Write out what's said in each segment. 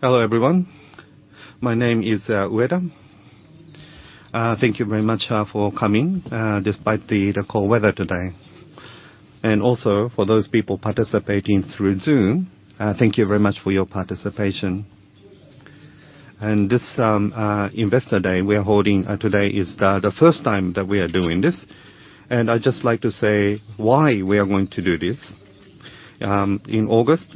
Hello, everyone. My name is Ueda. Thank you very much for coming despite the cold weather today. Also, for those people participating through Zoom, thank you very much for your participation. This Investor Day we are holding today is the first time that we are doing this, and I'd just like to say why we are going to do this. In August,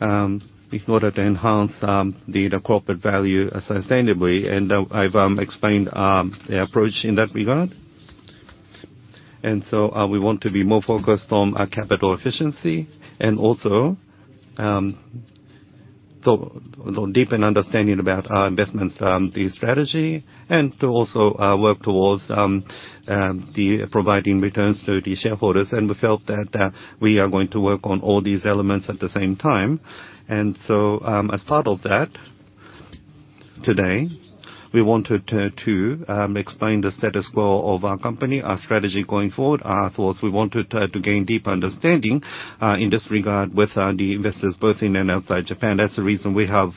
in order to enhance the corporate value sustainably, and I've explained the approach in that regard. So, we want to be more focused on our capital efficiency, and also to deepen understanding about our investments, the strategy, and to also work towards providing returns to the shareholders. We felt that we are going to work on all these elements at the same time. So, as part of that, today, we wanted to explain the status quo of our company, our strategy going forward, our thoughts. We wanted to gain deeper understanding in this regard with the investors both in and outside Japan. That's the reason we have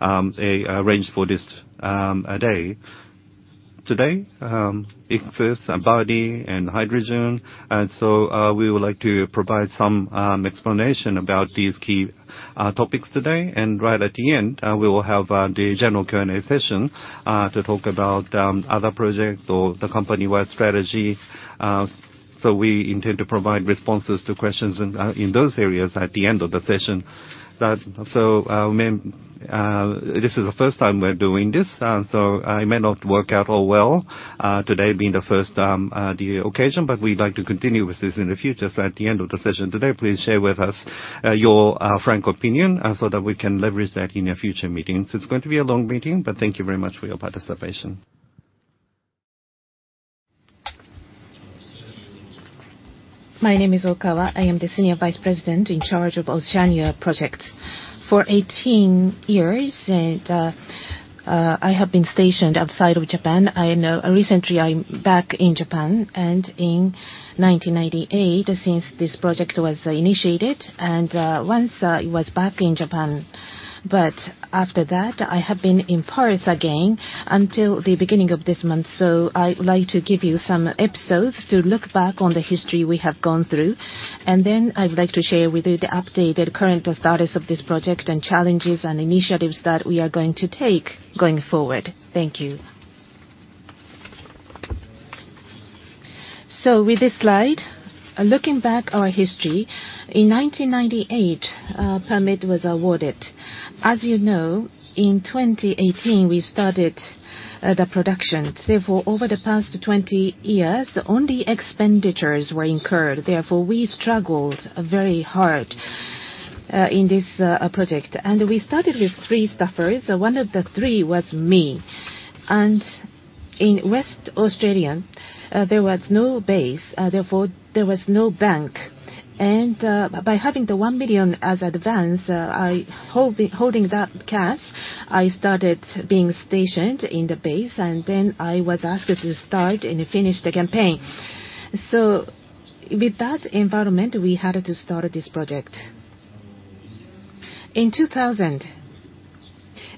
arranged for this day. Today, Ichthys, Abadi and hydrogen, and so, we would like to provide some explanation about these key topics today. And right at the end, we will have the general Q&A session to talk about other projects or the company-wide strategy. So we intend to provide responses to questions in those areas at the end of the session. This is the first time we're doing this, so it may not work out all well, today being the first occasion, but we'd like to continue with this in the future. So at the end of the session today, please share with us your frank opinion so that we can leverage that in our future meetings. It's going to be a long meeting, but thank you very much for your participation. My name is Okawa. I am the Senior Vice President in charge of Oceania Projects. For 18 years, I have been stationed outside of Japan. I know., Recently, I'm back in Japan, and in 1998, since this project was initiated, and once it was back in Japan. But after that, I have been in Paris again until the beginning of this month. So I would like to give you some episodes to look back on the history we have gone through, and then I'd like to share with you the updated current status of this project, and challenges, and initiatives that we are going to take going forward. Thank you. So with this slide, looking back our history, in 1998, a permit was awarded. As you know, in 2018, we started the production. Therefore, over the past 20 years, only expenditures were incurred; therefore, we struggled very hard in this project. We started with three staffers, one of the three was me. In Western Australia, there was no base; therefore, there was no bank. By having the 1 million as advance, holding that cash, I started being stationed in the base, and then I was asked to start and finish the campaign. So with that environment, we had to start this project. In 2000,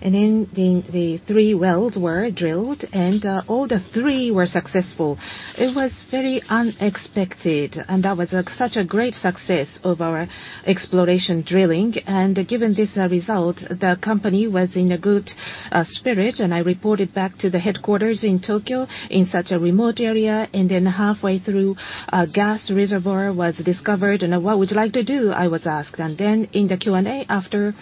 the three wells were drilled, and all the three were successful. It was very unexpected, and that was, like, such a great success of our exploration drilling. Given this result, the company was in a good spirit, and I reported back to the headquarters in Tokyo, in such a remote area, and then halfway through, a gas reservoir was discovered. "And what would you like to do?" I was asked. Then in the Q&A, after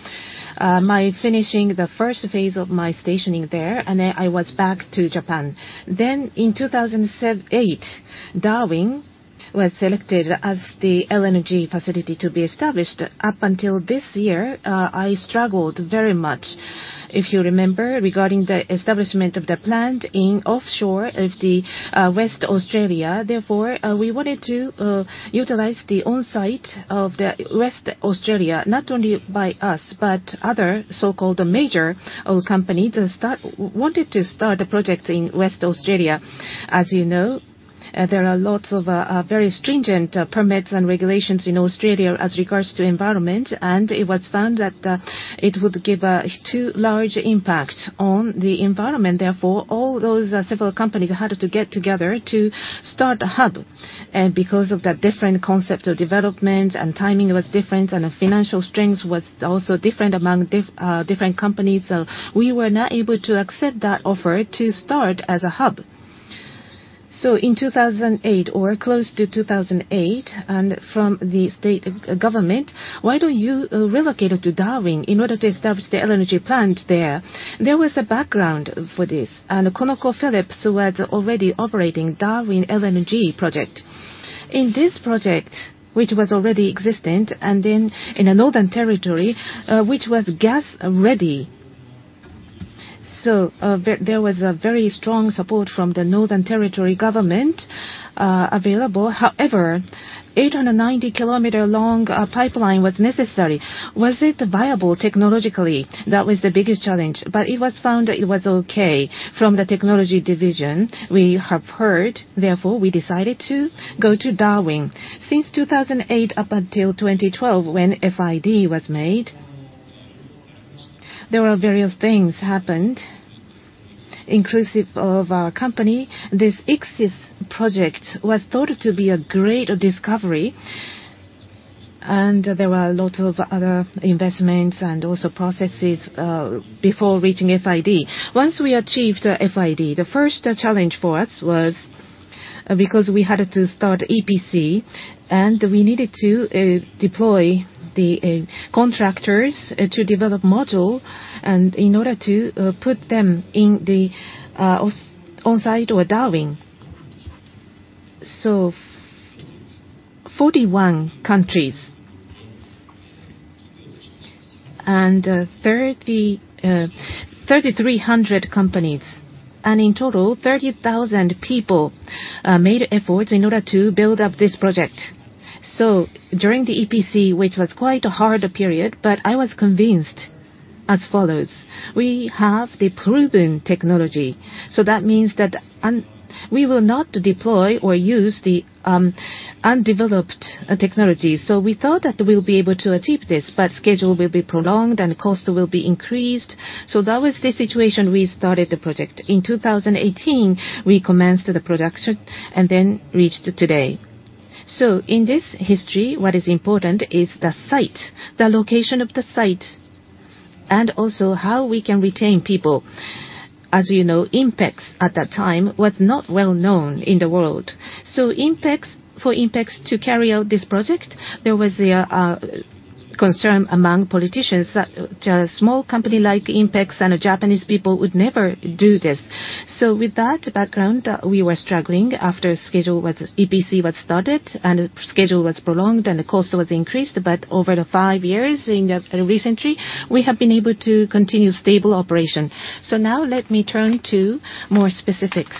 my finishing the first phase of my stationing there, and then I was back to Japan. Then in 2007-2008, Darwin was selected as the LNG facility to be established. Up until this year, I struggled very much, if you remember, regarding the establishment of the plant offshore of Western Australia. Therefore, we wanted to utilize the on-site of Western Australia, not only by us, but other so-called major oil company to start. Wanted to start a project in Western Australia. As you know, there are lots of very stringent permits and regulations in Australia as regards to environment, and it was found that it would give a too large impact on the environment. Therefore, all those several companies had to get together to start a hub. And because of the different concept of development, and timing was different, and the financial strength was also different among different companies, we were not able to accept that offer to start as a hub. So in 2008, or close to 2008, and from the state government: "Why don't you relocate to Darwin in order to establish the LNG plant there?" There was a background for this, and ConocoPhillips was already operating Darwin LNG project. In this project, which was already existent, and in a Northern Territory, which was gas-ready. So, there was a very strong support from the Northern Territory government available. However, 890-kilometer long pipeline was necessary. Was it viable technologically? That was the biggest challenge, but it was found that it was okay from the technology division. We have heard, therefore, we decided to go to Darwin. Since 2008, up until 2012, when FID was made. There were various things happened, inclusive of our company. This Ichthys project was thought to be a great discovery, and there were a lot of other investments and also processes before reaching FID. Once we achieved FID, the first challenge for us was because we had to start EPC, and we needed to deploy the contractors to develop module, and in order to put them in the on-site or Darwin. So 41 countries and 3,300 companies, and in total, 30,000 people made efforts in order to build up this project. So during the EPC, which was quite a hard period, but I was convinced as follows: We have the proven technology, so that means that we will not deploy or use the undeveloped technologies. So we thought that we'll be able to achieve this, but schedule will be prolonged, and cost will be increased. So that was the situation we started the project. In 2018, we commenced the production and then reached today. So in this history, what is important is the site, the location of the site, and also how we can retain people. As you know, INPEX at that time was not well known in the world. So INPEX, for INPEX to carry out this project, there was a concern among politicians that a small company like INPEX and Japanese people would never do this. So with that background, we were struggling after schedule was EPC was started, and the schedule was prolonged, and the cost was increased. But over the five years, in recently, we have been able to continue stable operation. So now let me turn to more specifics.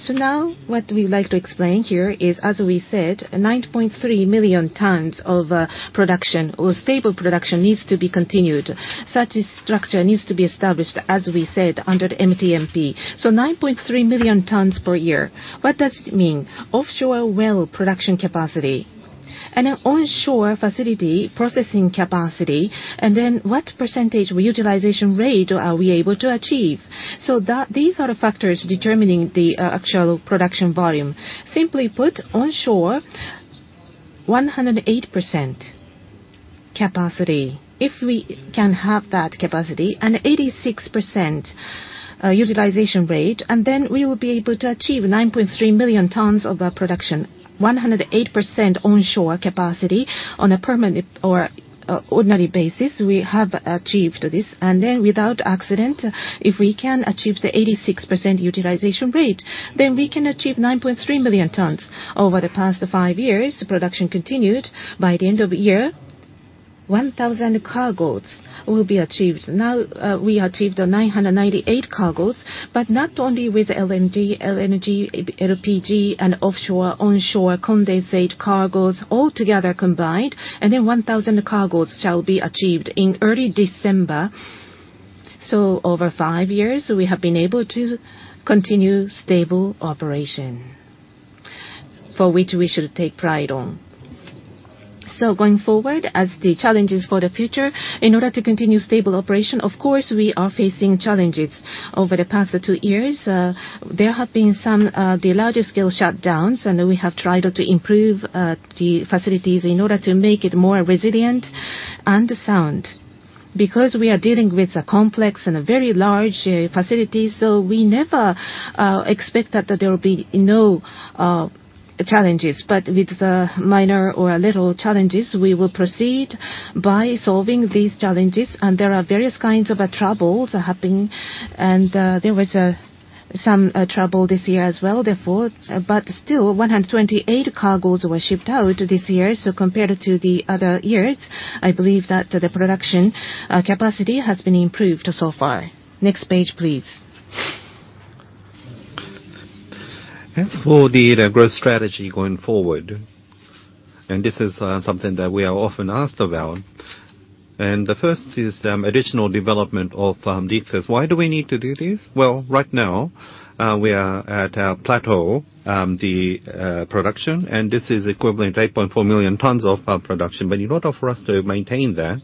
So now, what we would like to explain here is, as we said, 9.3 million tons of production or stable production needs to be continued. Such a structure needs to be established, as we said, under MTMP. So 9.3 million tons per year. What does it mean? Offshore well production capacity and an onshore facility processing capacity, and then what percentage utilization rate are we able to achieve? These are the factors determining the actual production volume. Simply put, onshore 108% capacity. If we can have that capacity and 86% utilization rate, and then we will be able to achieve 9.3 million tons of production. 108% onshore capacity on a permanent or ordinary basis, we have achieved this. And then without accident, if we can achieve the 86% utilization rate, then we can achieve 9.3 million tons. Over the past five years, production continued. By the end of the year, 1,000 cargos will be achieved. Now, we achieved 998 cargos, but not only with LNG, LNG, LPG, and offshore, onshore condensate cargos all together combined, and then 1,000 cargos shall be achieved in early December. So over five years, we have been able to continue stable operation, for which we should take pride on. So going forward, as the challenges for the future, in order to continue stable operation, of course, we are facing challenges. Over the past two years, there have been some, the larger-scale shutdowns, and we have tried to improve, the facilities in order to make it more resilient and sound. Because we are dealing with a complex and a very large, facility, so we never, expect that, that there will be no, challenges. But with the minor or little challenges, we will proceed by solving these challenges. And there are various kinds of, troubles happening, and, there was, some, trouble this year as well, therefore. But still, 128 cargos were shipped out this year. So compared to the other years, I believe that the production capacity has been improved so far. Next page, please. For the growth strategy going forward, this is something that we are often asked about. The first is additional development of Ichthys. Why do we need to do this? Well, right now, we are at a plateau, the production, and this is equivalent to 8.4 million tons of production. But in order for us to maintain that,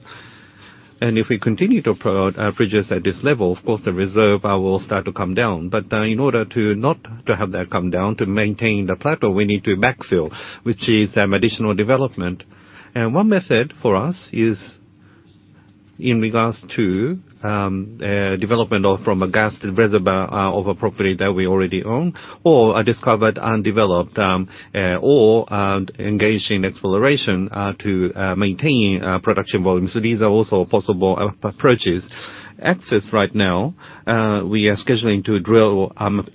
and if we continue to produce at this level, of course, the reserve will start to come down. But in order to not to have that come down, to maintain the plateau, we need to backfill, which is additional development. One method for us is in regards to development of, from a gas reservoir, of a property that we already own or are discovered and developed, or engaged in exploration, to maintain production volume. So these are also possible approaches. Ichthys right now, we are scheduling to drill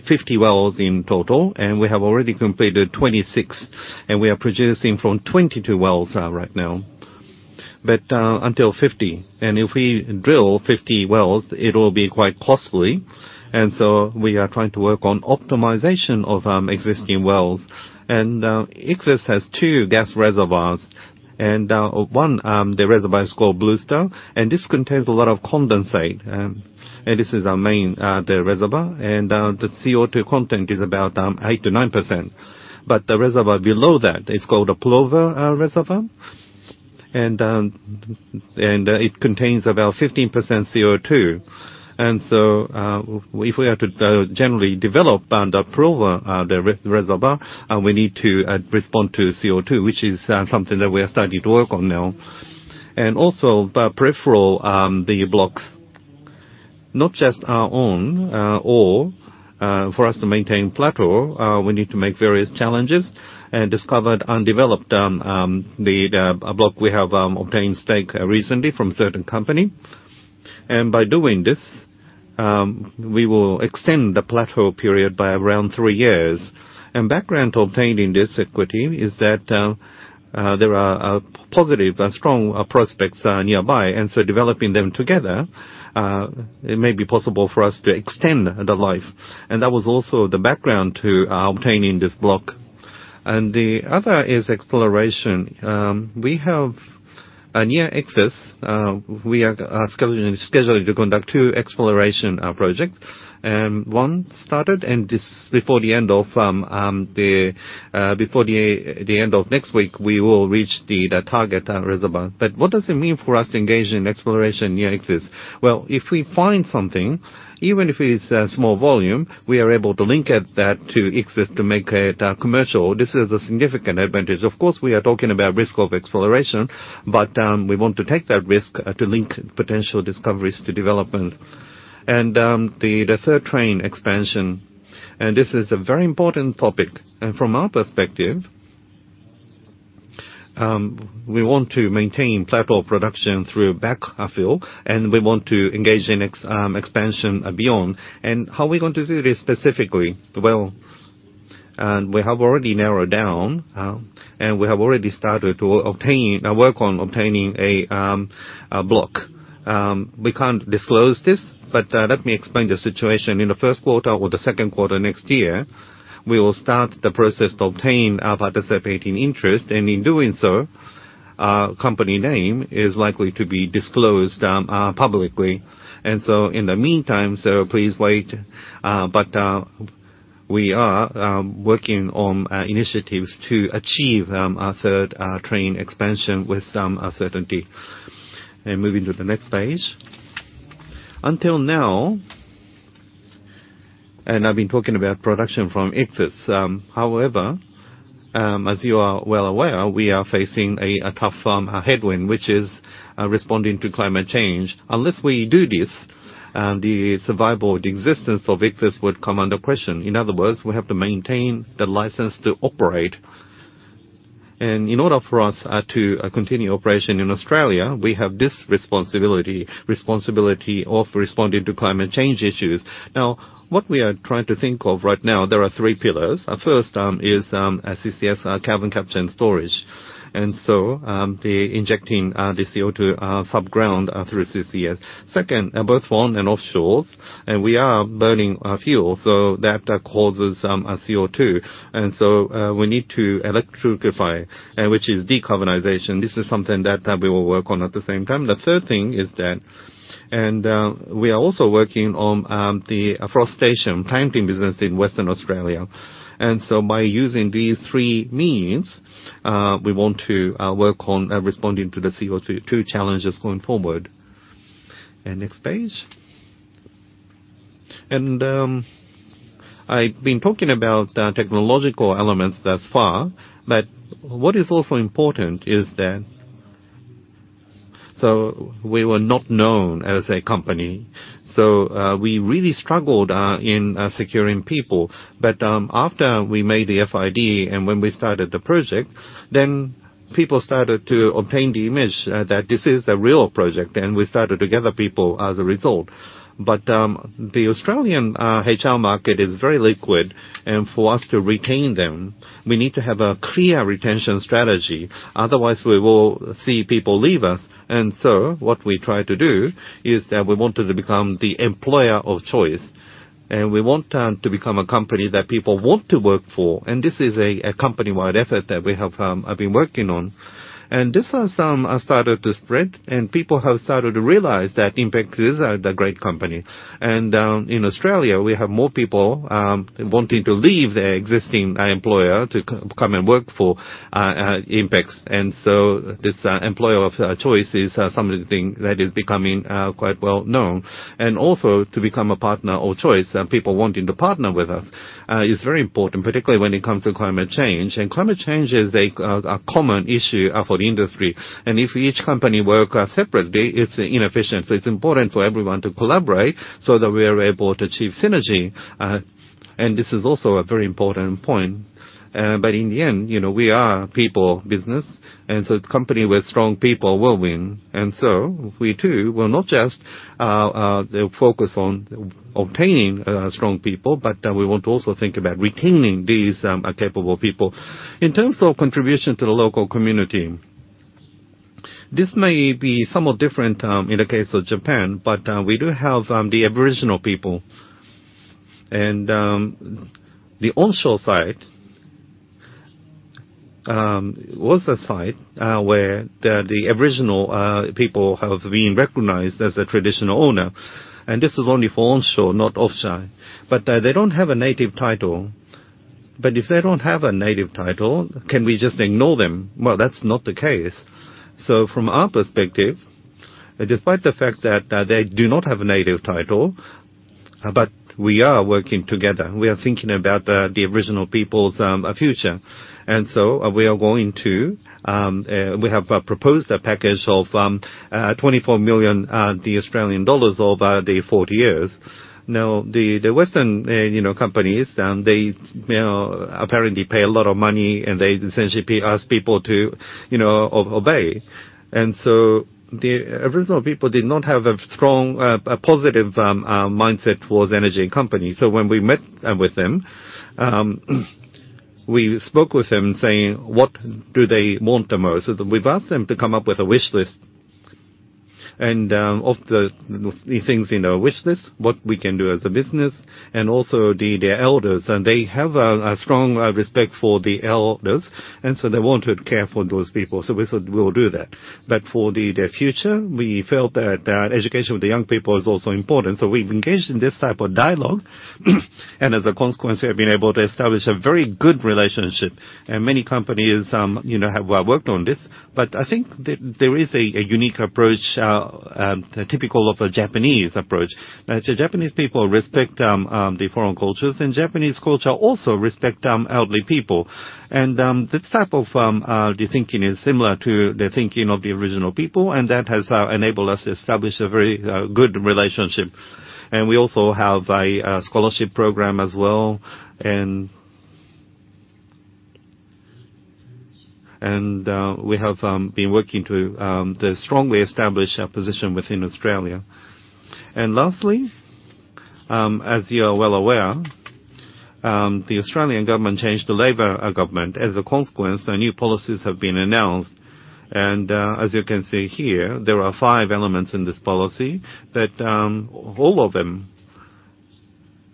50 wells in total, and we have already completed 26, and we are producing from 22 wells right now. But until 50, and if we drill 50 wells, it will be quite costly, and so we are trying to work on optimization of existing wells. Ichthys has two gas reservoirs, and one, the reservoir is called Brewster, and this contains a lot of condensate, and this is our main, the reservoir, and the CO2 content is about 8%-9%. But the reservoir below that is called the Plover Reservoir. And it contains about 15% CO2. And so, if we are to generally develop and approve the reservoir, we need to respond to CO2, which is something that we are starting to work on now. And also the peripheral, the blocks, not just our own, or, for us to maintain plateau, we need to make various challenges and discovered undeveloped, the, the block we have obtained stake recently from certain company. By doing this, we will extend the plateau period by around three years. Background obtained in this acquisition is that there are positive and strong prospects nearby, and so developing them together, it may be possible for us to extend the life. That was also the background to obtaining this block. The other is exploration. We have an Ichthys; we are scheduling to conduct two exploration projects. One started, and before the end of next week, we will reach the target reservoir. But what does it mean for us to engage in exploration near Ichthys? Well, if we find something, even if it's a small volume, we are able to link it to Ichthys to make it commercial. This is a significant advantage. Of course, we are talking about risk of exploration, but we want to take that risk to link potential discoveries to development. The third train expansion, and this is a very important topic. From our perspective, we want to maintain plateau production through backfill, and we want to engage in expansion beyond. How are we going to do this specifically? Well, we have already narrowed down, and we have already started to work on obtaining a block. We can't disclose this, but let me explain the situation. In the first quarter or the second quarter next year, we will start the process to obtain a participating interest, and in doing so, company name is likely to be disclosed publicly. In the meantime, please wait, but we are working on initiatives to achieve our third train expansion with some certainty. Moving to the next page. Until now, I've been talking about production from INPEX; however, as you are well aware, we are facing a tough headwind, which is responding to climate change. Unless we do this, the survival or the existence of INPEX would come under question. In other words, we have to maintain the license to operate. In order for us to continue operation in Australia, we have this responsibility, responsibility of responding to climate change issues. Now, what we are trying to think of right now, there are three pillars. Our first is a CCS, carbon capture and storage. And so, the injecting the CO2 sub-ground through CCS. Second, both on and offshore, and we are burning fuel, so that causes CO2. And so, we need to electrify, which is decarbonization. This is something that we will work on at the same time. The third thing is that, and we are also working on the afforestation planting business in Western Australia. And so by using these three means, we want to work on responding to the CO2 two challenges going forward. And next page. I've been talking about technological elements thus far, but what is also important is that... So we were not known as a company, so we really struggled in securing people. But after we made the FID and when we started the project, then people started to obtain the image that this is a real project, and we started to gather people as a result. But the Australian HR market is very liquid, and for us to retain them, we need to have a clear retention strategy; otherwise we will see people leave us. And so what we try to do is that we wanted to become the employer of choice, and we want to become a company that people want to work for. This is a company-wide effort that we have been working on. And this has started to spread, and people have started to realize that INPEX is the great company. And in Australia, we have more people wanting to leave their existing employer to come and work for INPEX. And so this employer of choice is something that is becoming quite well known. And also to become a partner of choice, people wanting to partner with us is very important, particularly when it comes to climate change. And climate change is a common issue for the industry. And if each company work separately, it's inefficient. So it's important for everyone to collaborate so that we are able to achieve synergy. And this is also a very important point. But in the end, you know, we are a people business, and so the company with strong people will win. And so we too will not just focus on obtaining strong people, but we want to also think about retaining these capable people. In terms of contribution to the local community, this may be somewhat different in the case of Japan, but we do have the Aboriginal people. The onshore site was a site where the Aboriginal people have been recognized as a traditional owner, and this is only for onshore, not offshore. But they don't have a Native Title... But if they don't have a Native Title, can we just ignore them? Well, that's not the case. From our perspective, despite the fact that they do not have a Native Title, but we are working together. We are thinking about the original people's future. And so we are going to we have proposed a package of 24 million over the 40 years. Now, the Western, you know, companies, they, you know, apparently pay a lot of money, and they essentially ask people to, you know, obey. And so the original people did not have a strong, a positive, mindset towards energy company. So when we met with them, we spoke with them saying, what do they want the most? So we've asked them to come up with a wish list. Of the things in their wish list, what we can do as a business and also their elders, and they have a strong respect for the elders, and so they wanted care for those people, so we said we'll do that. But for the future, we felt that education of the young people is also important, so we've engaged in this type of dialogue, and as a consequence, we've been able to establish a very good relationship. Many companies, you know, have worked on this, but I think that there is a unique approach, typical of a Japanese approach. So Japanese people respect the foreign cultures, and Japanese culture also respect elderly people. This type of thinking is similar to the thinking of the original people, and that has enabled us to establish a very good relationship. We also have a scholarship program as well, and we have been working to strongly establish a position within Australia. Lastly, as you are well aware, the Australian government changed the Labor government. As a consequence, the new policies have been announced, and as you can see here, there are five elements in this policy that all of them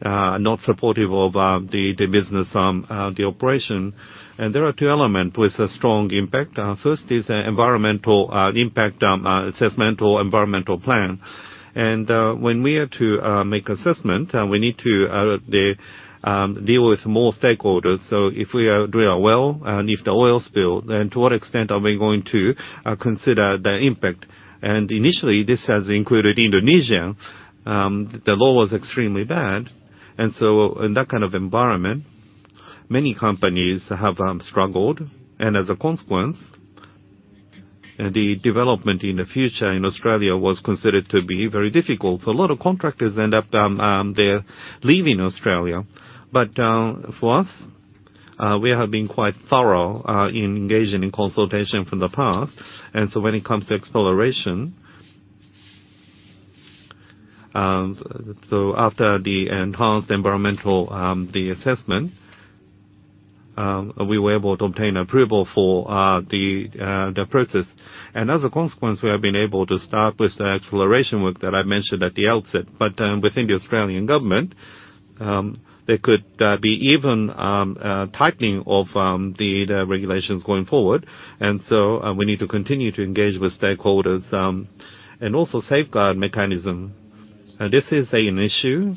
are not supportive of the business, the operation. There are two element with a strong impact. First is the environmental impact assessment or environmental plan. When we are to make assessment, we need to deal with more stakeholders. So if we are drill a well, and if the oil spill, then to what extent are we going to consider the impact? And initially, this has included Indonesia, the law was extremely bad. And so in that kind of environment, many companies have struggled, and as a consequence, the development in the future in Australia was considered to be very difficult. So a lot of contractors end up, they're leaving Australia. But for us, we have been quite thorough in engaging in consultation from the past, and so when it comes to exploration, after the enhanced environmental assessment, we were able to obtain approval for the process. As a consequence, we have been able to start with the exploration work that I mentioned at the outset. But, within the Australian government, there could be even a tightening of the regulations going forward, and so, we need to continue to engage with stakeholders, and also Safeguard Mechanism. This is an issue.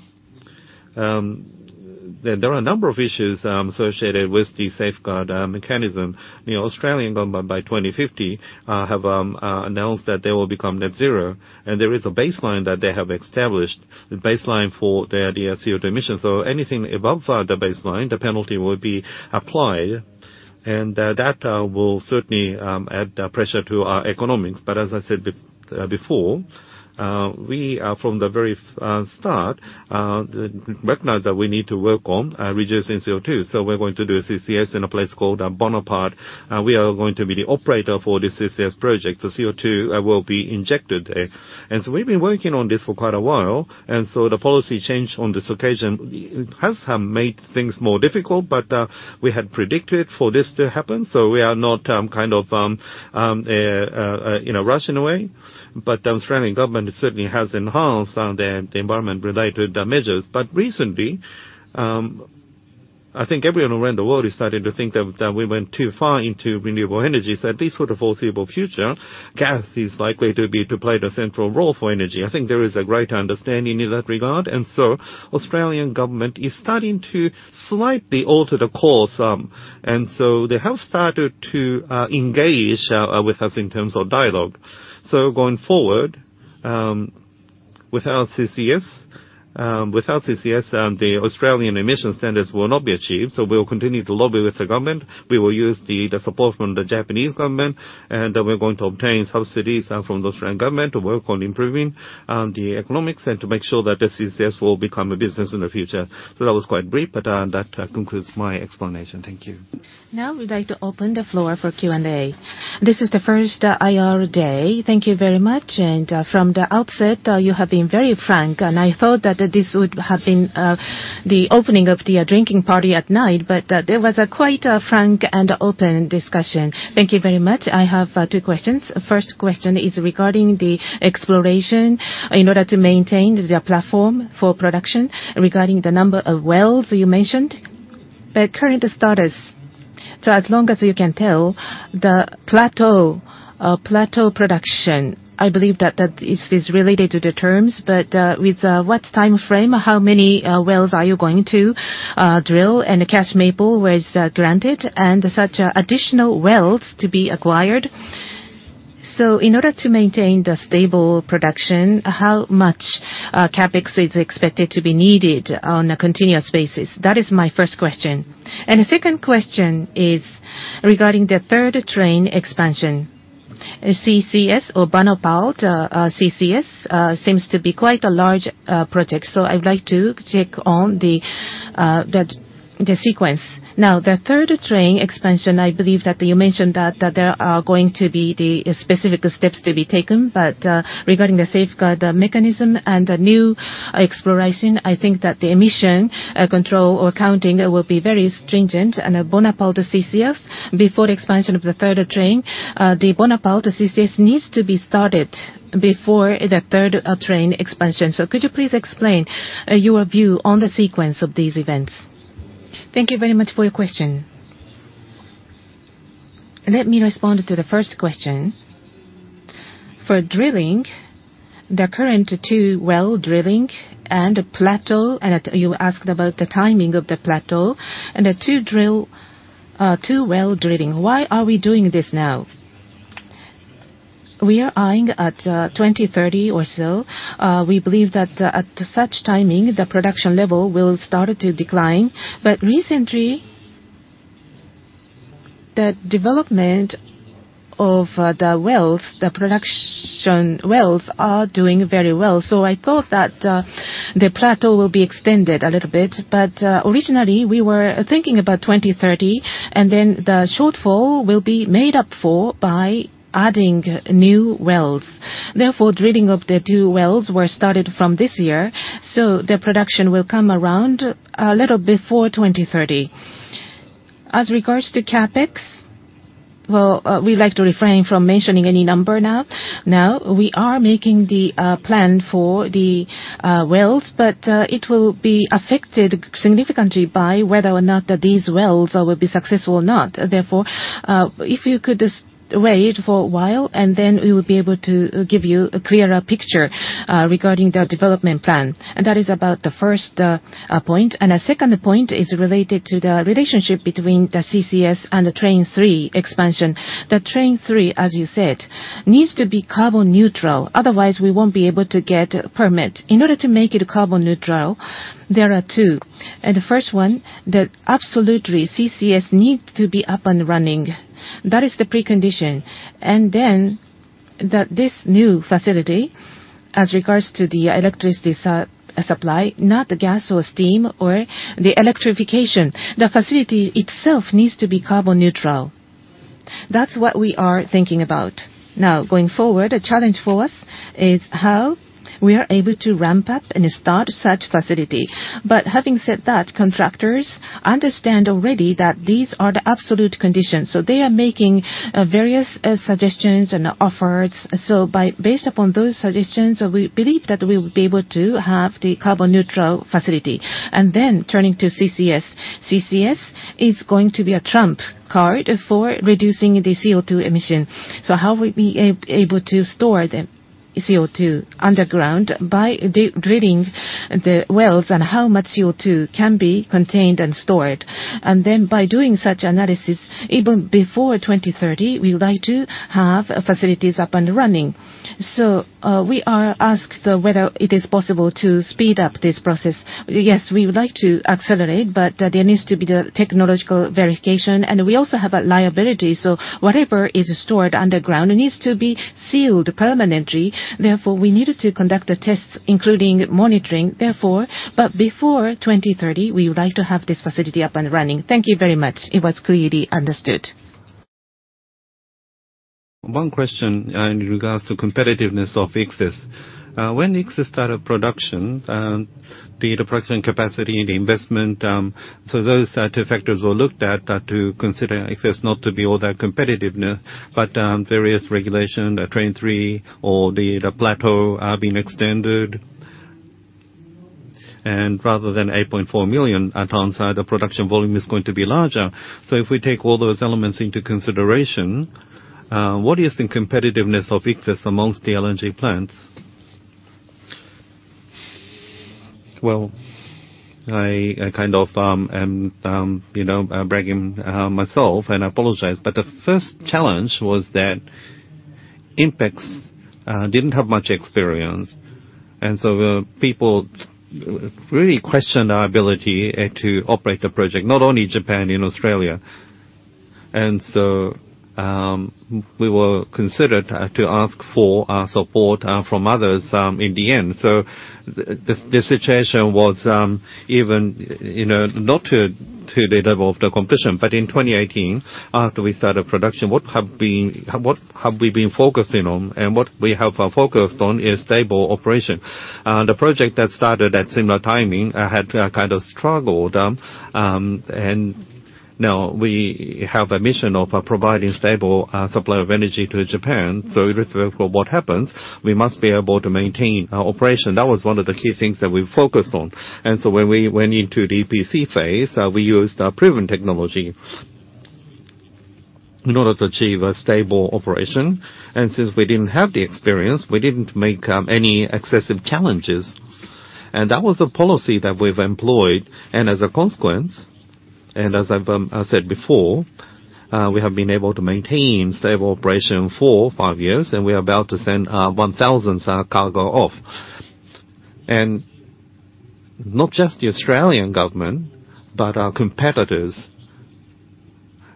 There are a number of issues associated with the Safeguard Mechanism. The Australian government, by 2050, have announced that they will become net zero, and there is a baseline that they have established, the baseline for their CO2 emissions. So anything above the baseline, the penalty will be applied, and that will certainly add pressure to our economics. But as I said before, we from the very start recognize that we need to work on reducing CO2. So we're going to do a CCS in a place called Bonaparte. We are going to be the operator for this CCS project. The CO2 will be injected there. And so we've been working on this for quite a while, and so the policy change on this occasion has made things more difficult, but we had predicted for this to happen, so we are not kind of you know rushed in a way. But the Australian government certainly has enhanced the environment-related measures. But recently I think everyone around the world is starting to think that we went too far into renewable energy. So at least for the foreseeable future, gas is likely to be to play the central role for energy. I think there is a great understanding in that regard, and so Australian government is starting to slightly alter the course, and so they have started to engage with us in terms of dialogue. So going forward, without CCS, without CCS, the Australian emission standards will not be achieved, so we will continue to lobby with the government. We will use the support from the Japanese government, and we're going to obtain subsidies from the Australian government to work on improving the economics and to make sure that the CCS will become a business in the future. So that was quite brief, but that concludes my explanation. Thank you. Now, we'd like to open the floor for Q&A. This is the first IR day. Thank you very much. From the outset, you have been very frank, and I thought that this would have been the opening of the drinking party at night, but there was quite a frank and open discussion. Thank you very much. I have two questions. First question is regarding the exploration in order to maintain the platform for production. Regarding the number of wells you mentioned, the current status? So as long as you can tell, the plateau, plateau production, I believe that, that is, is related to the terms, but, with, what time frame, how many, wells are you going to, drill? And the capex approval was granted, and such, additional wells to be acquired. So in order to maintain the stable production, how much, CapEx is expected to be needed on a continuous basis? That is my first question. And the second question is regarding the third train expansion. CCS or Bonaparte CCS seems to be quite a large project, so I'd like to check on the, that, the sequence. Now, the third train expansion, I believe that you mentioned that, that there are going to be the specific steps to be taken. Regarding the Safeguard Mechanism and the new exploration, I think that the emission control or counting will be very stringent. Before the expansion of the third train, the Bonaparte CCS needs to be started before the third train expansion. Could you please explain your view on the sequence of these events? Thank you very much for your question. Let me respond to the first question. For drilling, the current two well drilling and plateau, and you asked about the timing of the plateau, and the two well drilling. Why are we doing this now? We are eyeing at 2030 or so. We believe that at such timing, the production level will start to decline. But recently, the development of the wells, the production wells, are doing very well. So I thought that the plateau will be extended a little bit. But originally, we were thinking about 2030, and then the shortfall will be made up for by adding new wells. Therefore, drilling of the two wells were started from this year, so the production will come around a little before 2030. As regards to CapEx, well, we'd like to refrain from mentioning any number now. Now, we are making the plan for the wells, but it will be affected significantly by whether or not these wells will be successful or not. Therefore, if you could just wait for a while, and then we will be able to give you a clearer picture regarding the development plan. And that is about the first point. And the second point is related to the relationship between the CCS and the Train 3 expansion. The Train 3, as you said, needs to be carbon neutral, otherwise we won't be able to get a permit. In order to make it carbon neutral, there are two. The first one, that absolutely CCS needs to be up and running. That is the precondition. This new facility, as regards to the electricity supply, not the gas or steam, or the electrification, the facility itself needs to be carbon neutral. That's what we are thinking about. Now, going forward, a challenge for us is how we are able to ramp up and start such facility. But having said that, contractors understand already that these are the absolute conditions, so they are making various suggestions and offers. So, based upon those suggestions, we believe that we will be able to have the carbon neutral facility. And then, turning to CCS. CCS is going to be a trump card for reducing the CO2 emission. So how we be able to store the CO2 underground by drilling the wells, and how much CO2 can be contained and stored? And then, by doing such analysis, even before 2030, we would like to have facilities up and running. So, we are asked whether it is possible to speed up this process. Yes, we would like to accelerate, but, there needs to be the technological verification, and we also have a liability, so whatever is stored underground needs to be sealed permanently. Therefore, we needed to conduct the tests, including monitoring, therefore. But before 2030, we would like to have this facility up and running. Thank you very much. It was clearly understood. One question, in regards to competitiveness of Ichthys. When Ichthys started production, the production capacity and investment, so those types factors were looked at, to consider Ichthys not to be all that competitive. But, various regulation, the Train 3 or the, the plateau, being extended. And rather than 8.4 million onsite, the production volume is going to be larger. So if we take all those elements into consideration, what is the competitiveness of Ichthys amongst the L&G plants? Well, I kind of am you know bragging myself, and I apologize. But the first challenge was that INPEX didn't have much experience, and so the people really questioned our ability to operate the project, not only Japan, in Australia. And so we were considered to ask for support from others in the end. So the situation was even you know not to the level of the competition. But in 2018, after we started production, what have we been focusing on? And what we have focused on is stable operation. The project that started at similar timing had kind of struggled. And now we have a mission of providing stable supply of energy to Japan. So irrespective of what happens, we must be able to maintain our operation. That was one of the key things that we focused on. So when we went into the EPC phase, we used proven technology in order to achieve a stable operation, and since we didn't have the experience, we didn't make any excessive challenges. That was the policy that we've employed, and as a consequence, and as I've said before, we have been able to maintain stable operation for five years, and we are about to send one thousandth our cargo off. Not just the Australian government, but our competitors,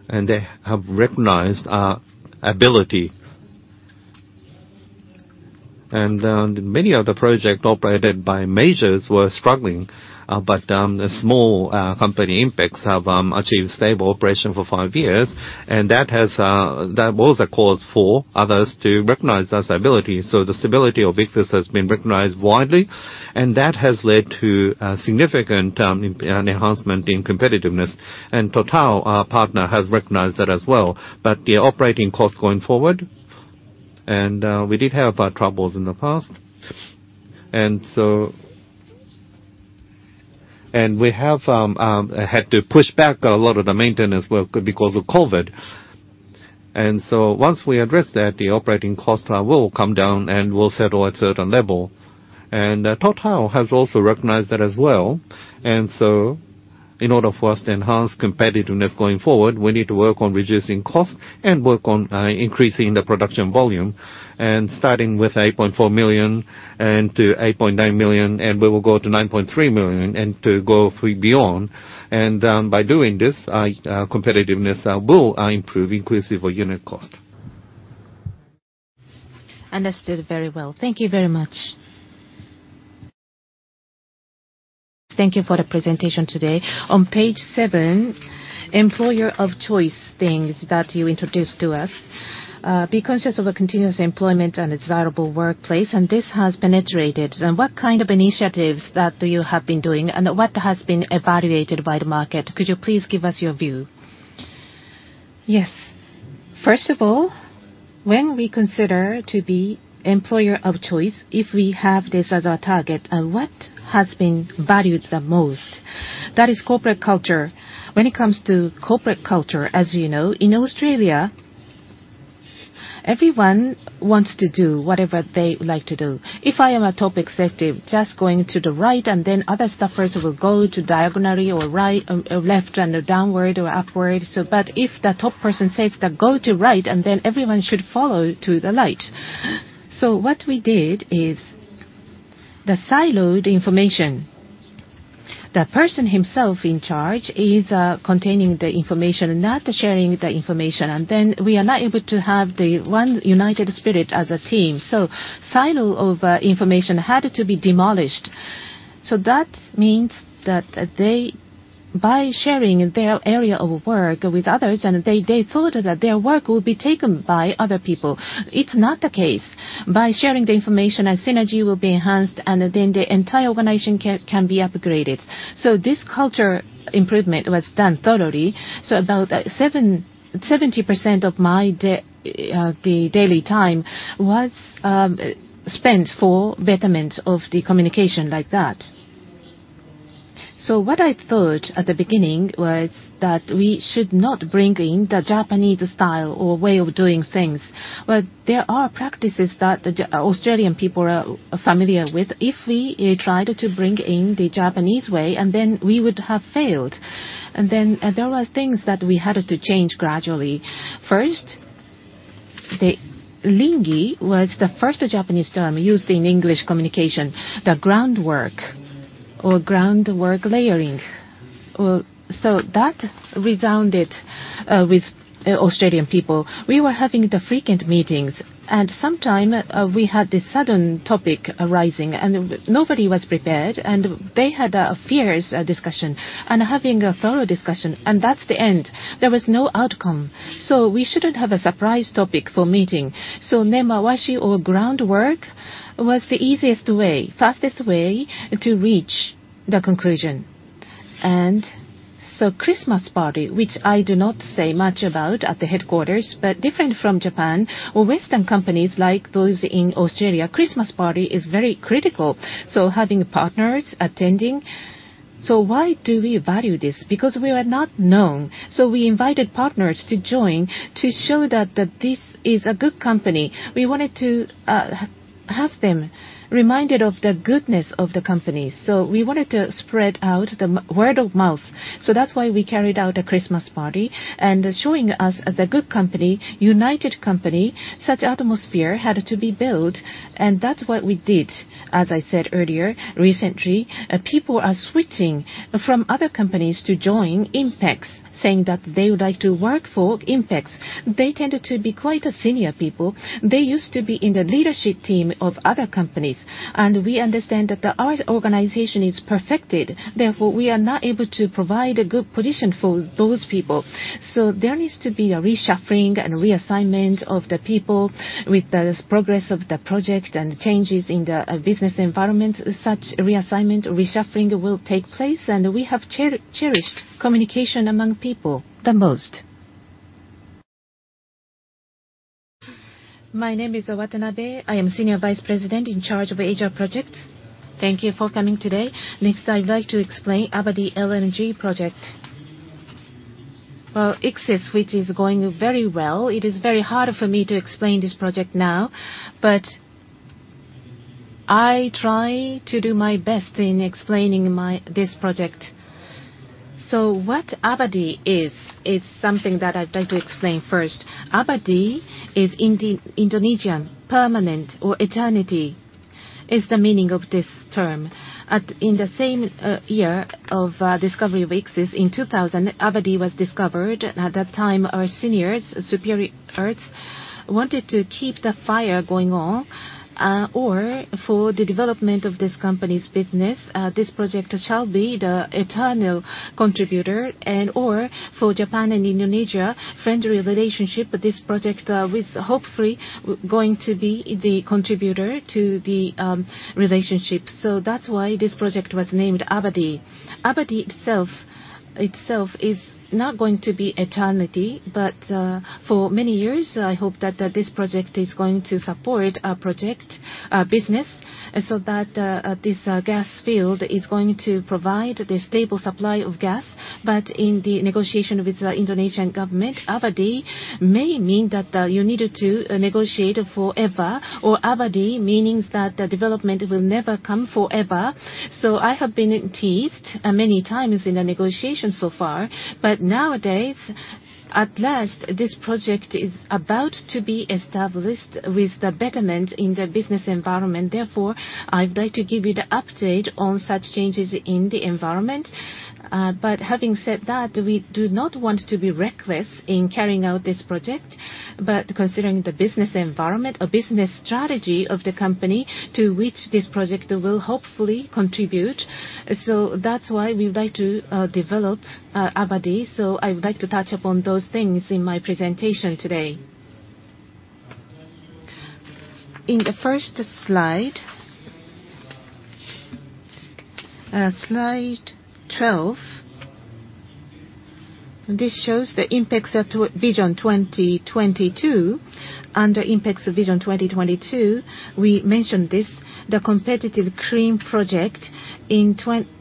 and they have recognized our ability. Many of the project operated by majors were struggling, but the small company, INPEX, have achieved stable operation for five years, and that was a cause for others to recognize their stability. So the stability of INPEX has been recognized widely, and that has led to a significant an enhancement in competitiveness. And Total, our partner, has recognized that as well. But the operating costs going forward, and we did have our troubles in the past. And so we have had to push back a lot of the maintenance work because of COVID. And so once we address that, the operating costs will come down, and will settle at certain level. And Total has also recognized that as well. In order for us to enhance competitiveness going forward, we need to work on reducing costs and work on increasing the production volume, starting with 8.4 million-8.9 million, and we will go to 9.3 million and beyond. By doing this, it will improve competitiveness, inclusive of unit cost. Understood very well. Thank you very much. Thank you for the presentation today. On page seven, employer of choice, things that you introduced to us. Be conscious of a continuous employment and desirable workplace, and this has been iterated. And what kind of initiatives that you have been doing, and what has been evaluated by the market? Could you please give us your view? Yes. First of all, when we consider to be employer of choice, if we have this as our target, and what has been valued the most? That is corporate culture. When it comes to corporate culture, as you know, in Australia, everyone wants to do whatever they like to do. If I am a top executive, just going to the right, and then other staffers will go to diagonally or right, left and downward or upward. But if the top person says that go to right, and then everyone should follow to the right. What we did is the siloed information. The person himself in charge is containing the information, not sharing the information, and then we are not able to have the one united spirit as a team. Silo of information had to be demolished. That means that they, by sharing their area of work with others, thought that their work would be taken by other people. It's not the case. By sharing the information, a synergy will be enhanced, and then the entire organization can be upgraded. This culture improvement was done thoroughly. About 70% of my daily time was spent for betterment of the communication like that. So what I thought at the beginning was that we should not bring in the Japanese style or way of doing things, but there are practices that the Japanese-Australian people are familiar with. If we tried to bring in the Japanese way, and then we would have failed. And then there were things that we had to change gradually. First, the ringi was the first Japanese term used in English communication, the groundwork or groundwork layering. So that resounded with Australian people. We were having frequent meetings, and sometimes we had this sudden topic arising, and nobody was prepared, and they had a fierce discussion, and having a thorough discussion, and that's the end. There was no outcome. So we shouldn't have a surprise topic for meeting. So nemawashi or groundwork was the easiest way, fastest way to reach the conclusion. So, Christmas party, which I do not say much about at the headquarters, but different from Japan or Western companies like those in Australia, Christmas party is very critical, so having partners attending. So why do we value this? Because we are not known, so we invited partners to join to show that this is a good company. We wanted to have them reminded of the goodness of the company, so we wanted to spread the word of mouth. So that's why we carried out a Christmas party, and showing us as a good company, united company, such atmosphere had to be built, and that's what we did. As I said earlier, recently, people are switching from other companies to join INPEX, saying that they would like to work for INPEX. They tended to be quite senior people. They used to be in the leadership team of other companies, and we understand that our organization is perfected, therefore, we are not able to provide a good position for those people. So there needs to be a reshuffling and reassignment of the people. With the progress of the project and changes in the business environment, such reassignment or reshuffling will take place, and we have cherished communication among people the most. My name is Watanabe. I am Senior Vice President in charge of Asia projects. Thank you for coming today. Next, I'd like to explain about the LNG project. Well, Ichthys, which is going very well, it is very hard for me to explain this project now, but I try to do my best in explaining my- this project. So what Abadi is, is something that I'd like to explain first. Abadi is Indonesian, permanent or eternity, is the meaning of this term. In the same year of discovery of Ichthys in 2000, Abadi was discovered. At that time, our seniors, superiors, wanted to keep the fire going on, or for the development of this company's business, this project shall be the eternal contributor, and or for Japan and Indonesia friendly relationship, but this project is hopefully going to be the contributor to the relationship. So that's why this project was named Abadi. Abadi itself is not going to be eternity, but for many years, I hope that this project is going to support our business, so that this gas field is going to provide the stable supply of gas. But in the negotiation with the Indonesian government, Abadi may mean that you needed to negotiate forever, or Abadi, meaning that the development will never come forever. So I have been teased many times in the negotiation so far, but nowadays, at last, this project is about to be established with the betterment in the business environment. Therefore, I'd like to give you the update on such changes in the environment. But having said that, we do not want to be reckless in carrying out this project. But considering the business environment, a business strategy of the company to which this project will hopefully contribute, so that's why we would like to develop Abadi. So I would like to touch upon those things in my presentation today. In the first slide, slide 12, this shows the INPEX Vision 2022. Under INPEX Vision 2022, we mentioned this, the Abadi LNG project. In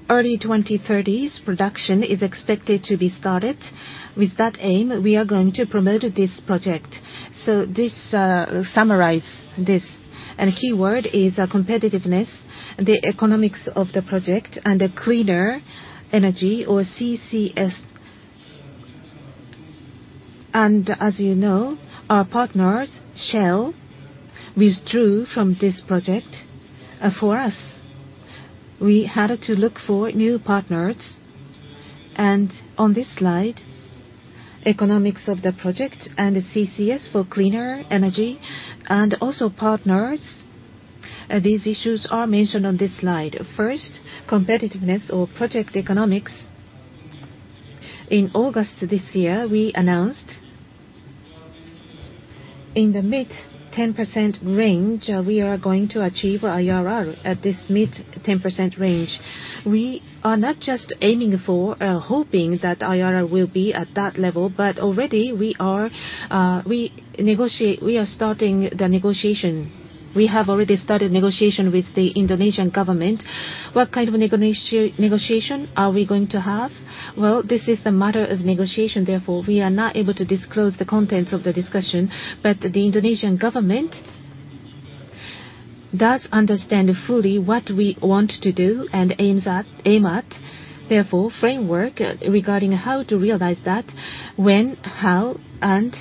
early 2030s, production is expected to be started. With that aim, we are going to promote this project. So this, summarize this, and key word is a competitiveness, the economics of the project, and a cleaner energy or CCS. And as you know, our partners, Shell, withdrew from this project. For us, we had to look for new partners, and on this slide, economics of the project and the CCS for cleaner energy and also partners, these issues are mentioned on this slide. First, competitiveness or project economics. In August this year, we announced in the mid-10% range, we are going to achieve IRR at this mid-10% range. We are not just aiming for, hoping that IRR will be at that level, but already we are, we are starting the negotiation. We have already started negotiation with the Indonesian government. What kind of a negotiation are we going to have? Well, this is the matter of negotiation, therefore, we are not able to disclose the contents of the discussion. But the Indonesian government does understand fully what we want to do and aim at, therefore, framework regarding how to realize that, when, how, and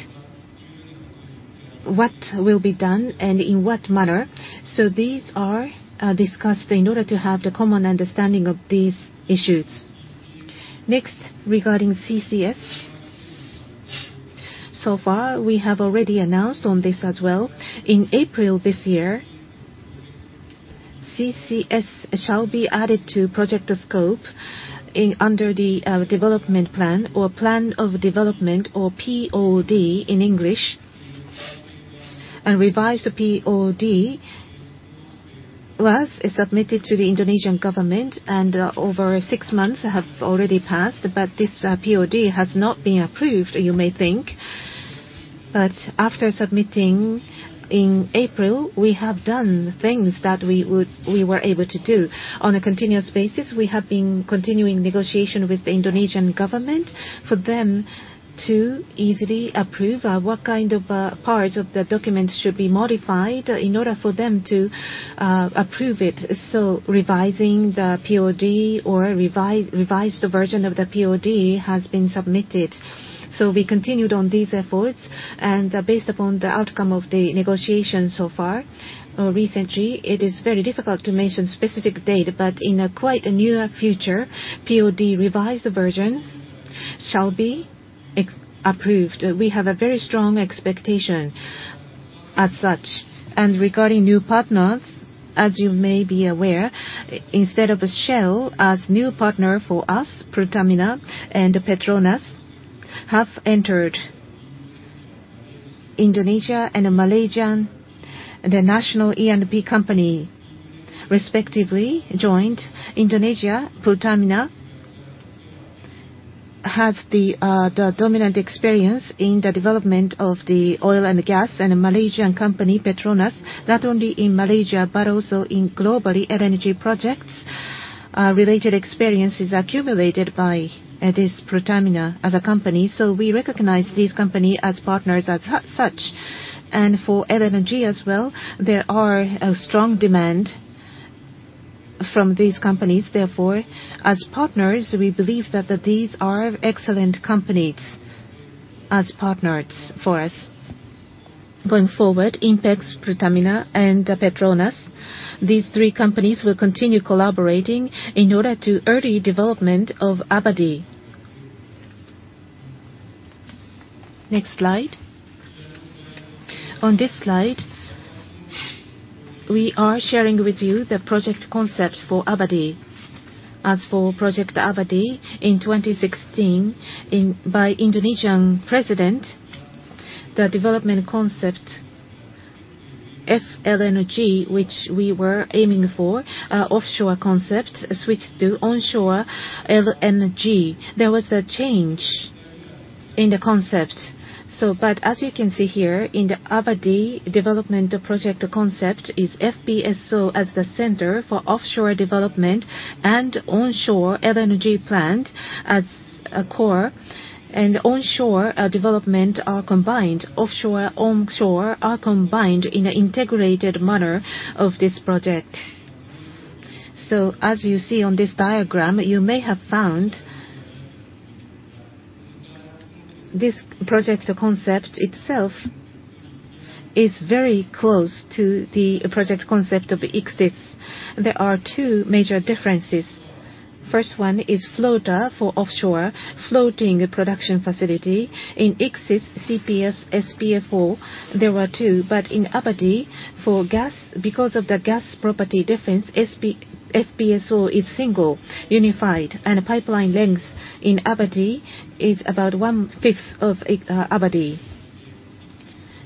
what will be done, and in what manner. So these are discussed in order to have the common understanding of these issues. Next, regarding CCS. So far, we have already announced on this as well. In April this year, CCS shall be added to project scope under the development plan or plan of development or POD in English. Revised POD was submitted to the Indonesian government, and over six months have already passed, but this POD has not been approved, you may think. But after submitting in April, we have done things that we were able to do. On a continuous basis, we have been continuing negotiation with the Indonesian government for them to easily approve what kind of parts of the document should be modified in order for them to approve it. So revising the POD or revised version of the POD has been submitted. So we continued on these efforts, and, based upon the outcome of the negotiation so far or recently, it is very difficult to mention specific date, but in quite a near future, POD revised version shall be approved. We have a very strong expectation as such. And regarding new partners, as you may be aware, instead of Shell, as new partner for us, Pertamina and Petronas, have entered Indonesia and Malaysian, the national E&P company, respectively, joined Indonesia. Pertamina has the, the dominant experience in the development of the oil and gas, and a Malaysian company, Petronas, not only in Malaysia, but also in globally, LNG projects. Related experiences accumulated by this Pertamina as a company, so we recognize this company as partners as such. And for LNG as well, there are a strong demand from these companies. Therefore, as partners, we believe that these are excellent companies as partners for us. Going forward, INPEX, Pertamina, and Petronas, these three companies will continue collaborating in order to early development of Abadi. Next slide. On this slide, we are sharing with you the project concepts for Abadi. As for project Abadi, in 2016, by Indonesian president, the development concept FLNG, which we were aiming for, offshore concept, switched to onshore LNG. There was a change in the concept. So but as you can see here, in the Abadi development project concept is FPSO as the center for offshore development and onshore LNG plant as a core, and onshore development are combined. Offshore, onshore, are combined in an integrated manner of this project. So as you see on this diagram, you may have found t his project concept itself is very close to the project concept of Ichthys. There are two major differences. First one is floater for offshore, floating production facility. In Ichthys, CPF, FPSO, there were two. But in Abadi, for gas, because of the gas property difference, a FPSO is single, unified. And pipeline length in Abadi is about one-fifth of Ichthys.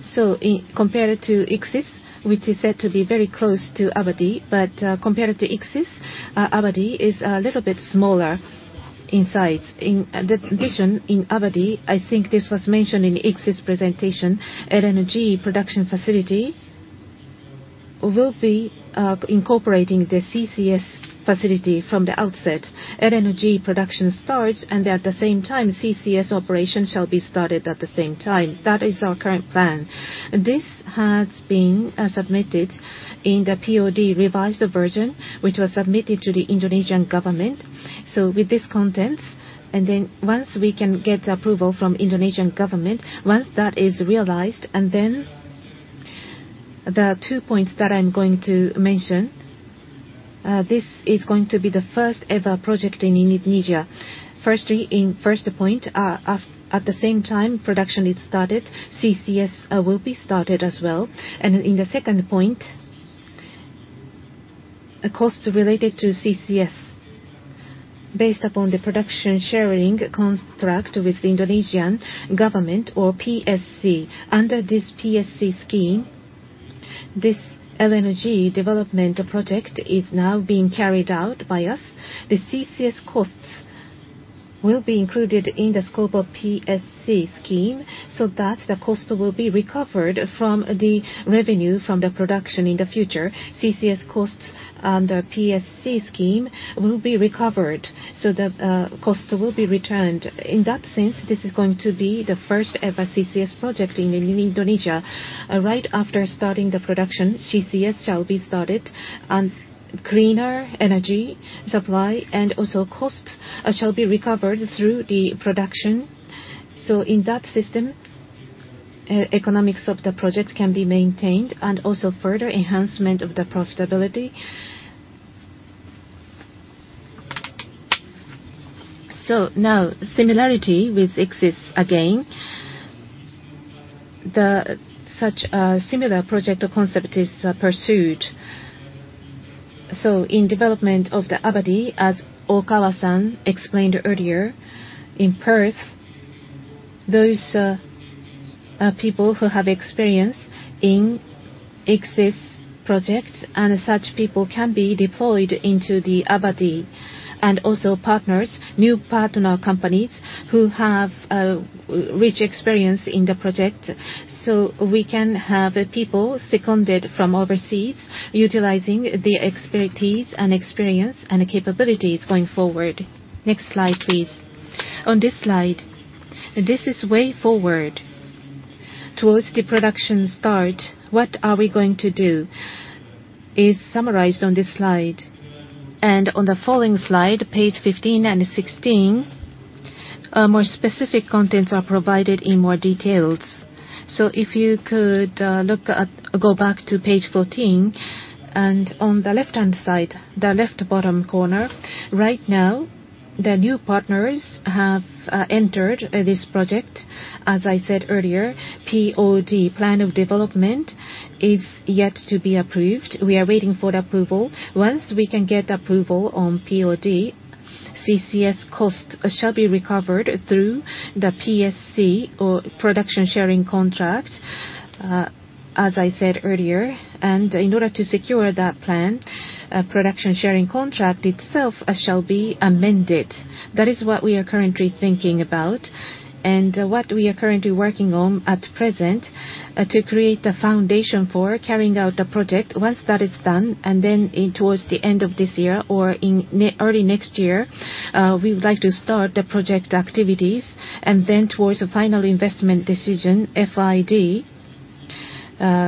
So compared to Ichthys, which is said to be very close to Abadi, but compared to Ichthys, Abadi is a little bit smaller in size. In addition, in Abadi, I think this was mentioned in Ichthys presentation, LNG production facility will be incorporating the CCS facility from the outset. LNG production starts, and at the same time, CCS operation shall be started at the same time. That is our current plan. This has been submitted in the POD revised version, which was submitted to the Indonesian government. So with this contents, and then once we can get approval from Indonesian government, once that is realized, and then the two points that I'm going to mention, this is going to be the first-ever project in Indonesia. Firstly, in first point, at the same time production is started, CCS will be started as well. And in the second point, a cost related to CCS. Based upon the production sharing construct with the Indonesian government or PSC, under this PSC scheme, this LNG development project is now being carried out by us. The CCS costs will be included in the scope of PSC scheme, so that the cost will be recovered from the revenue from the production in the future. CCS costs under PSC scheme will be recovered, so the cost will be returned. In that sense, this is going to be the first-ever CCS project in Indonesia. Right after starting the production, CCS shall be started, and cleaner energy supply and also costs shall be recovered through the production. So in that system, economics of the project can be maintained and also further enhancement of the profitability. So now, similarity with Ichthys again, such a similar project concept is pursued. So in development of the Abadi, as Okawa-san explained earlier, in Perth, those people who have experience in Ichthys projects and such people can be deployed into the Abadi. And also partners, new partner companies, who have rich experience in the project, so we can have people seconded from overseas, utilizing the expertise and experience and capabilities going forward. Next slide, please. On this slide, this is way forward. Towards the production start, what are we going to do is summarized on this slide. On the following slide, page 15 and 16, more specific contents are provided in more details. So if you could, go back to page 14, and on the left-hand side, the left bottom corner, right now, the new partners have entered this project. As I said earlier, POD, plan of development, is yet to be approved. We are waiting for the approval. Once we can get approval on POD, CCS cost shall be recovered through the PSC or production sharing contract, as I said earlier, and in order to secure that plan, a production sharing contract itself shall be amended. That is what we are currently thinking about, and what we are currently working on at present, to create the foundation for carrying out the project. Once that is done, and then in towards the end of this year or in early next year, we would like to start the project activities, and then towards a final investment decision, FID.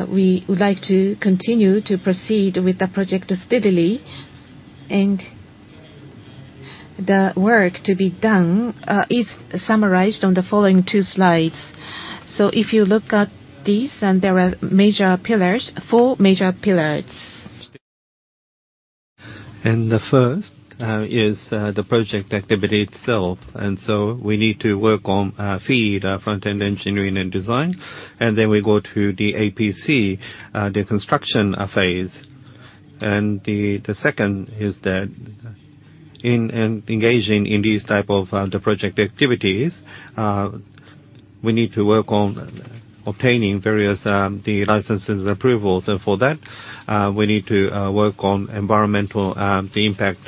We would like to continue to proceed with the project steadily, and the work to be done is summarized on the following two slides. So if you look at these, and there are major pillars, four major pillars. The first is the project activity itself, and so we need to work on FEED, Front-End Engineering and Design, and then we go to the EPC, the construction phase. The second is that in engaging in these type of project activities, we need to work on obtaining various licenses and approvals. And for that, we need to work on environmental impact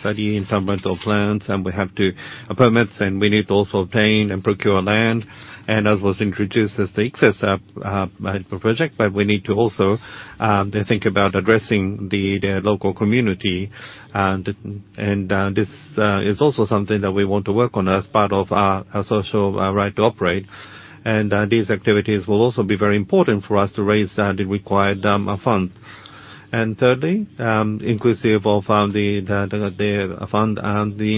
study, environmental plans, and we have to permits, and we need to also obtain and procure land. And as was introduced, as the Ichthys project, but we need to also think about addressing the local community. And this is also something that we want to work on as part of our social right to operate. And, these activities will also be very important for us to raise the required fund. And thirdly, inclusive of the fund, the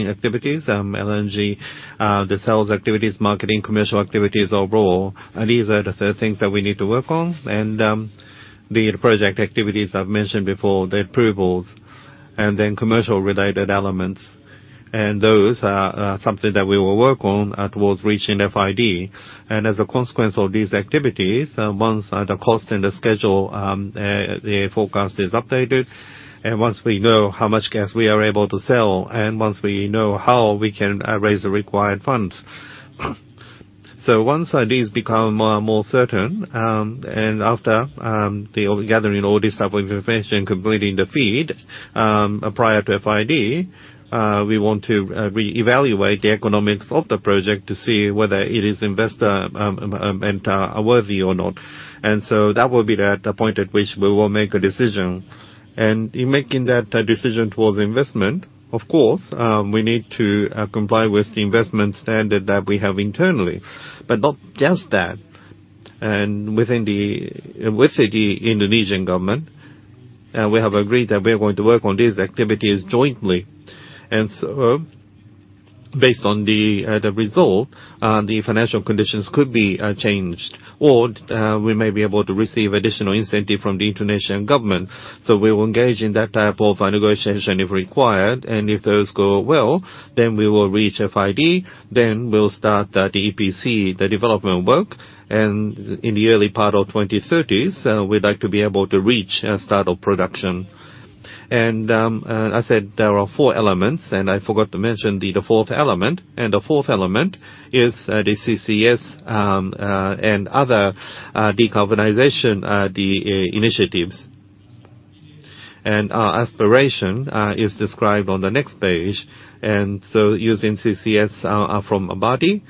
activities, LNG, the sales activities, marketing, commercial activities overall, and these are the third things that we need to work on. And, the project activities I've mentioned before, the approvals and then commercial-related elements. And those are something that we will work on towards reaching FID. And as a consequence of these activities, once the cost and the schedule forecast is updated, and once we know how much gas we are able to sell, and once we know how we can raise the required funds. So once these become more certain, and after gathering all this type of information, completing the FEED prior to FID, we want to re-evaluate the economics of the project to see whether it is investor worthy or not. So that will be the point at which we will make a decision. And in making that decision towards investment, of course, we need to comply with the investment standard that we have internally. But not just that, and with the Indonesian government, we have agreed that we are going to work on these activities jointly. And so based on the result, the financial conditions could be changed, or we may be able to receive additional incentive from the Indonesian government. So we will engage in that type of a negotiation if required, and if those go well, then we will reach FID, then we'll start the EPC, the development work. And in the early part of 2030s, we'd like to be able to reach start of production. And I said there are four elements, and I forgot to mention the fourth element. And the fourth element is the CCS and other decarbonization initiatives. And our aspiration is described on the next page. And so using CCS from Abadi,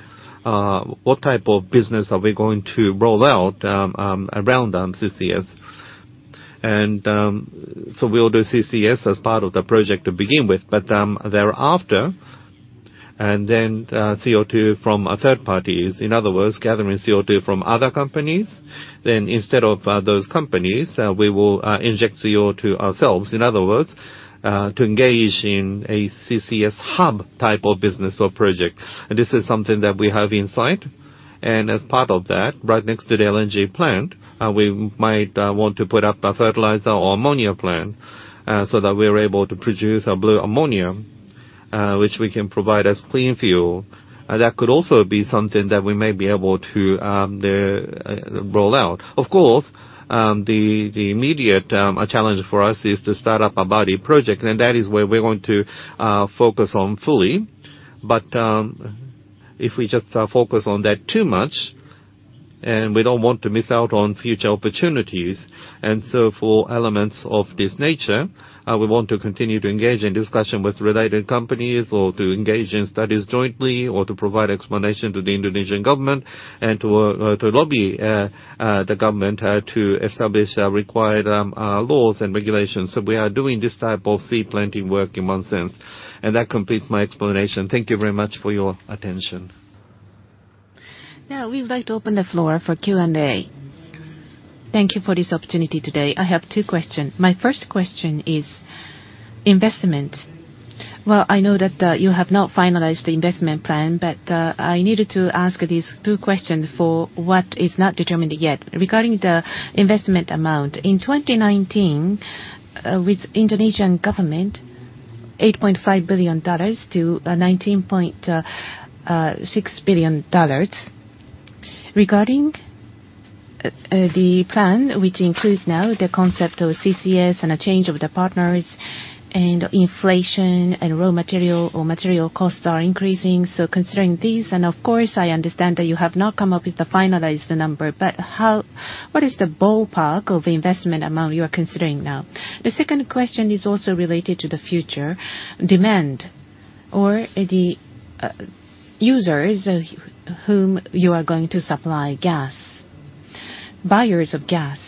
what type of business are we going to roll out around CCS? And so we'll do CCS as part of the project to begin with, but thereafter, and then CO2 from a third party. In other words, gathering CO2 from other companies, then instead of those companies, we will inject CO2 ourselves. In other words, to engage in a CCS hub type of business or project. And this is something that we have in sight. And as part of that, right next to the LNG plant, we might want to put up a fertilizer or ammonia plant, so that we are able to produce a blue ammonia, which we can provide as clean fuel. That could also be something that we may be able to roll out. Of course, the immediate challenge for us is to start up our Abadi project, and that is where we're going to focus on fully. But, if we just focus on that too much, and we don't want to miss out on future opportunities. So for elements of this nature, we want to continue to engage in discussion with related companies or to engage in studies jointly, or to provide explanation to the Indonesian government, and to lobby the government to establish required laws and regulations. We are doing this type of seed planting work in one sense. That completes my explanation. Thank you very much for your attention. Now, we'd like to open the floor for Q&A. Thank you for this opportunity today. I have two questions. My first question is investment. Well, I know that you have not finalized the investment plan, but I needed to ask these two questions for what is not determined yet. Regarding the investment amount, in 2019, with Indonesian government, $8.5 billion-19.6 billion. Regarding the plan, which includes now the concept of CCS and a change of the partners and inflation and raw material or material costs are increasing. So considering these, and of course, I understand that you have not come up with the finalized number, but what is the ballpark of the investment amount you are considering now? The second question is also related to the future demand or the users whom you are going to supply gas, buyers of gas.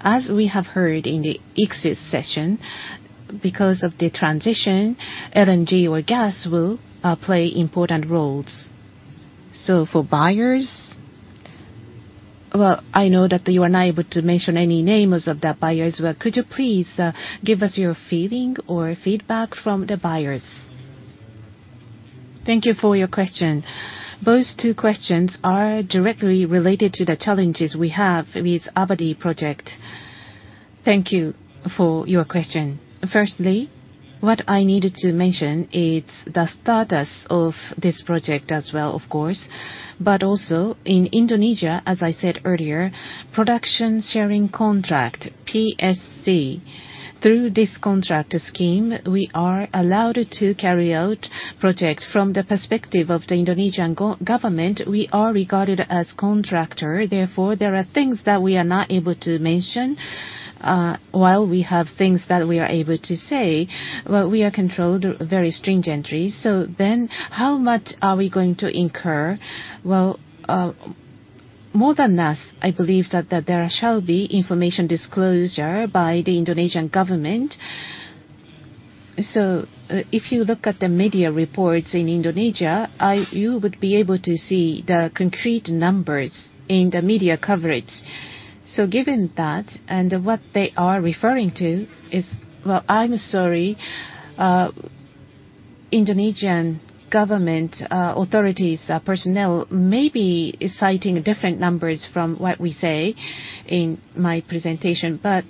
As we have heard in the ICES session, because of the transition, LNG or gas will play important roles. So for buyers, well, I know that you are not able to mention any names of the buyers, but could you please give us your feeling or feedback from the buyers? Thank you for your question. Those two questions are directly related to the challenges we have with Abadi project. Thank you for your question. Firstly, what I needed to mention is the status of this project as well, of course, but also in Indonesia, as I said earlier, production sharing contract, PSC. Through this contract scheme, we are allowed to carry out project. From the perspective of the Indonesian government, we are regarded as contractor. Therefore, there are things that we are not able to mention, while we have things that we are able to say. Well, we are controlled very stringently. So then, how much are we going to incur? Well, more than us, I believe that there shall be information disclosure by the Indonesian government. So, if you look at the media reports in Indonesia, you would be able to see the concrete numbers in the media coverage. So given that, and what they are referring to is... Well, I'm sorry, Indonesian government authorities personnel may be citing different numbers from what we say in my presentation. But,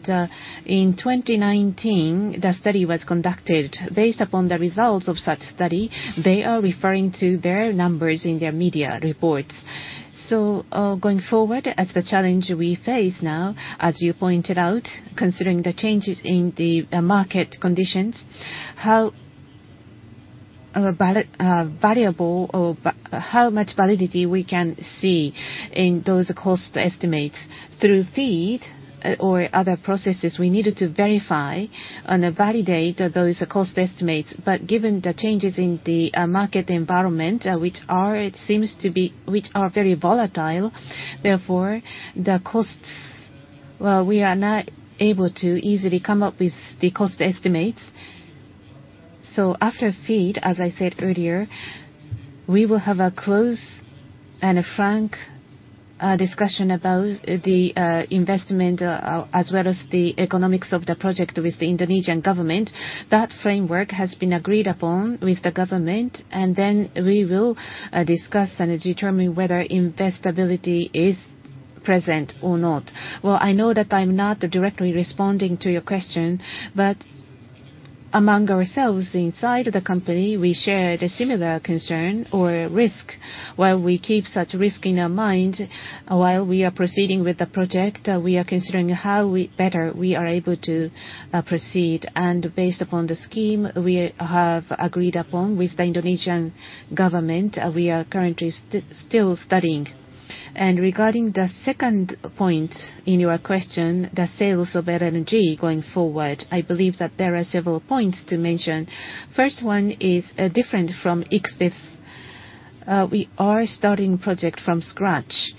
in 2019, the study was conducted. Based upon the results of such study, they are referring to their numbers in their media reports. So, going forward, as the challenge we face now, as you pointed out, considering the changes in the market conditions, how valuable or how much validity we can see in those cost estimates. Through FEED or other processes, we needed to verify and validate those cost estimates. But given the changes in the market environment, which are very volatile, therefore, the costs, well, we are not able to easily come up with the cost estimates. So after FEED, as I said earlier, we will have a close and a frank discussion about the investment, as well as the economics of the project with the Indonesian government. That framework has been agreed upon with the government, and then we will discuss and determine whether investability is present or not. Well, I know that I'm not directly responding to your question, but among ourselves, inside the company, we shared a similar concern or risk. While we keep such risk in our mind, while we are proceeding with the project, we are considering how we better we are able to proceed. Based upon the scheme we have agreed upon with the Indonesian government, we are currently still studying. Regarding the second point in your question, the sales of LNG going forward, I believe that there are several points to mention. First one is different from Ichthys. We are starting project from scratch.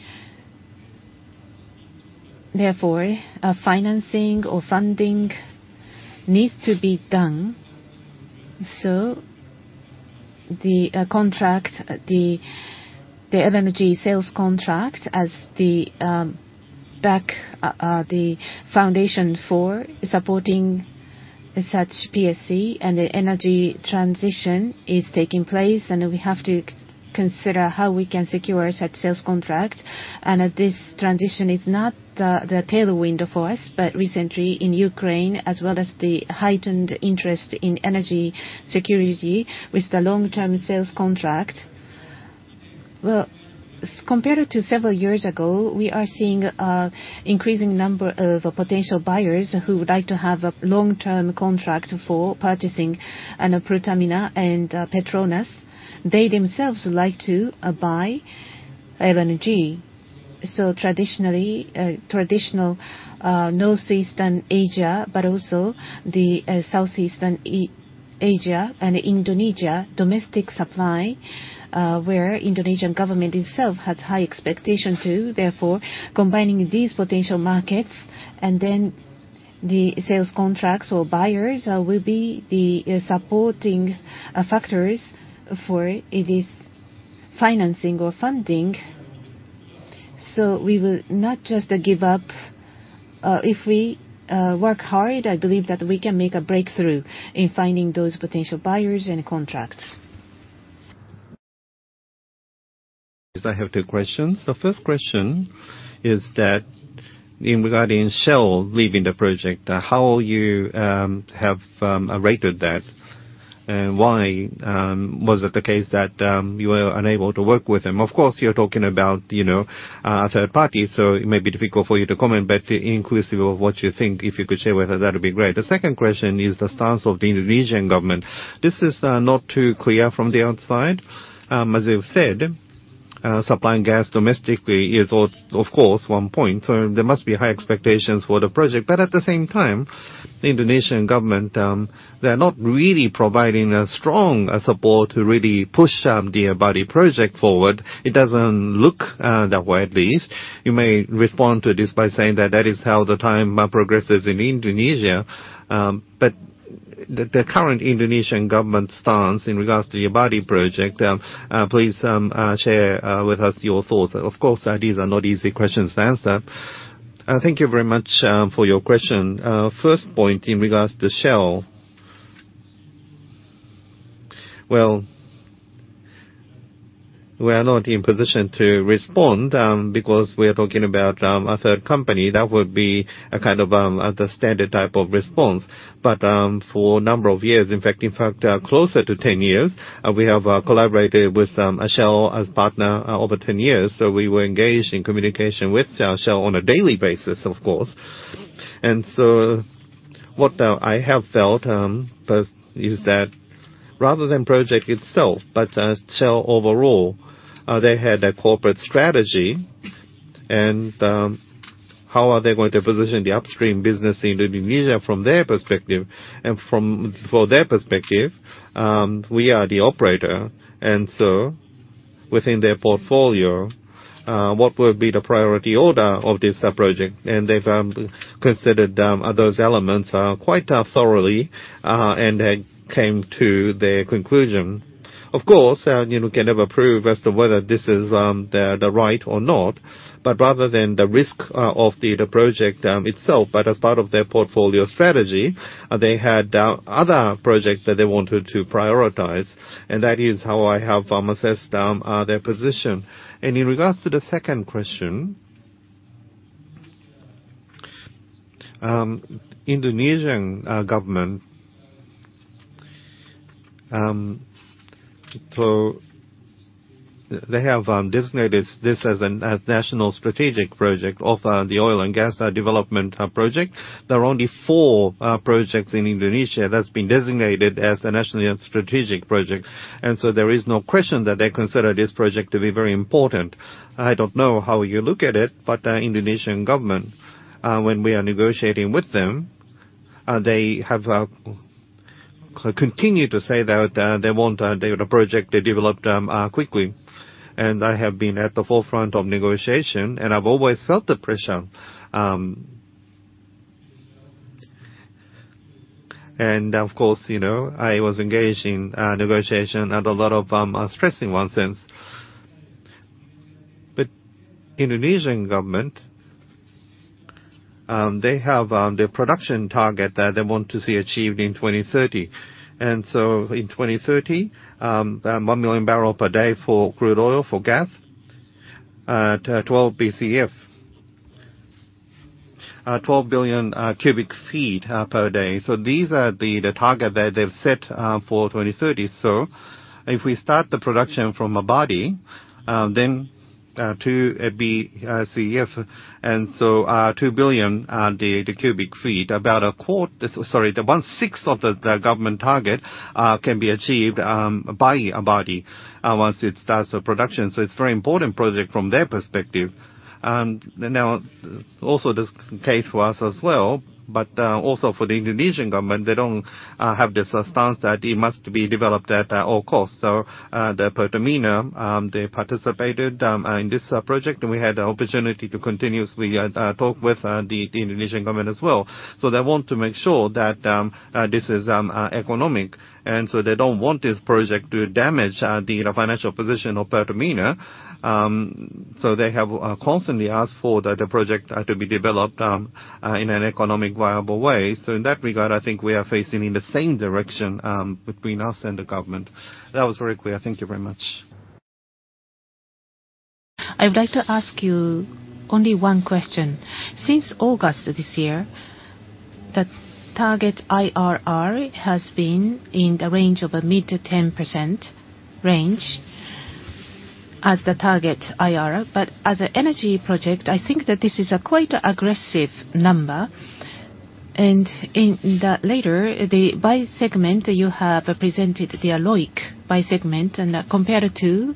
Therefore, a financing or funding needs to be done. So the contract, the LNG sales contract as the backbone the foundation for supporting such PSC and the energy transition is taking place, and we have to consider how we can secure such sales contract. This transition is not the tailwind for us, but recently in Ukraine, as well as the heightened interest in energy security with the long-term sales contract. Well, compared to several years ago, we are seeing a increasing number of potential buyers who would like to have a long-term contract for purchasing, and Pertamina and Petronas, they themselves would like to buy LNG. So traditionally, traditional Southeast Asia, but also the Southeast Asia and Indonesia domestic supply, where Indonesian government itself has high expectation too. Therefore, combining these potential markets and then the sales contracts or buyers, will be the supporting factors for this financing or funding. So we will not just give up. If we work hard, I believe that we can make a breakthrough in finding those potential buyers and contracts. Yes, I have two questions. The first question is that in regarding Shell leaving the project, how you have rated that, and why was it the case that you were unable to work with them? Of course, you're talking about, you know, a third party, so it may be difficult for you to comment, but inclusive of what you think, if you could share with us, that would be great. The second question is the stance of the Indonesian government. This is not too clear from the outside. As you said, supplying gas domestically is, of course, one point, so there must be high expectations for the project. But at the same time, the Indonesian government, they're not really providing a strong support to really push the Abadi project forward. It doesn't look that way, at least. You may respond to this by saying that that is how the time progresses in Indonesia. But the current Indonesian government stance in regards to the Abadi project, please share with us your thoughts. Of course, these are not easy questions to answer. Thank you very much for your question. First point in regards to Shell. Well, we are not in position to respond because we are talking about a third company. That would be a kind of the standard type of response. But for a number of years, in fact, in fact, closer to 10 years, we have collaborated with Shell as partner over 10 years, so we were engaged in communication with Shell on a daily basis, of course. And so what I have felt but is that rather than project itself but Shell overall they had a corporate strategy, and how are they going to position the upstream business in Indonesia from their perspective? And from for their perspective we are the operator, and so within their portfolio what would be the priority order of this project? And they've considered those elements quite thoroughly and then came to their conclusion. Of course you know can never prove as to whether this is the the right or not, but rather than the risk of the the project itself but as part of their portfolio strategy they had other projects that they wanted to prioritize, and that is how I have assessed their position. And in regards to the second question, Indonesian government, so they have designated this as a national strategic project of the oil and gas development project. There are only four projects in Indonesia that's been designated as a nationally and strategic project, and so there is no question that they consider this project to be very important. I don't know how you look at it, but Indonesian government when we are negotiating with them they have continued to say that they want the project to developed quickly. And I have been at the forefront of negotiation, and I've always felt the pressure. And of course, you know, I was engaged in negotiation and a lot of stressing one sense. But Indonesian government, they have their production target that they want to see achieved in 2030. And so in 2030, 1 million barrel per day for crude oil, for gas, 12 BCF, 12 billion cubic feet per day. So these are the target that they've set for 2030. So if we start the production from Abadi, then 2 BCF, and so 2 billion cubic feet, about a quarter... Sorry, the one-sixth of the government target can be achieved by Abadi once it starts the production. So it's very important project from their perspective. And now, also the case for us as well, but also for the Indonesian government, they don't have the stance that it must be developed at all costs. So, the Pertamina, they participated in this project, and we had the opportunity to continuously talk with the Indonesian government as well. So they want to make sure that this is economic, and so they don't want this project to damage the financial position of Pertamina. So they have constantly asked for that the project to be developed in an economic viable way. So in that regard, I think we are facing in the same direction between us and the government. That was very clear. Thank you very much. I would like to ask you only one question. Since August of this year, the target IRR has been in the range of a mid- to 10% range as the target IRR, but as an energy project, I think that this is a quite aggressive number. In the latter, the by segment, you have presented the ROIC by segment, and compared to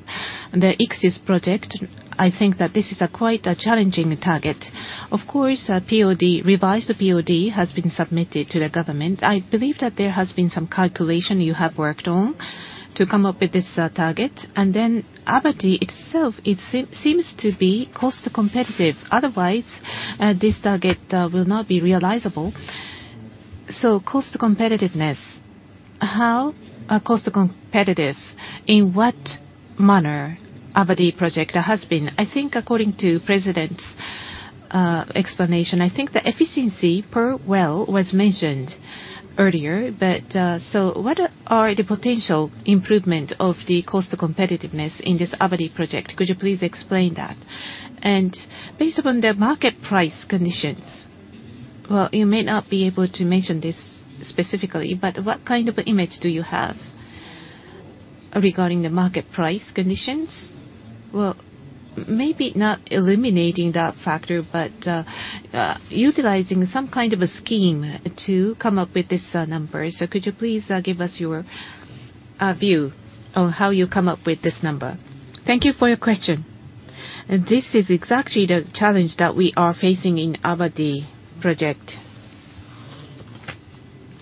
the Exodus project, I think that this is a quite a challenging target. Of course, a POD, revised POD has been submitted to the government. I believe that there has been some calculation you have worked on to come up with this, target. And then Abadi itself, it seems to be cost competitive. Otherwise, this target, will not be realizable. So cost competitiveness, how are cost competitive? In what manner Abadi project has been? I think according to President's explanation, I think the efficiency per well was mentioned earlier, but so what are the potential improvement of the cost competitiveness in this Abadi project? Could you please explain that? And based upon the market price conditions, well, you may not be able to mention this specifically, but what kind of image do you have regarding the market price conditions? Maybe not eliminating that factor, but utilizing some kind of a scheme to come up with this number. So could you please give us your view on how you come up with this number? Thank you for your question. This is exactly the challenge that we are facing in Abadi project.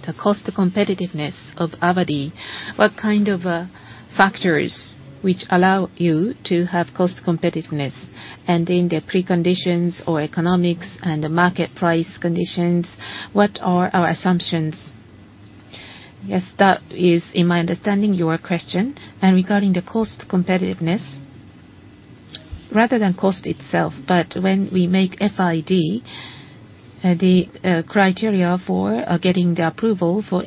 The cost competitiveness of Abadi, what kind of factors which allow you to have cost competitiveness? In the preconditions or economics and the market price conditions, what are our assumptions? Yes, that is, in my understanding, your question. Regarding the cost competitiveness, rather than cost itself, but when we make FID, the criteria for getting the approval for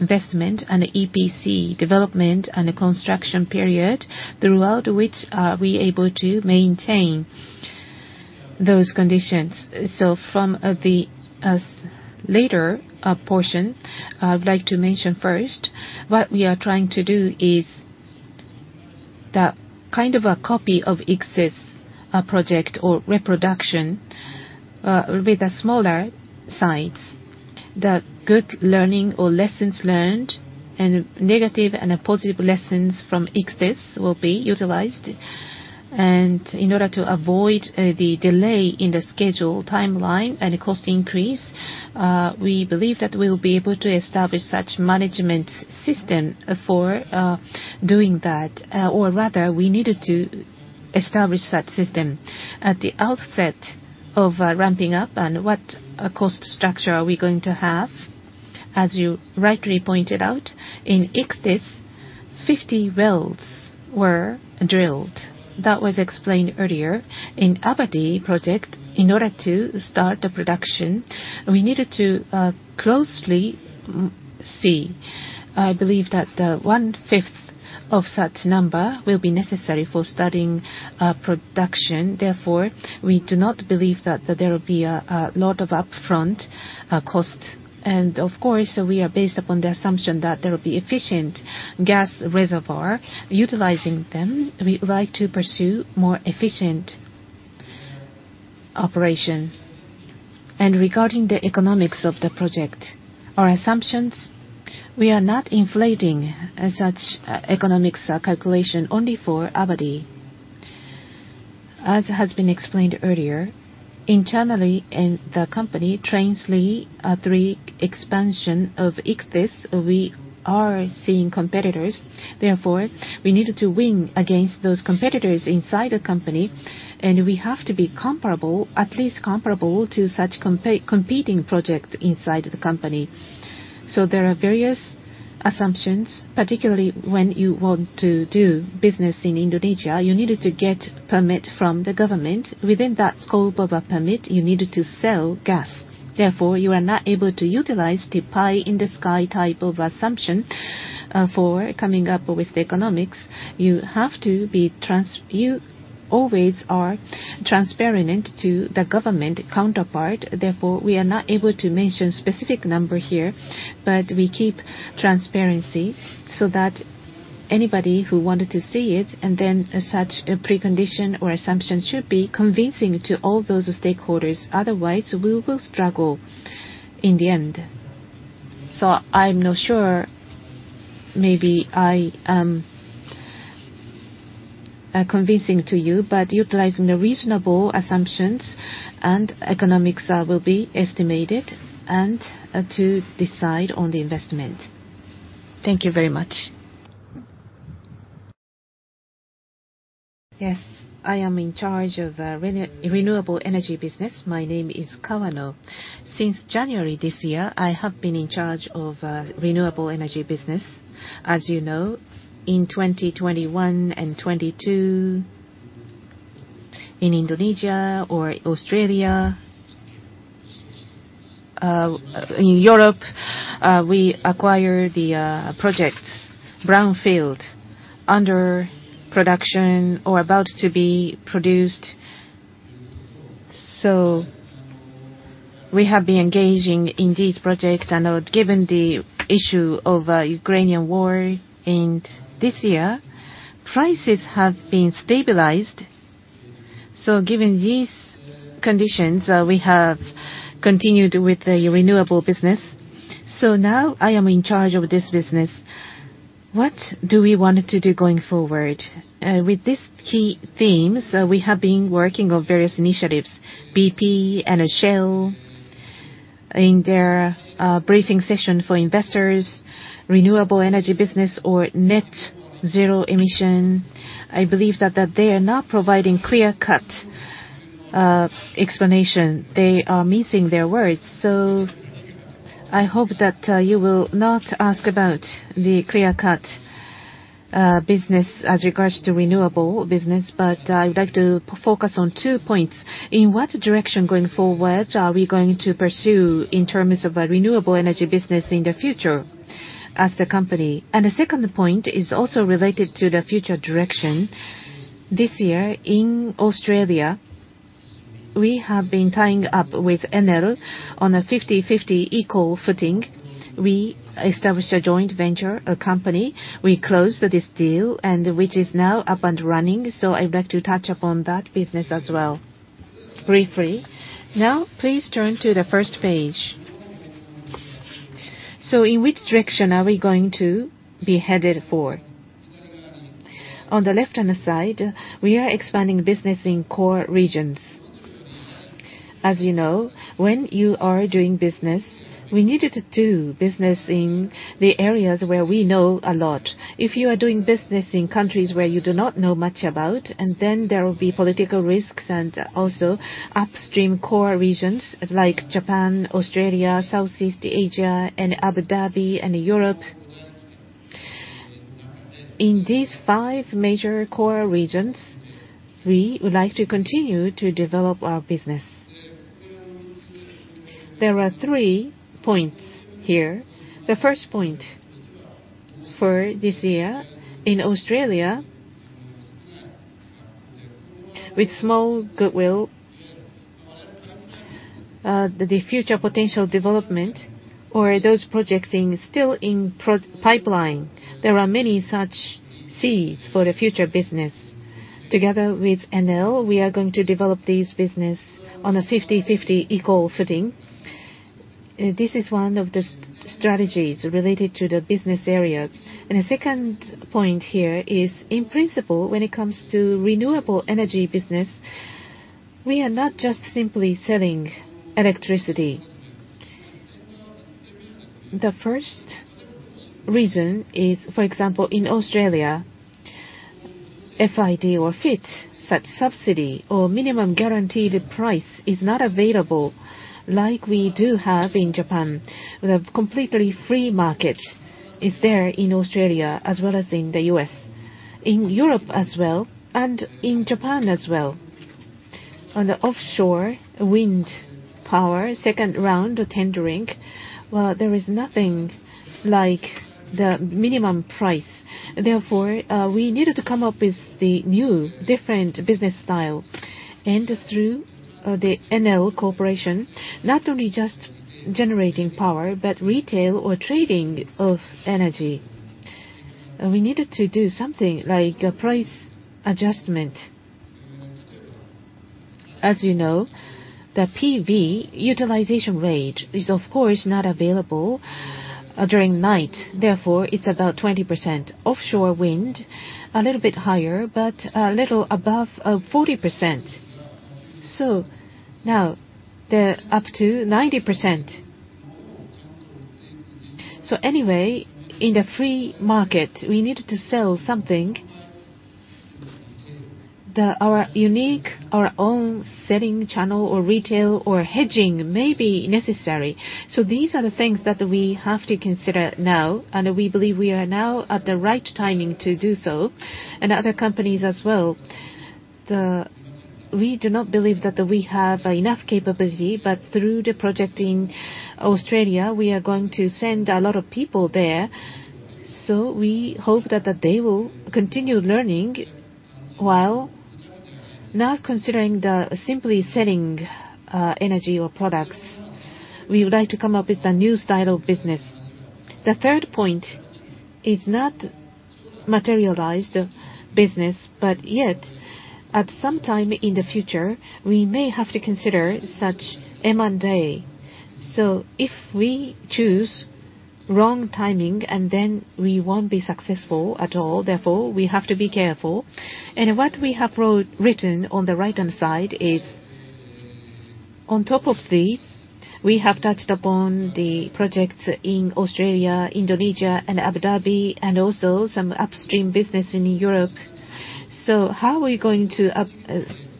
investment and EPC development and the construction period, throughout which, we able to maintain those conditions. From the later portion, I would like to mention first, what we are trying to do is the kind of a copy of Ichthys project or reproduction with a smaller size. The good learning or lessons learned, and negative and positive lessons from Ichthys will be utilized. In order to avoid the delay in the schedule timeline and cost increase, we believe that we'll be able to establish such management system for doing that. Or rather, we needed to establish that system at the outset of ramping up, and what a cost structure are we going to have? As you rightly pointed out, in Ichthys, 50 wells were drilled. That was explained earlier. In Abadi project, in order to start the production, we needed to closely see. I believe that one-fifth of that number will be necessary for starting production. Therefore, we do not believe that there will be a lot of upfront costs. And of course, we are based upon the assumption that there will be efficient gas reservoir. Utilizing them, we'd like to pursue more efficient operation. And regarding the economics of the project, our assumptions, we are not inflating as such economics calculation only for Abadi. As has been explained earlier, internally in the company, Train 3 expansion of Ichthys, we are seeing competitors. Therefore, we needed to win against those competitors inside the company, and we have to be comparable, at least comparable, to such competing projects inside the company. So there are various assumptions, particularly when you want to do business in Indonesia, you needed to get permit from the government. Within that scope of a permit, you needed to sell gas. Therefore, you are not able to utilize the pie-in-the-sky type of assumption for coming up with the economics. You have to be transparent; you always are transparent to the government counterpart. Therefore, we are not able to mention specific number here, but we keep transparency so that anybody who wanted to see it, and then as such, a precondition or assumption should be convincing to all those stakeholders, otherwise, we will struggle in the end. So I'm not sure, maybe I am convincing to you, but utilizing the reasonable assumptions and economics will be estimated and to decide on the investment. Thank you very much. Yes, I am in charge of renewable energy business. My name is Kawano. Since January this year, I have been in charge of renewable energy business. As you know, in 2021 and 2022, in Indonesia or Australia, in Europe, we acquired the projects, brownfield, under production or about to be produced. So we have been engaging in these projects, and, given the issue of, Ukrainian war, and this year, prices have been stabilized. So given these conditions, we have continued with the renewable business. So now I am in charge of this business. What do we want to do going forward? With this key theme, so we have been working on various initiatives, BP and, Shell, in their, briefing session for investors, renewable energy business or net zero emission. I believe that, that they are not providing clear-cut, explanation. They are mincing their words, so I hope that, you will not ask about the clear-cut, business as regards to renewable business. But I would like to focus on two points. In what direction, going forward, are we going to pursue in terms of a renewable energy business in the future as the company? The second point is also related to the future direction. This year, in Australia... we have been tying up with Enel on a 50/50 equal footing. We established a joint venture, a company. We closed this deal, and which is now up and running, so I'd like to touch upon that business as well briefly. Now, please turn to the first page. In which direction are we going to be headed for? On the left-hand side, we are expanding business in core regions. As you know, when you are doing business, we needed to do business in the areas where we know a lot. If you are doing business in countries where you do not know much about, and then there will be political risks, and also upstream core regions like Japan, Australia, Southeast Asia, and Abu Dhabi, and Europe. In these five major core regions, we would like to continue to develop our business. There are three points here. The first point for this year, in Australia, with small goodwill, the future potential development or those projects in pipeline, there are many such seeds for the future business. Together with Enel, we are going to develop this business on a 50/50 equal footing. This is one of the strategies related to the business area. And the second point here is, in principle, when it comes to renewable energy business, we are not just simply selling electricity. The first reason is, for example, in Australia, FID or FIT, such subsidy or minimum guaranteed price is not available like we do have in Japan, where completely free market is there in Australia as well as in the US, in Europe as well, and in Japan as well. On the offshore wind power, second round of tendering, well, there is nothing like the minimum price. Therefore, we needed to come up with the new, different business style. And through the Enel Corporation, not only just generating power, but retail or trading of energy. We needed to do something like a price adjustment. As you know, the PV utilization rate is, of course, not available during night. Therefore, it's about 20%. Offshore wind, a little bit higher, but a little above 40%. So now they're up to 90%. So anyway, in the free market, we needed to sell something. Our unique, our own selling channel or retail or hedging may be necessary. So these are the things that we have to consider now, and we believe we are now at the right timing to do so, and other companies as well. We do not believe that we have enough capability, but through the project in Australia, we are going to send a lot of people there, so we hope that they will continue learning, while not considering the simply selling energy or products. We would like to come up with a new style of business. The third point is not materialized business, but yet, at some time in the future, we may have to consider such M&A. So if we choose wrong timing, and then we won't be successful at all, therefore, we have to be careful. And what we have written on the right-hand side is, on top of these, we have touched upon the projects in Australia, Indonesia, and Abu Dhabi, and also some upstream business in Europe. So how are we going to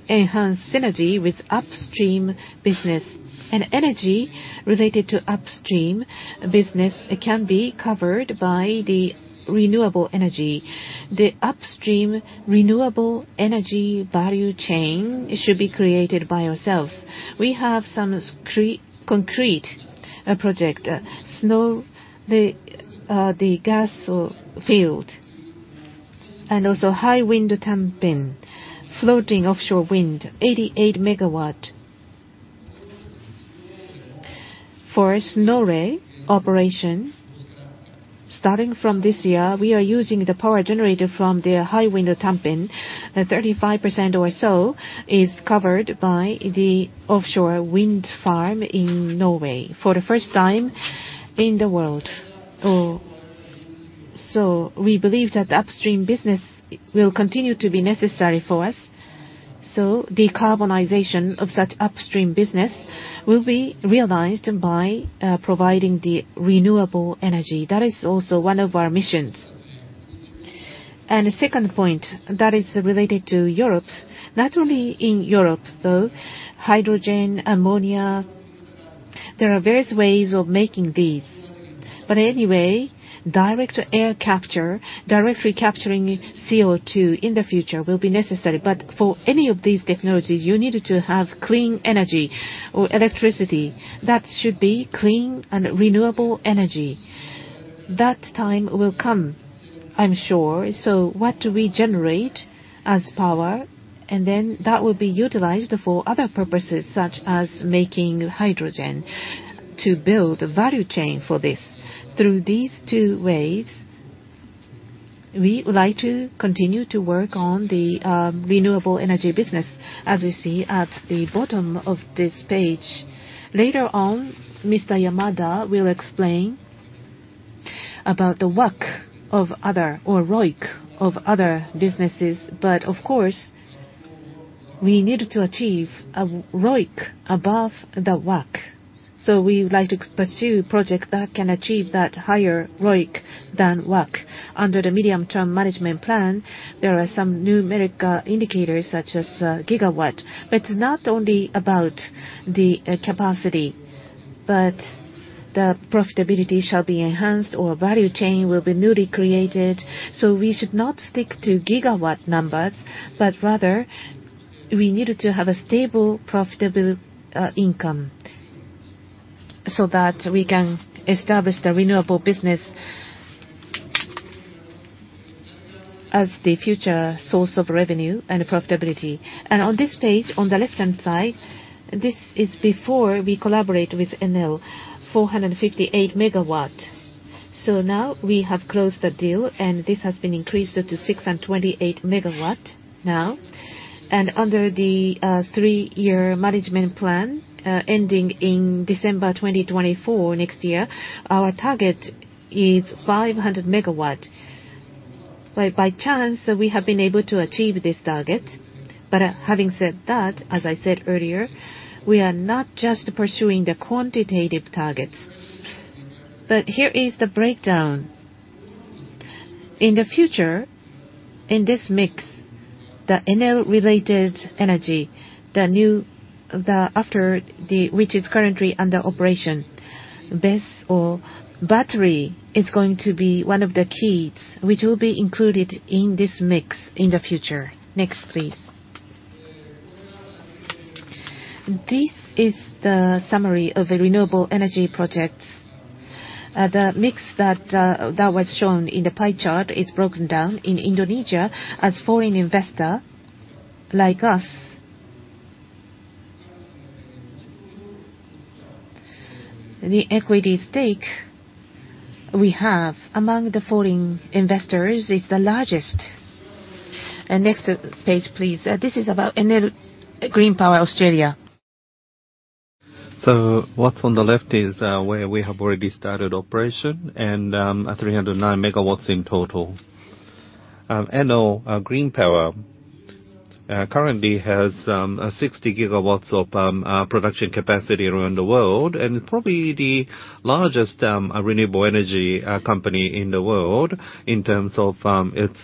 enhance synergy with upstream business? And energy related to upstream business can be covered by the renewable energy. The upstream renewable energy value chain should be created by ourselves. We have some concrete project, Snøhvit, the gas field, and also Hywind Tampen, floating offshore wind, 88 megawatt. For Snøhvit operation, starting from this year, we are using the power generated from the Hywind Tampen. 35% or so is covered by the offshore wind farm in Norway for the first time in the world. So we believe that the upstream business will continue to be necessary for us, so decarbonization of such upstream business will be realized by providing the renewable energy. That is also one of our missions. And the second point, that is related to Europe, not only in Europe, though, hydrogen, ammonia, there are various ways of making these. But anyway, direct air capture, directly capturing CO2 in the future will be necessary. But for any of these technologies, you needed to have clean energy or electricity. That should be clean and renewable energy. That time will come, I'm sure. So what do we generate as power? And then that will be utilized for other purposes, such as making hydrogen, to build a value chain for this. Through these two ways, we would like to continue to work on the renewable energy business, as you see at the bottom of this page. Later on, Mr. Yamada will explain about the WACC of other or ROIC of other businesses. But of course, we need to achieve a ROIC above the WACC. So we would like to pursue project that can achieve that higher ROIC than WACC. Under the medium-term management plan, there are some numeric indicators, such as gigawatt, but it's not only about the capacity, but the profitability shall be enhanced or value chain will be newly created. So we should not stick to gigawatt numbers, but rather we need to have a stable, profitable income so that we can establish the renewable business as the future source of revenue and profitability. On this page, on the left-hand side, this is before we collaborate with Enel, 458 MW. So now we have closed the deal, and this has been increased to 628 MW now. Under the three-year management plan, ending in December 2024, next year, our target is 500 MW. By chance, we have been able to achieve this target. But having said that, as I said earlier, we are not just pursuing the quantitative targets. But here is the breakdown. In the future, in this mix, the Enel-related energy, the new—the after the—which is currently under operation, BESS or battery, is going to be one of the keys which will be included in this mix in the future. Next, please. This is the summary of the renewable energy projects. The mix that was shown in the pie chart is broken down. In Indonesia, as foreign investor like us, the equity stake we have among the foreign investors is the largest. Next page, please. This is about Enel Green Power Australia. So what's on the left is where we have already started operation, and 309 megawatts in total. Enel Green Power currently has 60 gigawatts of production capacity around the world, and probably the largest renewable energy company in the world in terms of its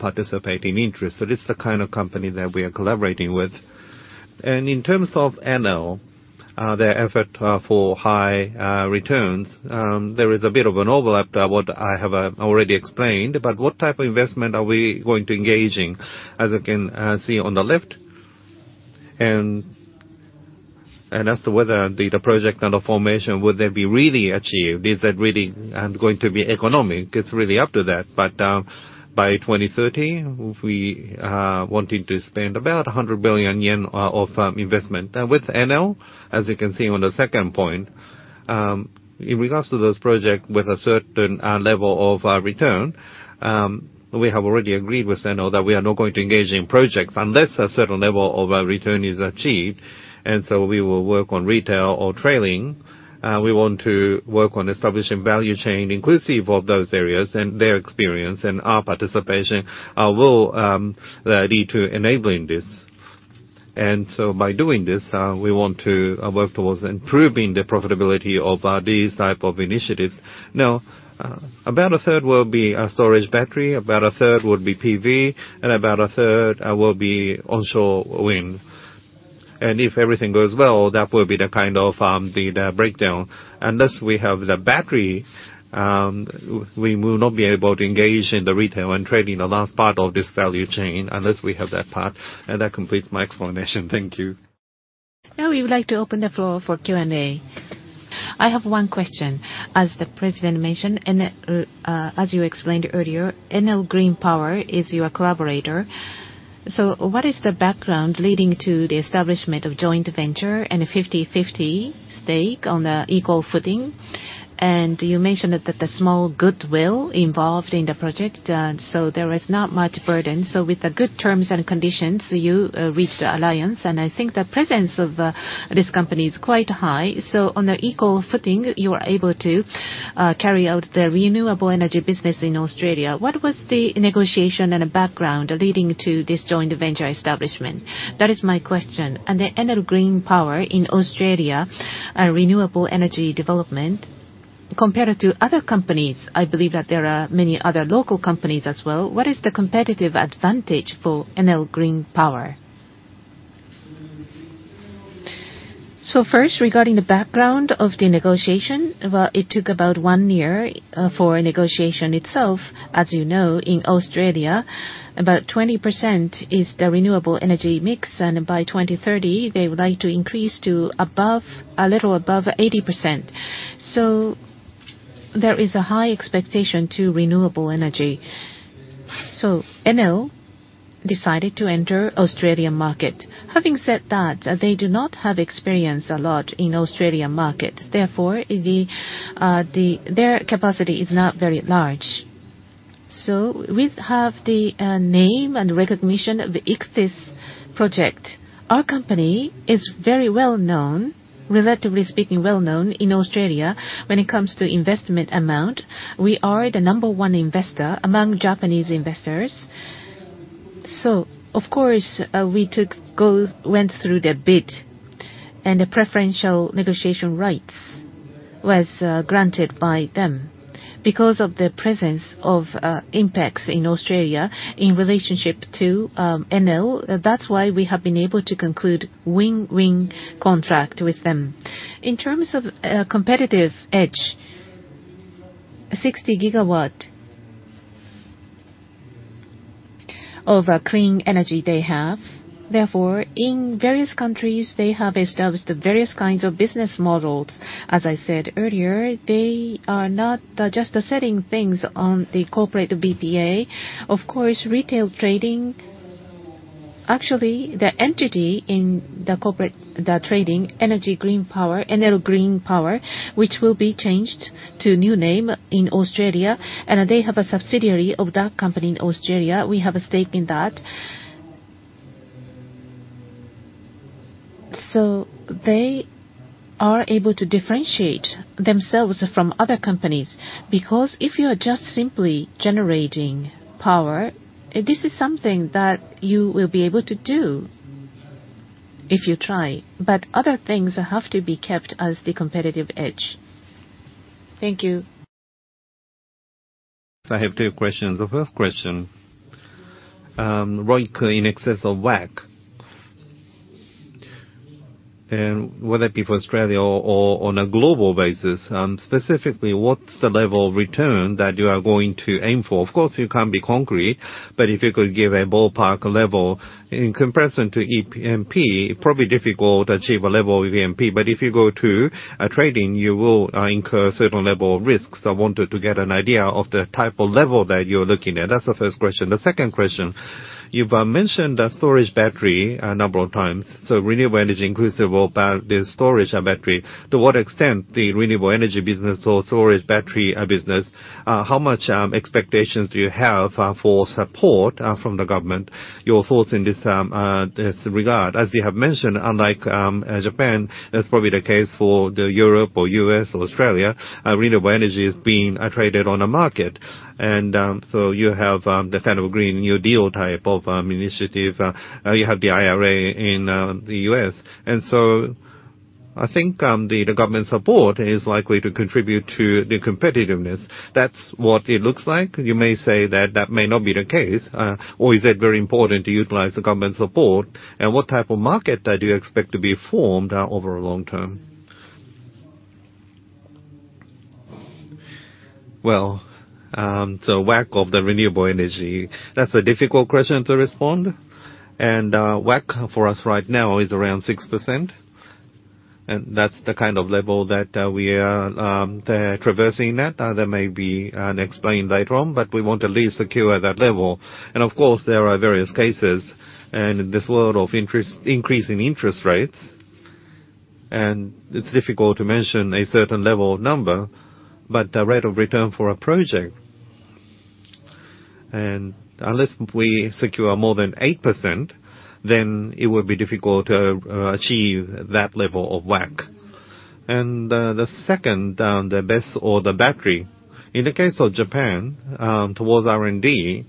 participating interest. So it's the kind of company that we are collaborating with. And in terms of Enel, their effort for high returns, there is a bit of an overlap to what I have already explained. But what type of investment are we going to engage in? As you can see on the left, and as to whether the project and the formation would they be really achieved? Is that really going to be economic? It's really up to that. But, by 2030, we wanting to spend about 100 billion yen of investment. And with Enel, as you can see on the second point, in regards to this project with a certain level of return, we have already agreed with Enel that we are not going to engage in projects unless a certain level of return is achieved, and so we will work on retail or trailing. We want to work on establishing value chain inclusive of those areas, and their experience and our participation will lead to enabling this. And so by doing this, we want to work towards improving the profitability of these type of initiatives. Now, about a third will be storage battery, about a third would be PV, and about a third will be onshore wind. And if everything goes well, that will be the kind of the breakdown. Unless we have the battery, we will not be able to engage in the retail and trade in the last part of this value chain unless we have that part. And that completes my explanation. Thank you. Now, we would like to open the floor for Q&A. I have one question. As the president mentioned, and, as you explained earlier, Enel Green Power is your collaborator. So what is the background leading to the establishment of joint venture and a 50/50 stake on the equal footing? And you mentioned that, that the small goodwill involved in the project, so there is not much burden. So with the good terms and conditions, you, reached the alliance, and I think the presence of, this company is quite high. So on the equal footing, you are able to, carry out the renewable energy business in Australia. What was the negotiation and the background leading to this joint venture establishment? That is my question. The Enel Green Power in Australia, renewable energy development, compared to other companies, I believe that there are many other local companies as well, what is the competitive advantage for Enel Green Power? So first, regarding the background of the negotiation, well, it took about one year for negotiation itself. As you know, in Australia, about 20% is the renewable energy mix, and by 2030, they would like to increase to above - a little above 80%. So, there is a high expectation to renewable energy, so Enel decided to enter Australian market. Having said that, they do not have experience a lot in Australian market, therefore, their capacity is not very large. So we have the name and recognition of the Ichthys project. Our company is very well known, relatively speaking, well known in Australia when it comes to investment amount. We are the number one investor among Japanese investors. So of course, we went through the bid, and the preferential negotiation rights was granted by them. Because of the presence of INPEX in Australia in relationship to Enel, that's why we have been able to conclude win-win contract with them. In terms of competitive edge, 60 GW of clean energy they have, therefore, in various countries, they have established the various kinds of business models. As I said earlier, they are not just setting things on the corporate BPA. Of course, retail trading, actually, the entity in the corporate, the trading, Enel Green Power, Enel Green Power, which will be changed to a new name in Australia, and they have a subsidiary of that company in Australia. We have a stake in that. So they are able to differentiate themselves from other companies, because if you are just simply generating power, this is something that you will be able to do if you try, but other things have to be kept as the competitive edge. Thank you. I have two questions. The first question, ROIC in excess of WACC, and whether it be for Australia or, or on a global basis, specifically, what's the level of return that you are going to aim for? Of course, you can't be concrete, but if you could give a ballpark level in comparison to E&P, probably difficult to achieve a level of E&P, but if you go to, trading, you will, incur certain level of risks. I wanted to get an idea of the type of level that you're looking at. That's the first question. The second question, you've mentioned the storage battery a number of times, so renewable energy inclusive about the storage battery. To what extent the renewable energy business or storage battery business, how much expectations do you have for support from the government? Your thoughts in this regard. As you have mentioned, unlike Japan, that's probably the case for Europe or the US or Australia. Renewable energy is being traded on a market. And so you have the kind of Green New Deal type of initiative. You have the IRA in the US. And so I think the government support is likely to contribute to the competitiveness. That's what it looks like. You may say that that may not be the case, or is it very important to utilize the government support? And what type of market do you expect to be formed over a long term? Well, the WACC of the renewable energy, that's a difficult question to respond, and WACC for us right now is around 6%, and that's the kind of level that we are traversing at. There may be an explanation later on, but we want to at least secure that level. And of course, there are various cases, and in this world of interest-increasing interest rates, and it's difficult to mention a certain level of number, but the rate of return for a project, and unless we secure more than 8%, then it will be difficult to achieve that level of WACC. And the second, the BESS or the battery. In the case of Japan, towards R&D,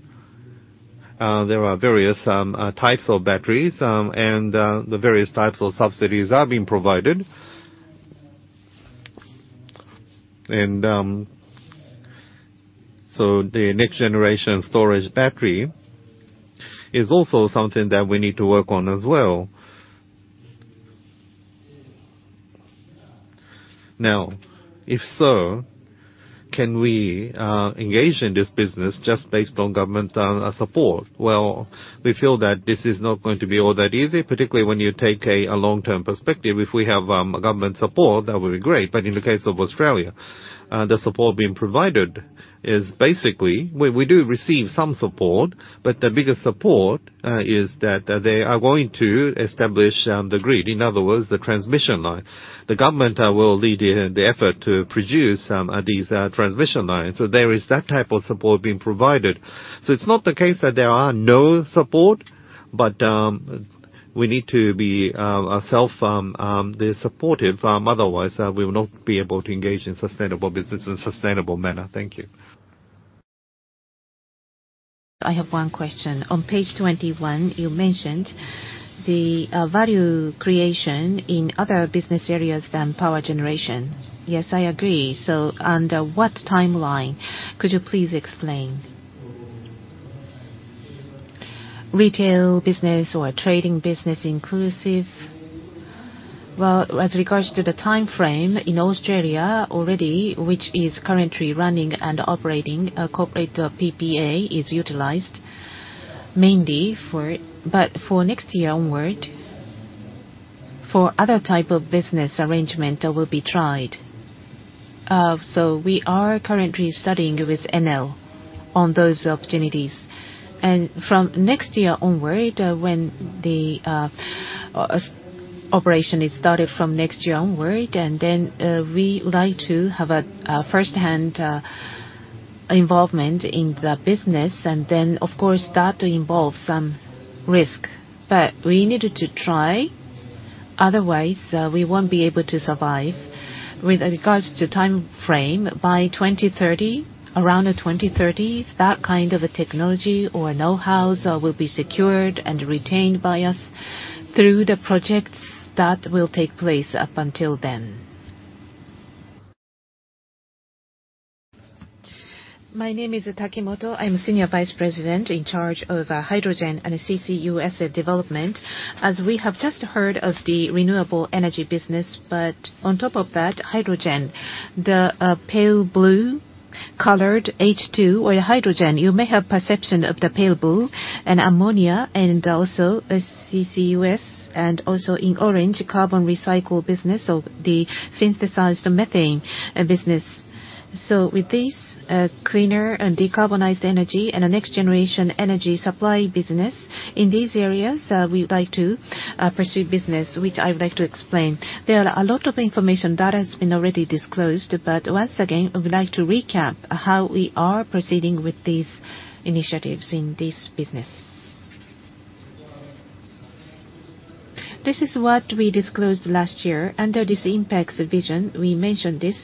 there are various types of batteries, and the various types of subsidies are being provided. So the next generation storage battery is also something that we need to work on as well. Now, if so, can we engage in this business just based on government support? Well, we feel that this is not going to be all that easy, particularly when you take a long-term perspective. If we have a government support, that would be great. But in the case of Australia, the support being provided is basically... We do receive some support, but the biggest support is that they are going to establish the grid, in other words, the transmission line. The government will lead in the effort to produce these transmission lines. So there is that type of support being provided. So it's not the case that there are no support, but we need to be self-supportive, otherwise we will not be able to engage in sustainable business in a sustainable manner. Thank you. I have one question. On page 21, you mentioned the value creation in other business areas than power generation. Yes, I agree. So under what timeline, could you please explain? Retail business or trading business inclusive? Well, as regards to the time frame, in Australia already, which is currently running and operating, a corporate PPA is utilized mainly for it. But for next year onward for other type of business arrangement will be tried. So we are currently studying with Enel on those opportunities. And from next year onward, when the operation is started from next year onward, and then we would like to have a first-hand involvement in the business, and then, of course, that involves some risk. But we needed to try, otherwise we won't be able to survive. With regards to time frame, by 2030, around the 2030s, that kind of a technology or know-hows will be secured and retained by us through the projects that will take place up until then. My name is Takimoto. I'm Senior Vice President in charge of Hydrogen and CCUS Development. As we have just heard of the renewable energy business, but on top of that, hydrogen, the pale blue-colored H2 or hydrogen, you may have perception of the pale blue, and ammonia, and also CCUS, and also in orange, carbon recycle business or the synthesized methane business. So with this, cleaner and decarbonized energy and a next-generation energy supply business, in these areas, we would like to pursue business, which I would like to explain. There are a lot of information that has been already disclosed, but once again, I would like to recap how we are proceeding with these initiatives in this business. This is what we disclosed last year. Under this INPEX vision, we mentioned this,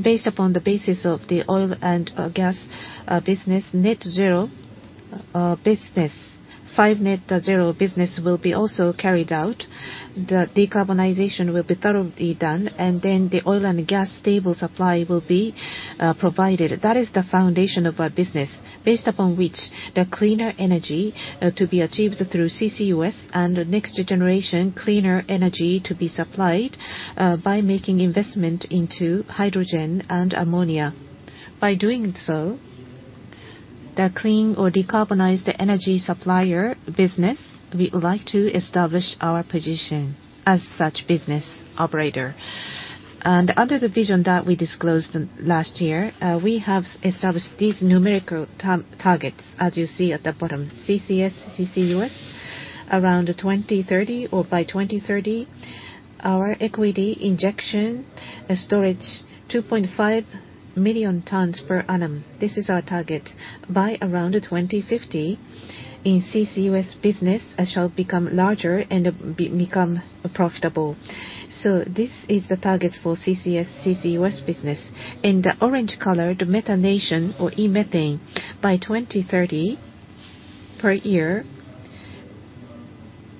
based upon the basis of the oil and gas business, INPEX net zero business will be also carried out. The decarbonization will be thoroughly done, and then the oil and gas stable supply will be provided. That is the foundation of our business, based upon which the cleaner energy to be achieved through CCUS and the next generation cleaner energy to be supplied by making investment into hydrogen and ammonia. By doing so, the clean or decarbonized energy supplier business, we would like to establish our position as such business operator. Under the vision that we disclosed last year, we have established these numerical targets, as you see at the bottom, CCS, CCUS, around 2030 or by 2030, our equity injection storage, 2.5 million tons per annum. This is our target. By around 2050, in CCUS business, shall become larger and become profitable. So this is the target for CCS, CCUS business. In the orange color, the methanation or e-methane, by 2030, per year,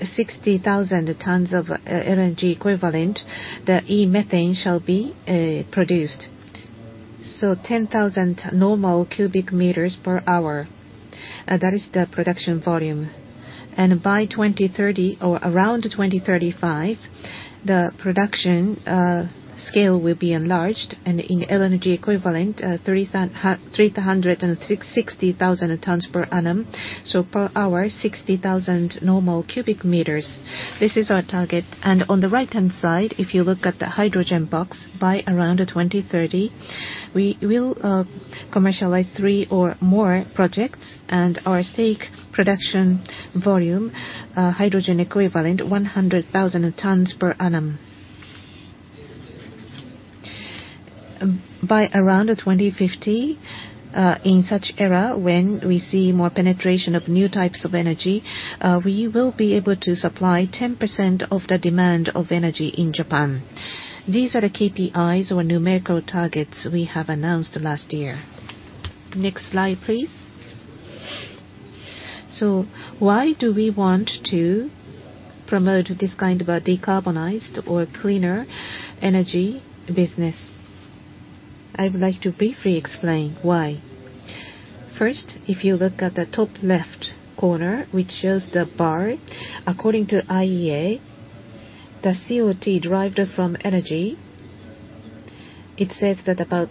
60,000 tons of LNG equivalent, the e-methane shall be produced. So 10,000 normal cubic meters per hour, that is the production volume. By 2030 or around 2035, the production scale will be enlarged, and in LNG equivalent, 360,000 tons per annum, so per hour, 60,000 normal cubic meters. This is our target. On the right-hand side, if you look at the hydrogen box, by around 2030, we will commercialize three or more projects, and our stake production volume, hydrogen equivalent, 100,000 tons per annum. By around 2050, in such era, when we see more penetration of new types of energy, we will be able to supply 10% of the demand of energy in Japan. These are the KPIs or numerical targets we have announced last year. Next slide, please. Why do we want to promote this kind of a decarbonized or cleaner energy business? I would like to briefly explain why. First, if you look at the top left corner, which shows the bar, according to IEA, the CO2 derived from energy, it says that about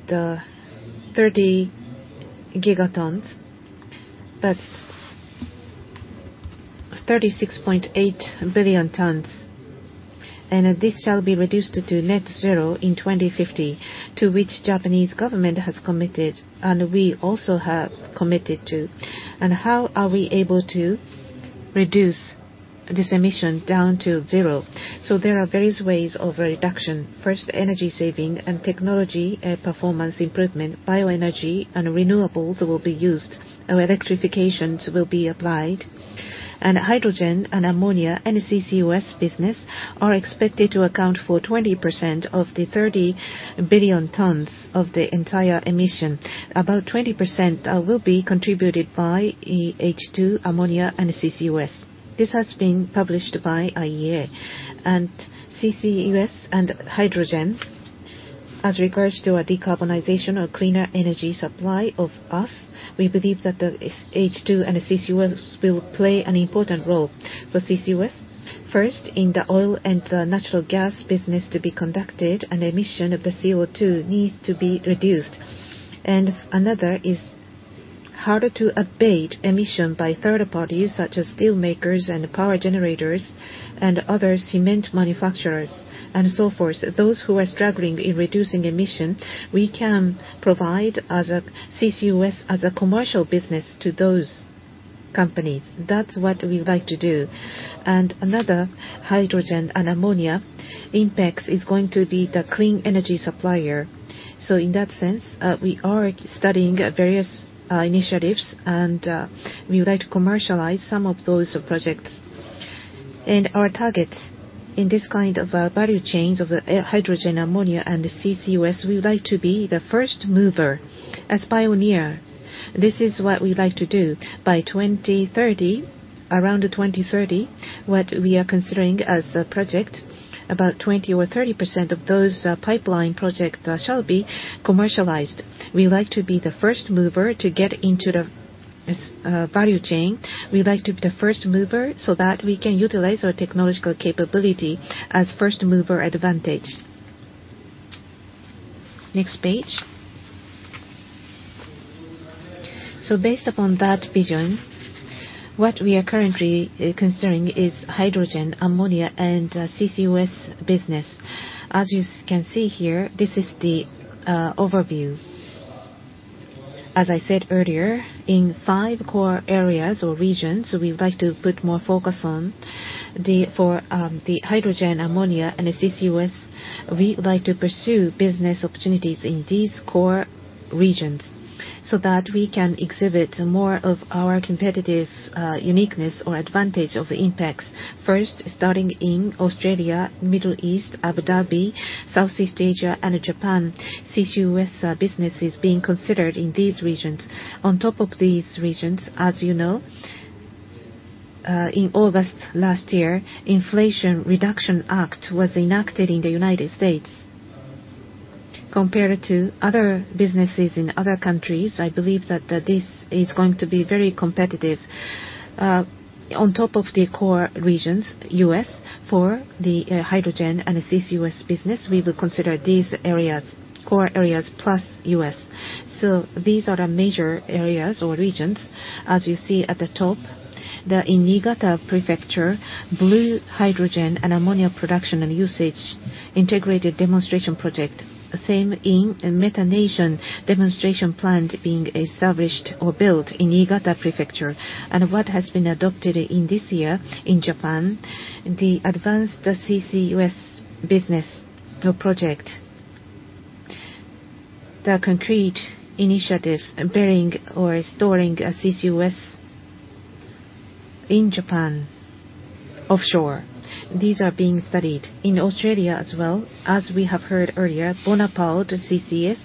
30 gigatons, that's 36.8 billion tons, and this shall be reduced to net zero in 2050, to which Japanese government has committed, and we also have committed to. And how are we able to reduce this emission down to zero? So there are various ways of reduction. First, energy saving and technology performance improvement, bioenergy and renewables will be used, electrifications will be applied, and hydrogen and ammonia and CCUS business are expected to account for 20% of the 30 billion tons of the entire emission. About 20%, will be contributed by H2, ammonia, and CCUS. This has been published by IEA. CCUS and hydrogen, as regards to a decarbonization or cleaner energy supply of us, we believe that the S-H2 and the CCUS will play an important role. For CCUS, first, in the oil and the natural gas business to be conducted, an emission of the CO2 needs to be reduced. And another is harder to abate emission by third parties, such as steel makers and power generators, and other cement manufacturers, and so forth. Those who are struggling in reducing emission, we can provide as a CCUS, as a commercial business to those companies. That's what we would like to do. And another, hydrogen and ammonia, INPEX is going to be the clean energy supplier. So in that sense, we are studying various initiatives, and we would like to commercialize some of those projects. Our targets in this kind of value chains of hydrogen, ammonia, and the CCUS, we would like to be the first mover as pioneer. This is what we'd like to do. By 2030, around 2030, what we are considering as a project, about 20% or 30% of those pipeline projects shall be commercialized. We like to be the first mover to get into the value chain. We'd like to be the first mover so that we can utilize our technological capability as first mover advantage. Next page. Based upon that vision, what we are currently considering is hydrogen, ammonia, and CCUS business. As you can see here, this is the overview. As I said earlier, in five core areas or regions, we would like to put more focus on, the, for, the hydrogen, ammonia, and the CCUS. We would like to pursue business opportunities in these core regions, so that we can exhibit more of our competitive, uniqueness or advantage of the INPEX. First, starting in Australia, Middle East, Abu Dhabi, Southeast Asia, and Japan, CCUS business is being considered in these regions. On top of these regions, as you know, in August last year, Inflation Reduction Act was enacted in the United States. Compared to other businesses in other countries, I believe that, this is going to be very competitive. On top of the core regions, U.S., for the, hydrogen and the CCUS business, we will consider these areas, core areas, plus U.S. So these are the major areas or regions. As you see at the top, the Niigata Prefecture, blue hydrogen and ammonia production and usage integrated demonstration project. The same in methanation demonstration plant being established or built in Niigata Prefecture, and what has been adopted in this year in Japan, the advanced CCUS business, the project. The concrete initiatives, burying or storing CCUS in Japan, offshore. These are being studied. In Australia as well, as we have heard earlier, Bonaparte CCS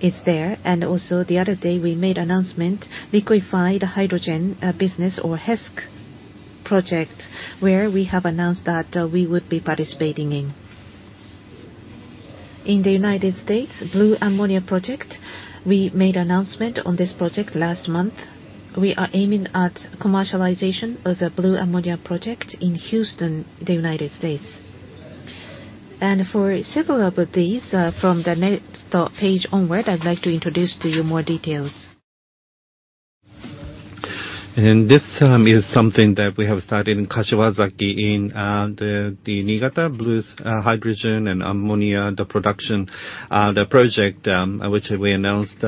is there, and also the other day, we made announcement, liquefied hydrogen, business or HESC project, where we have announced that, we would be participating in. In the United States, blue ammonia project, we made announcement on this project last month. We are aiming at commercialization of a blue ammonia project in Houston, the United States. For several of these, from the next page onward, I'd like to introduce to you more details. This is something that we have started in Kashiwazaki, in the Niigata blue hydrogen and ammonia production project, which we announced.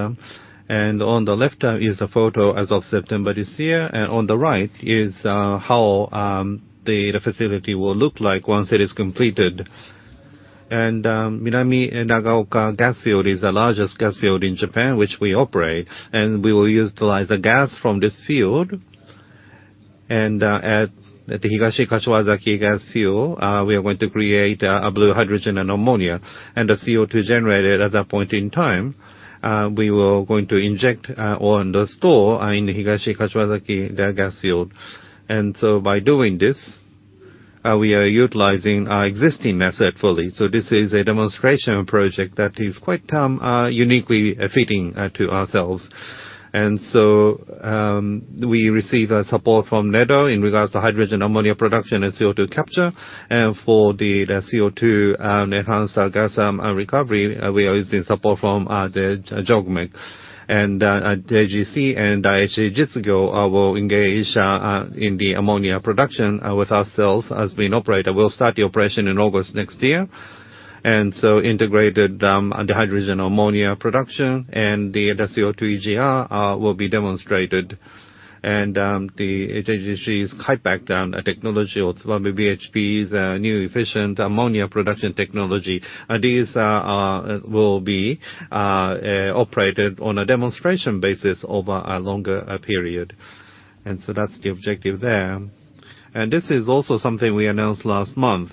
On the left is the photo as of September this year, and on the right is how the facility will look like once it is completed. Minami Nagaoka gas field is the largest gas field in Japan, which we operate, and we will utilize the gas from this field. At the Higashi Kashiwazaki gas field, we are going to create a blue hydrogen and ammonia, and the CO2 generated at that point in time, we are going to inject or store in Higashi Kashiwazaki gas field. So by doing this, we are utilizing our existing method fully. So this is a demonstration project that is quite uniquely fitting to ourselves. And so we receive support from NEDO in regards to hydrogen, ammonia production, and CO2 capture. And for the CO2 enhanced gas recovery, we are using support from the JOGMEC. And JGC and Uncertain will engage in the ammonia production with ourselves as the operator. We'll start the operation in August next year. And so integrated the hydrogen, ammonia production and the CO2 EGR will be demonstrated. And the JGC's HiPACT technology, or Tsubame BHB's new efficient ammonia production technology, these will be operated on a demonstration basis over a longer period. And so that's the objective there. And this is also something we announced last month,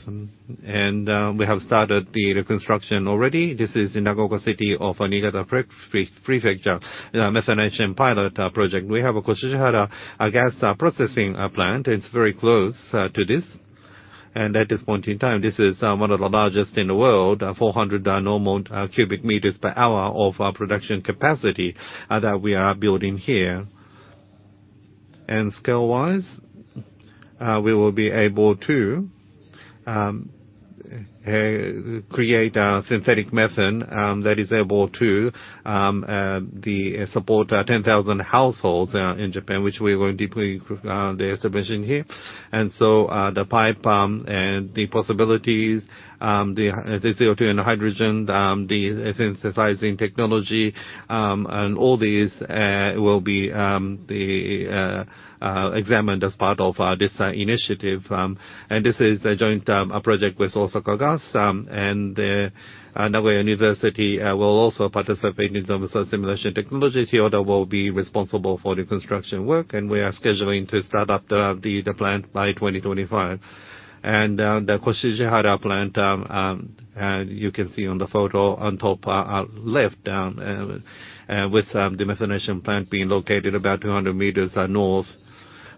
and we have started the construction already. This is in Nagaoka City of Niigata Prefecture, the methanation pilot project. We have a Kashiwazaki gas processing plant. It's very close to this. And at this point in time, this is one of the largest in the world, 400 normal cubic meters per hour of production capacity that we are building here... and scale-wise, we will be able to create a synthetic methane that is able to support 10,000 households in Japan, which we will deploy the establishment here. And so, the pipe, and the possibilities, the CO2 and hydrogen, the synthesizing technology, and all these will be examined as part of this initiative. And this is the joint project with Osaka Gas, and the Nagoya University will also participate in terms of simulation technology. Toyota will be responsible for the construction work, and we are scheduling to start up the plant by 2025. And the Koshijihara plant, you can see on the photo on top, left, with the methanation plant being located about 200 meters north.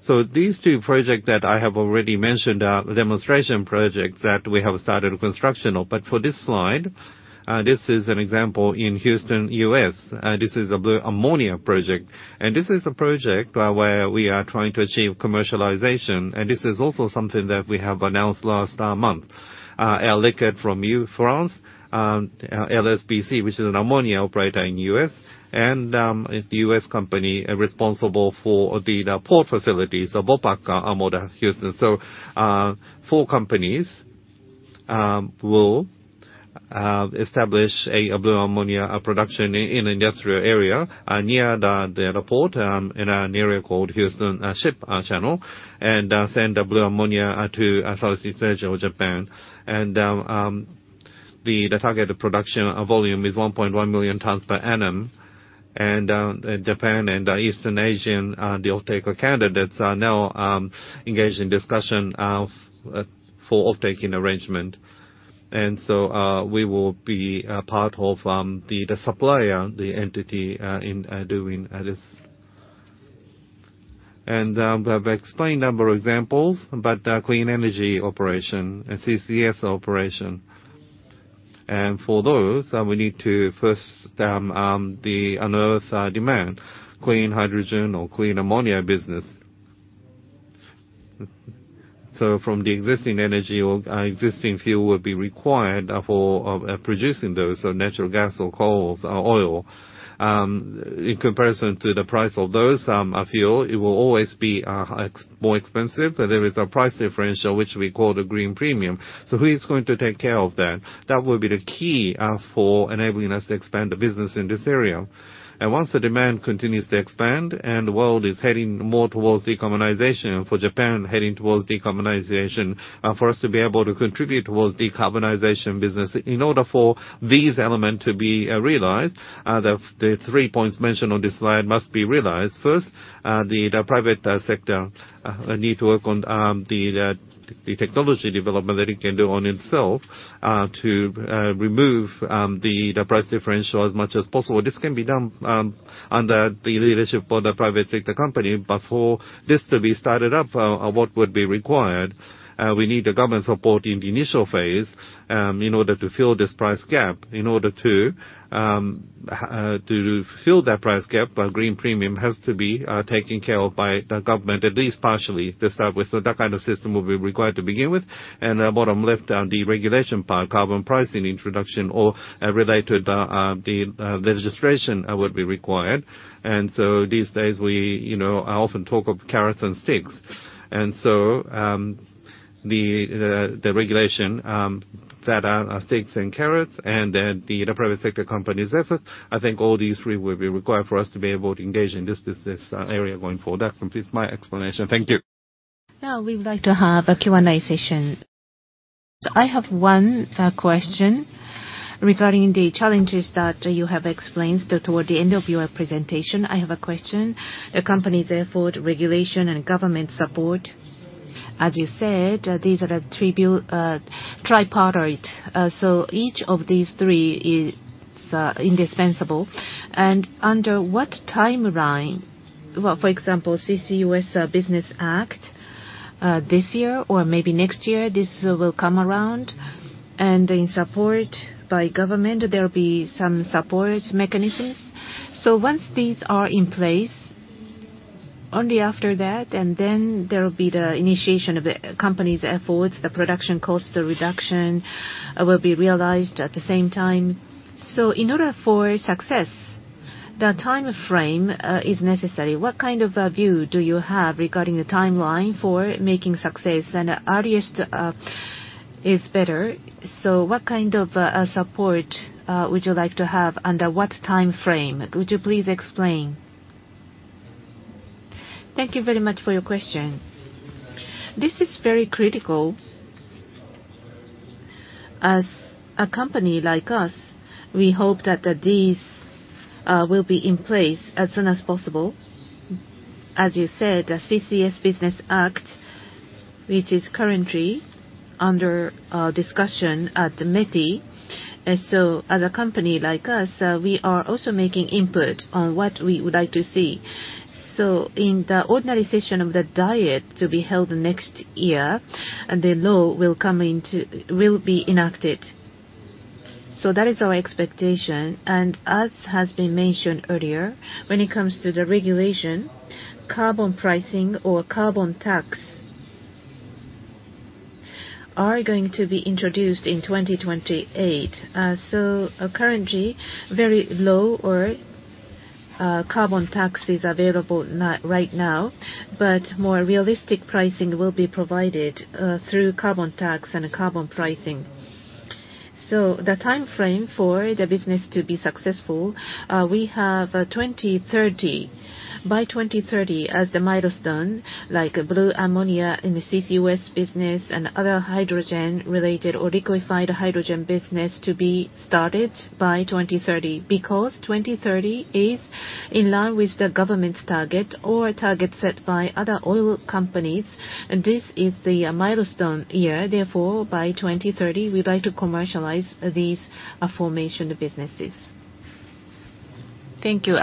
So these two projects that I have already mentioned are demonstration projects that we have started construction of. But for this slide, this is an example in Houston, U.S., this is a blue ammonia project. And this is a project where we are trying to achieve commercialization, and this is also something that we have announced last month. Air Liquide from France, LSBC, which is an ammonia operator in U.S., and a U.S. company responsible for the port facilities of Vopak Ammonia Houston. So, four companies will establish a blue ammonia production in industrial area near the airport in an area called Houston Ship Channel, and send the blue ammonia to Southeast Asia or Japan. And the targeted production volume is 1.1 million tons per annum. Japan and East Asian, the offtaker candidates are now engaged in discussion of for offtake arrangement. So, we will be a part of the supplier entity in doing this. I've explained number of examples, but clean energy operation and CCS operation. For those, we need to first unearth demand, clean hydrogen or clean ammonia business. So from the existing energy or existing fuel will be required for producing those, so natural gas or coal or oil. In comparison to the price of those fuel, it will always be more expensive, but there is a price differential, which we call the green premium. So who is going to take care of that? That will be the key for enabling us to expand the business in this area. Once the demand continues to expand, and the world is heading more towards decarbonization, for Japan, heading towards decarbonization, for us to be able to contribute towards decarbonization business, in order for these elements to be realized, the three points mentioned on this slide must be realized. First, the private sector need to work on the technology development that it can do on itself to remove the price differential as much as possible. This can be done under the leadership of the private sector company, but for this to be started up, what would be required, we need the government support in the initial phase in order to fill this price gap. In order to fill that price gap, our Green Premium has to be taken care of by the government, at least partially, to start with. So that kind of system will be required to begin with. And bottom left, the regulation part, carbon pricing introduction or related, the legislation would be required. And so these days, we, you know, I often talk of carrots and sticks. And so, the regulation that are sticks and carrots, and then the private sector company's effort, I think all these three will be required for us to be able to engage in this business area going forward. That completes my explanation. Thank you. Now, we would like to have a Q&A session. I have one question regarding the challenges that you have explained toward the end of your presentation. I have a question. The company's effort, regulation, and government support. As you said, these are the tripartite. So each of these three is indispensable. And under what timeline... Well, for example, CCUS Business Act, this year or maybe next year, this will come around, and in support by government, there will be some support mechanisms. So once these are in place, only after that, and then there will be the initiation of the company's efforts, the production cost reduction will be realized at the same time. So in order for success, the timeframe is necessary. What kind of a view do you have regarding the timeline for making success? And earliest is better. So what kind of support would you like to have, under what timeframe? Could you please explain? Thank you very much for your question. This is very critical. As a company like us, we hope that these will be in place as soon as possible. As you said, the CCS Business Act, which is currently under discussion at the METI. So as a company like us, we are also making input on what we would like to see. So in the ordinary session of the Diet to be held next year, the law will be enacted. So that is our expectation. And as has been mentioned earlier, when it comes to the regulation, carbon pricing or carbon tax are going to be introduced in 2028. So, currently, very low or, carbon tax is available now—right now, but more realistic pricing will be provided, through carbon tax and carbon pricing. So the timeframe for the business to be successful, we have, 2030. By 2030, as the milestone, like blue ammonia in the CCUS business and other hydrogen-related or liquefied hydrogen business to be started by 2030. Because 2030 is in line with the government's target or target set by other oil companies, and this is the, milestone year. Therefore, by 2030, we'd like to commercialize these formation businesses. Thank you.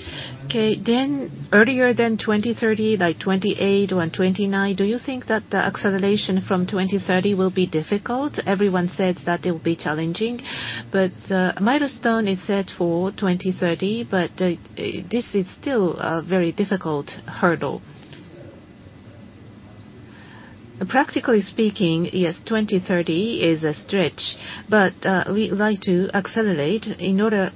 Understood. Okay, then earlier than 2030, like 2028 or 2029, do you think that the acceleration from 2030 will be difficult? Everyone says that it will be challenging, but milestone is set for 2030, but this is still a very difficult hurdle. Practically speaking, yes, 2030 is a stretch, but we'd like to accelerate in order...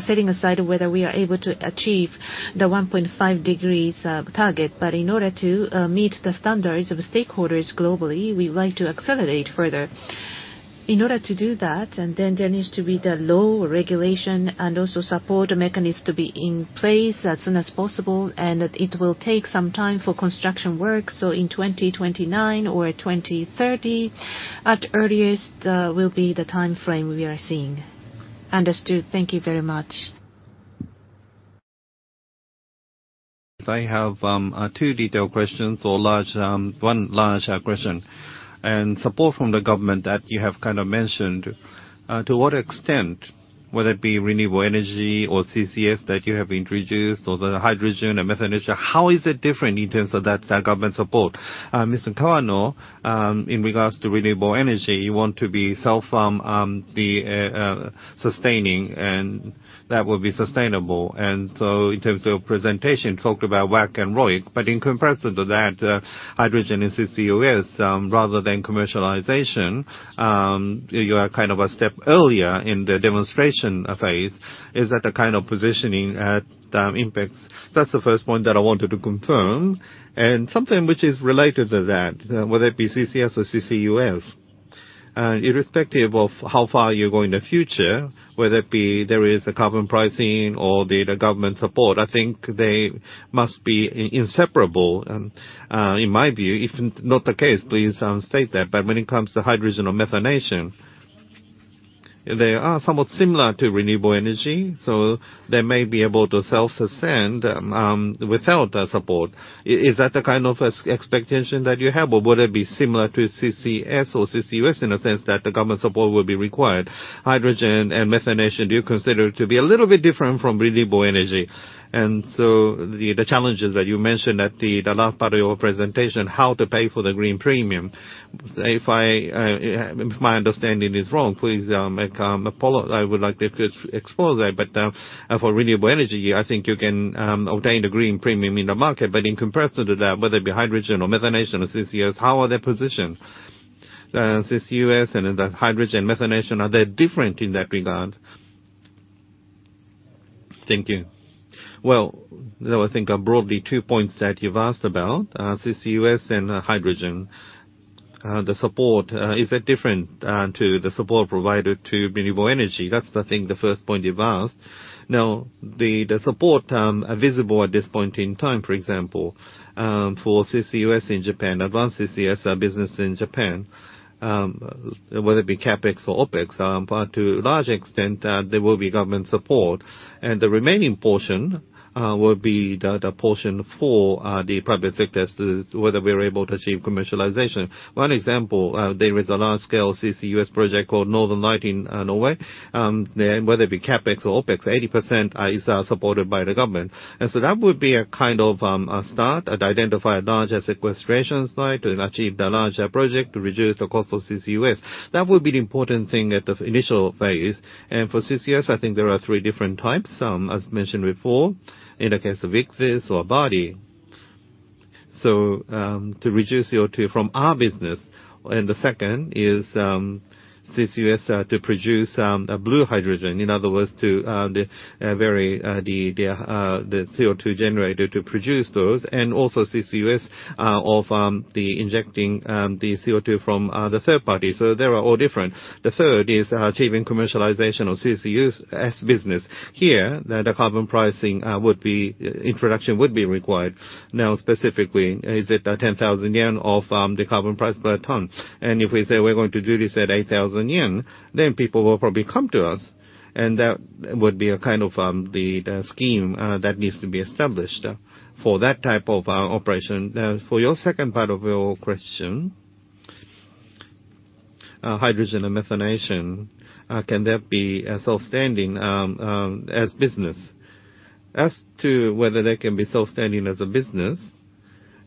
Setting aside whether we are able to achieve the 1.5 degrees target, but in order to meet the standards of stakeholders globally, we'd like to accelerate further. In order to do that, and then there needs to be the law, regulation, and also support mechanisms to be in place as soon as possible, and that it will take some time for construction work. So in 2029 or 2030 at earliest will be the timeframe we are seeing. Understood.Thank you very much. I have two detailed questions or large one large question. Support from the government that you have kind of mentioned to what extent, whether it be renewable energy or CCS that you have introduced or the hydrogen and methanation, how is it different in terms of that, the government support? Mr. Kawano, in regards to renewable energy, you want to be self the sustaining, and that will be sustainable. And so in terms of presentation, talked about WACC and ROIC, but in comparison to that, hydrogen and CCUS, rather than commercialization, you are kind of a step earlier in the demonstration phase. Is that the kind of positioning at INPEX? That's the first point that I wanted to confirm. And something which is related to that, whether it be CCS or CCUS, irrespective of how far you go in the future, whether it be there is a carbon pricing or the government support, I think they must be inseparable, and in my view, if not the case, please state that. But when it comes to hydrogen or methanation, they are somewhat similar to renewable energy, so they may be able to self-sustained without the support. Is that the kind of expectation that you have, or would it be similar to CCS or CCUS in a sense that the government support will be required? Hydrogen and methanation, do you consider to be a little bit different from renewable energy? And so the challenges that you mentioned at the last part of your presentation, how to pay for the green premium. If I, if my understanding is wrong, please, make apologies—I would like to expose that. But, for renewable energy, I think you can, obtain the green premium in the market. But in comparison to that, whether it be hydrogen or methanation or CCUS, how are they positioned? CCUS and the hydrogen methanation, are they different in that regard? Thank you. Well, there I think are broadly two points that you've asked about, CCUS and, hydrogen. The support, is it different, to the support provided to renewable energy? That's the thing, the first point you've asked. Now, the support visible at this point in time, for example, for CCUS in Japan, advanced CCS business in Japan, whether it be CapEx or OpEx, but to a large extent, there will be government support, and the remaining portion will be the portion for the private sector, whether we are able to achieve commercialization. One example, there is a large-scale CCUS project called Northern Lights in Norway. Whether it be CapEx or OpEx, 80% is supported by the government. And so that would be a kind of a start, and identify a larger sequestration site to achieve the larger project to reduce the cost of CCUS. That would be the important thing at the initial phase. For CCS, I think there are three different types, as mentioned before, in the case of Ichthys or Abadi. So, to reduce CO2 from our business, and the second is, CCUS, to produce a blue hydrogen. In other words, to the CO2 generated to produce those, and also CCUS of the injecting the CO2 from the third party. So they are all different. The third is achieving commercialization of CCUS as business. Here, the carbon pricing introduction would be required. Now, specifically, is it a 10,000 yen of the carbon price per ton? If we say we're going to do this at 8,000 yen, then people will probably come to us, and that would be a kind of scheme that needs to be established for that type of operation. For your second part of your question, hydrogen and methanation, can that be a self-standing as business? As to whether they can be self-standing as a business,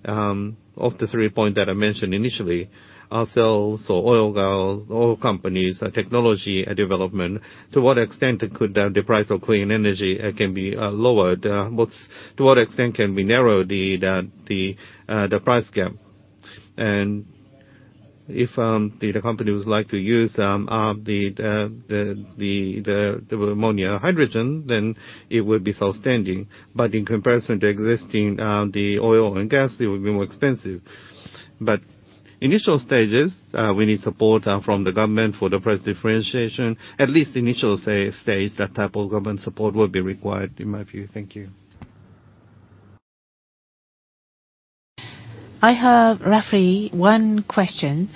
of the three points that I mentioned initially, ourselves or oil and gas companies, technology development, to what extent it could the price of clean energy can be lowered? To what extent can we narrow the price gap? And if the company would like to use the ammonia hydrogen, then it would be outstanding. But in comparison to existing oil and gas, it would be more expensive. But initial stages, we need support from the government for the price differentiation. At least initial stage, that type of government support will be required, in my view. Thank you. I have roughly one question.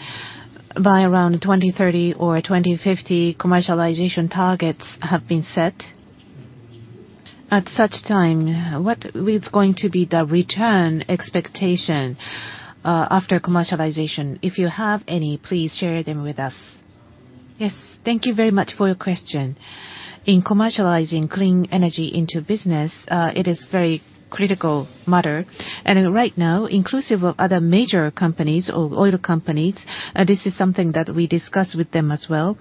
By around 2030 or 2050, commercialization targets have been set. At such time, what is going to be the return expectation, after commercialization? If you have any, please share them with us. Yes, thank you very much for your question. In commercializing clean energy into business, it is very critical matter. And right now, inclusive of other major companies or oil companies, this is something that we discuss with them as well.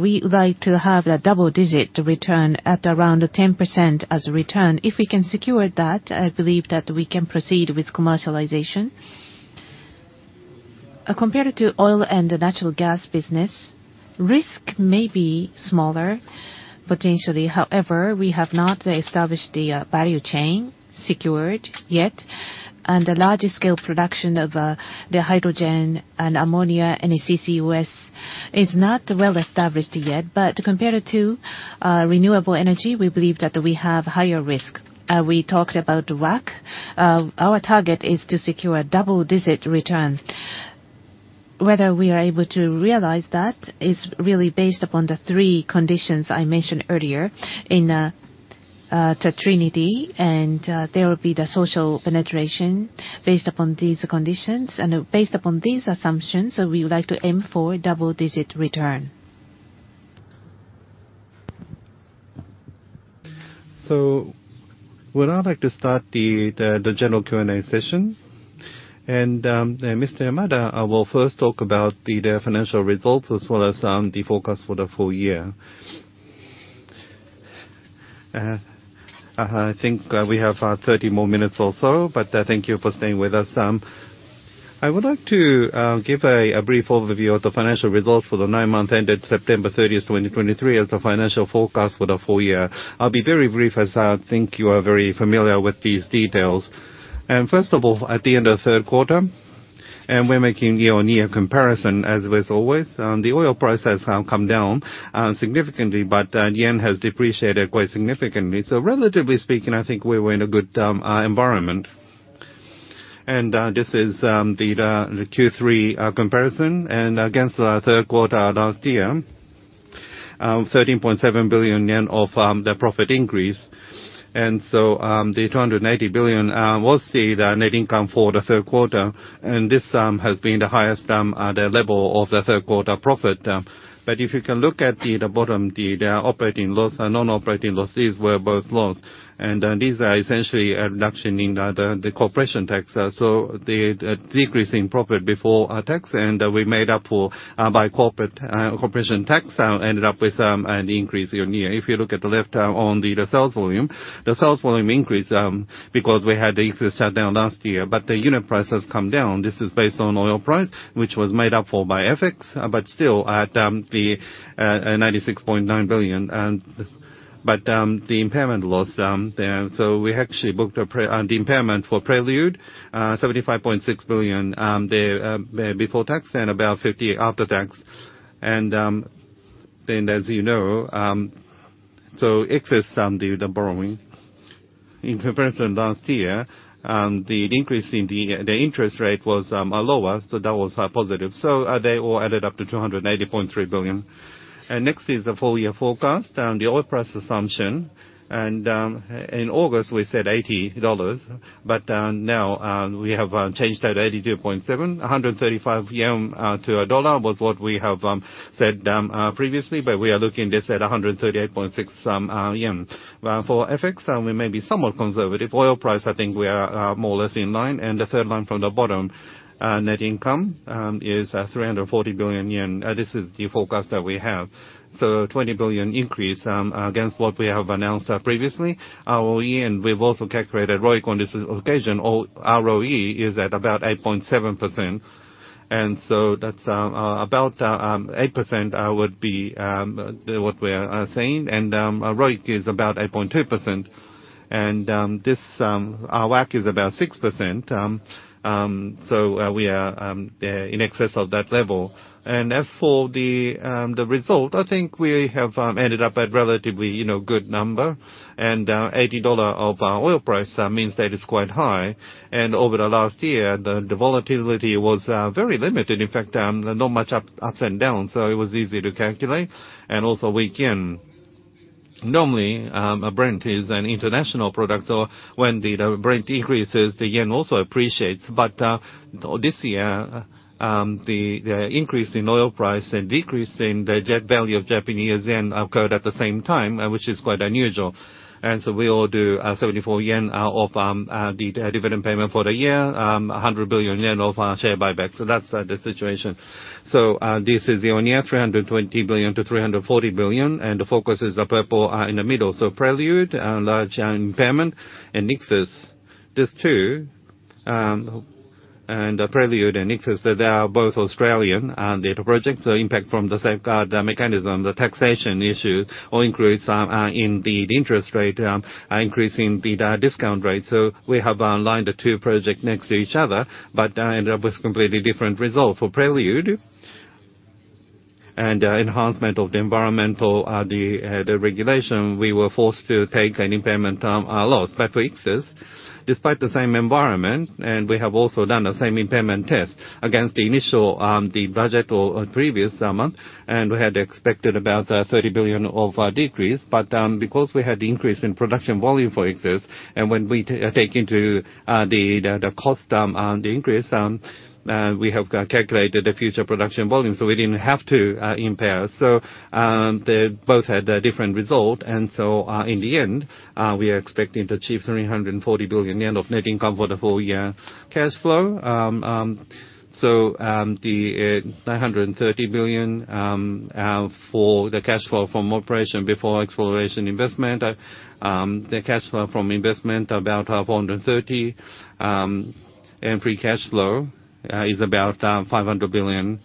We like to have a double-digit return at around 10% as return. If we can secure that, I believe that we can proceed with commercialization. Compared to oil and natural gas business, risk may be smaller, potentially. However, we have not established the value chain, secured yet, and the larger scale production of the hydrogen and ammonia and the CCUS is not well established yet. But compared to renewable energy, we believe that we have higher risk. We talked about WACC. Our target is to secure double-digit return. Whether we are able to realize that is really based upon the three conditions I mentioned earlier in the trinity, and there will be the social penetration based upon these conditions. And based upon these assumptions, we would like to aim for a double-digit return. So would I like to start the general Q&A session? And Mr. Mada, I will first talk about the financial results as well as the forecast for the full year. I think we have 30 more minutes or so, but thank you for staying with us. I would like to give a brief overview of the financial results for the nine months ended September 30, 2023, as the financial forecast for the full year. I'll be very brief, as I think you are very familiar with these details. And first of all, at the end of the third quarter, and we're making year-on-year comparison, as always, the oil price has come down significantly, but yen has depreciated quite significantly. So relatively speaking, I think we were in a good environment. This is the Q3 comparison and against the third quarter last year, 13.7 billion yen of the profit increase. So, the 280 billion was the net income for the third quarter, and this has been the highest level of the third quarter profit. But if you can look at the bottom, the operating loss and non-operating losses were both loss. And, these are essentially a reduction in the corporation tax. So the decreasing profit before tax, and we made up for by corporation tax, ended up with an increase year-on-year. If you look at the left, on the sales volume, the sales volume increased, because we had the Ichthys shutdown last year. But the unit price has come down. This is based on oil price, which was made up for by FX, but still at 96.9 billion. But the impairment loss, then, so we actually booked a pre-tax impairment for Prelude, 75.6 billion before tax and about 50 billion after tax. Then, as you know, so excess, the borrowing. In comparison to last year, the increase in the interest rate was lower, so that was positive. So they all added up to 280.3 billion. Next is the full year forecast, the oil price assumption. In August, we said $80, but now we have changed that to $82.7. 135 yen to $1 was what we have said previously, but we are looking this at 138.6 yen. For FX, we may be somewhat conservative. Oil price, I think we are more or less in line. The third line from the bottom, net income, is 340 billion yen. This is the forecast that we have. So 20 billion increase against what we have announced previously. OpEx, and we've also calculated ROIC on this occasion, ROE is at about 8.7%. And so that's about 8% would be what we are saying. And ROIC is about 8.2%. This WACC is about 6%, so we are in excess of that level. As for the result, I think we have ended up at relatively, you know, good number. And $80 oil price means that it's quite high. Over the last year, the volatility was very limited. In fact, not much ups and downs, so it was easy to calculate, and also normally, Brent is an international product, so when the Brent increases, the yen also appreciates. But this year, the increase in oil price and decrease in the yen value of Japanese yen occurred at the same time, which is quite unusual. We will do 74 yen of dividend payment for the year, 100 billion yen of our share buyback. So that's the situation. So this is the only year, 320 billion- 340 billion, and the focus is the purple in the middle. So Prelude large impairment, and Ichthys. These two, and Prelude and Ichthys, they are both Australian gas projects, so impact from the same mechanism, the taxation issue, or increase in the interest rate, increasing the discount rate. So we have lined the two projects next to each other, but ended up with completely different result. For Prelude and enhancement of the environmental, the regulation, we were forced to take an impairment loss. But for Ichthys, despite the same environment, and we have also done the same impairment test against the initial, the budget or previous month, and we had expected about 30 billion of decrease. But because we had the increase in production volume for Ichthys, and when we take into the cost and the increase, we have calculated the future production volume, so we didn't have to impair. So they both had a different result. And so in the end, we are expecting to achieve 340 billion yen of net income for the full year cash flow. So the 930 billion for the cash flow from operation before exploration investment. The cash flow from investment, about 430 billion. Free cash flow is about 500 billion,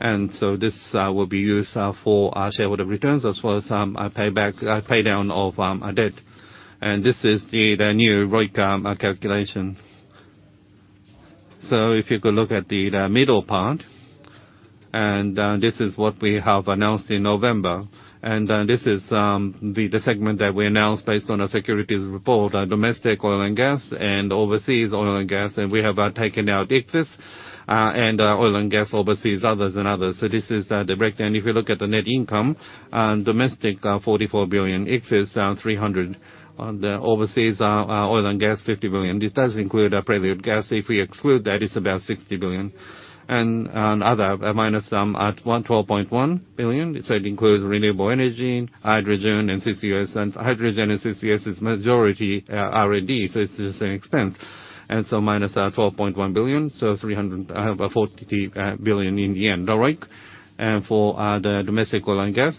and so this will be used for our shareholder returns as well as a pay down of our debt. This is the new ROIC calculation. So if you could look at the middle part, and this is what we have announced in November. This is the segment that we announced based on a securities report, our domestic oil and gas and overseas oil and gas, and we have taken out Ichthys and oil and gas overseas, others and others. So this is the breakdown. If you look at the net income, domestic 44 billion, Ichthys 300 billion, on the overseas oil and gas 50 billion. This does include our Prelude gas. If we exclude that, it's about 60 billion. And other minus 112.1 billion. So it includes renewable energy, hydrogen and CCS, and hydrogen and CCS is majority R&D, so it's just an expense. And so minus 112.1 billion, so 340 billion in yen, the ROIC. And for the domestic oil and gas,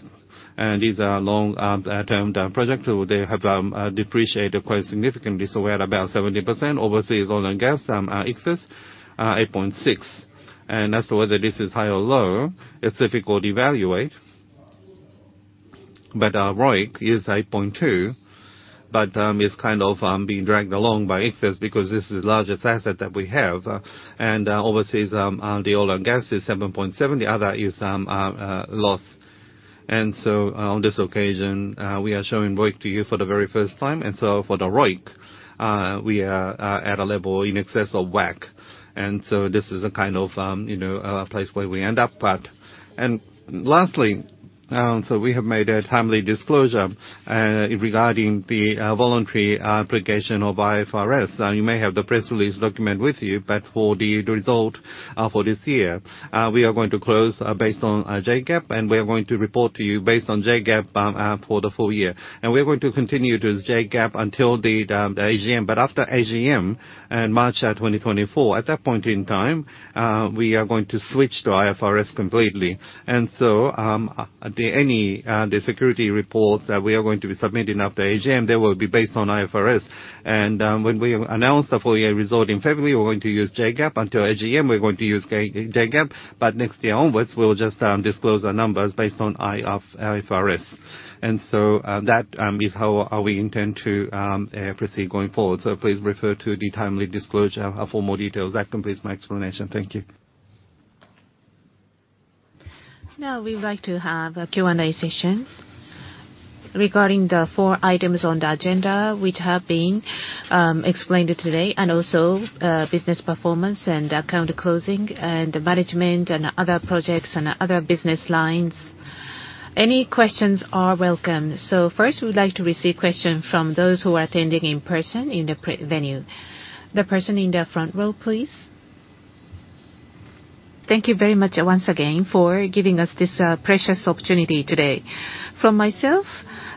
and these are long-term project, so they have depreciated quite significantly, so we're at about 70%. Overseas oil and gas, Ichthys 8.6%. And as to whether this is high or low, it's difficult to evaluate. ROIC is 8.2, but it's kind of being dragged along by Ichthys because this is the largest asset that we have. Overseas, the oil and gas is 7.7. The other is loss. On this occasion, we are showing ROIC to you for the very first time. For the ROIC, we are at a level in excess of WACC. This is a kind of, you know, place where we end up at. Lastly, we have made a timely disclosure regarding the voluntary application of IFRS. Now, you may have the press release document with you, but for the result, for this year, we are going to close, based on, JGAAP, and we are going to report to you based on JGAAP, for the full year. And we are going to continue to use JGAAP until the AGM. But after AGM, in March 2024, at that point in time, we are going to switch to IFRS completely. And so, any, the security reports that we are going to be submitting after AGM, they will be based on IFRS. And, when we announce the full year result in February, we're going to use JGAAP. Until AGM, we're going to use JGAAP, but next year onwards, we'll just, disclose our numbers based on IFRS. That is how we intend to proceed going forward. Please refer to the timely disclosure for more details. That completes my explanation. Thank you. Now, we'd like to have a Q&A session regarding the four items on the agenda, which have been explained today, and also business performance and account closing, and management and other projects and other business lines. Any questions are welcome. So first, we would like to receive questions from those who are attending in person in the pre-venue. The person in the front row, please. Thank you very much once again for giving us this precious opportunity today. From myself,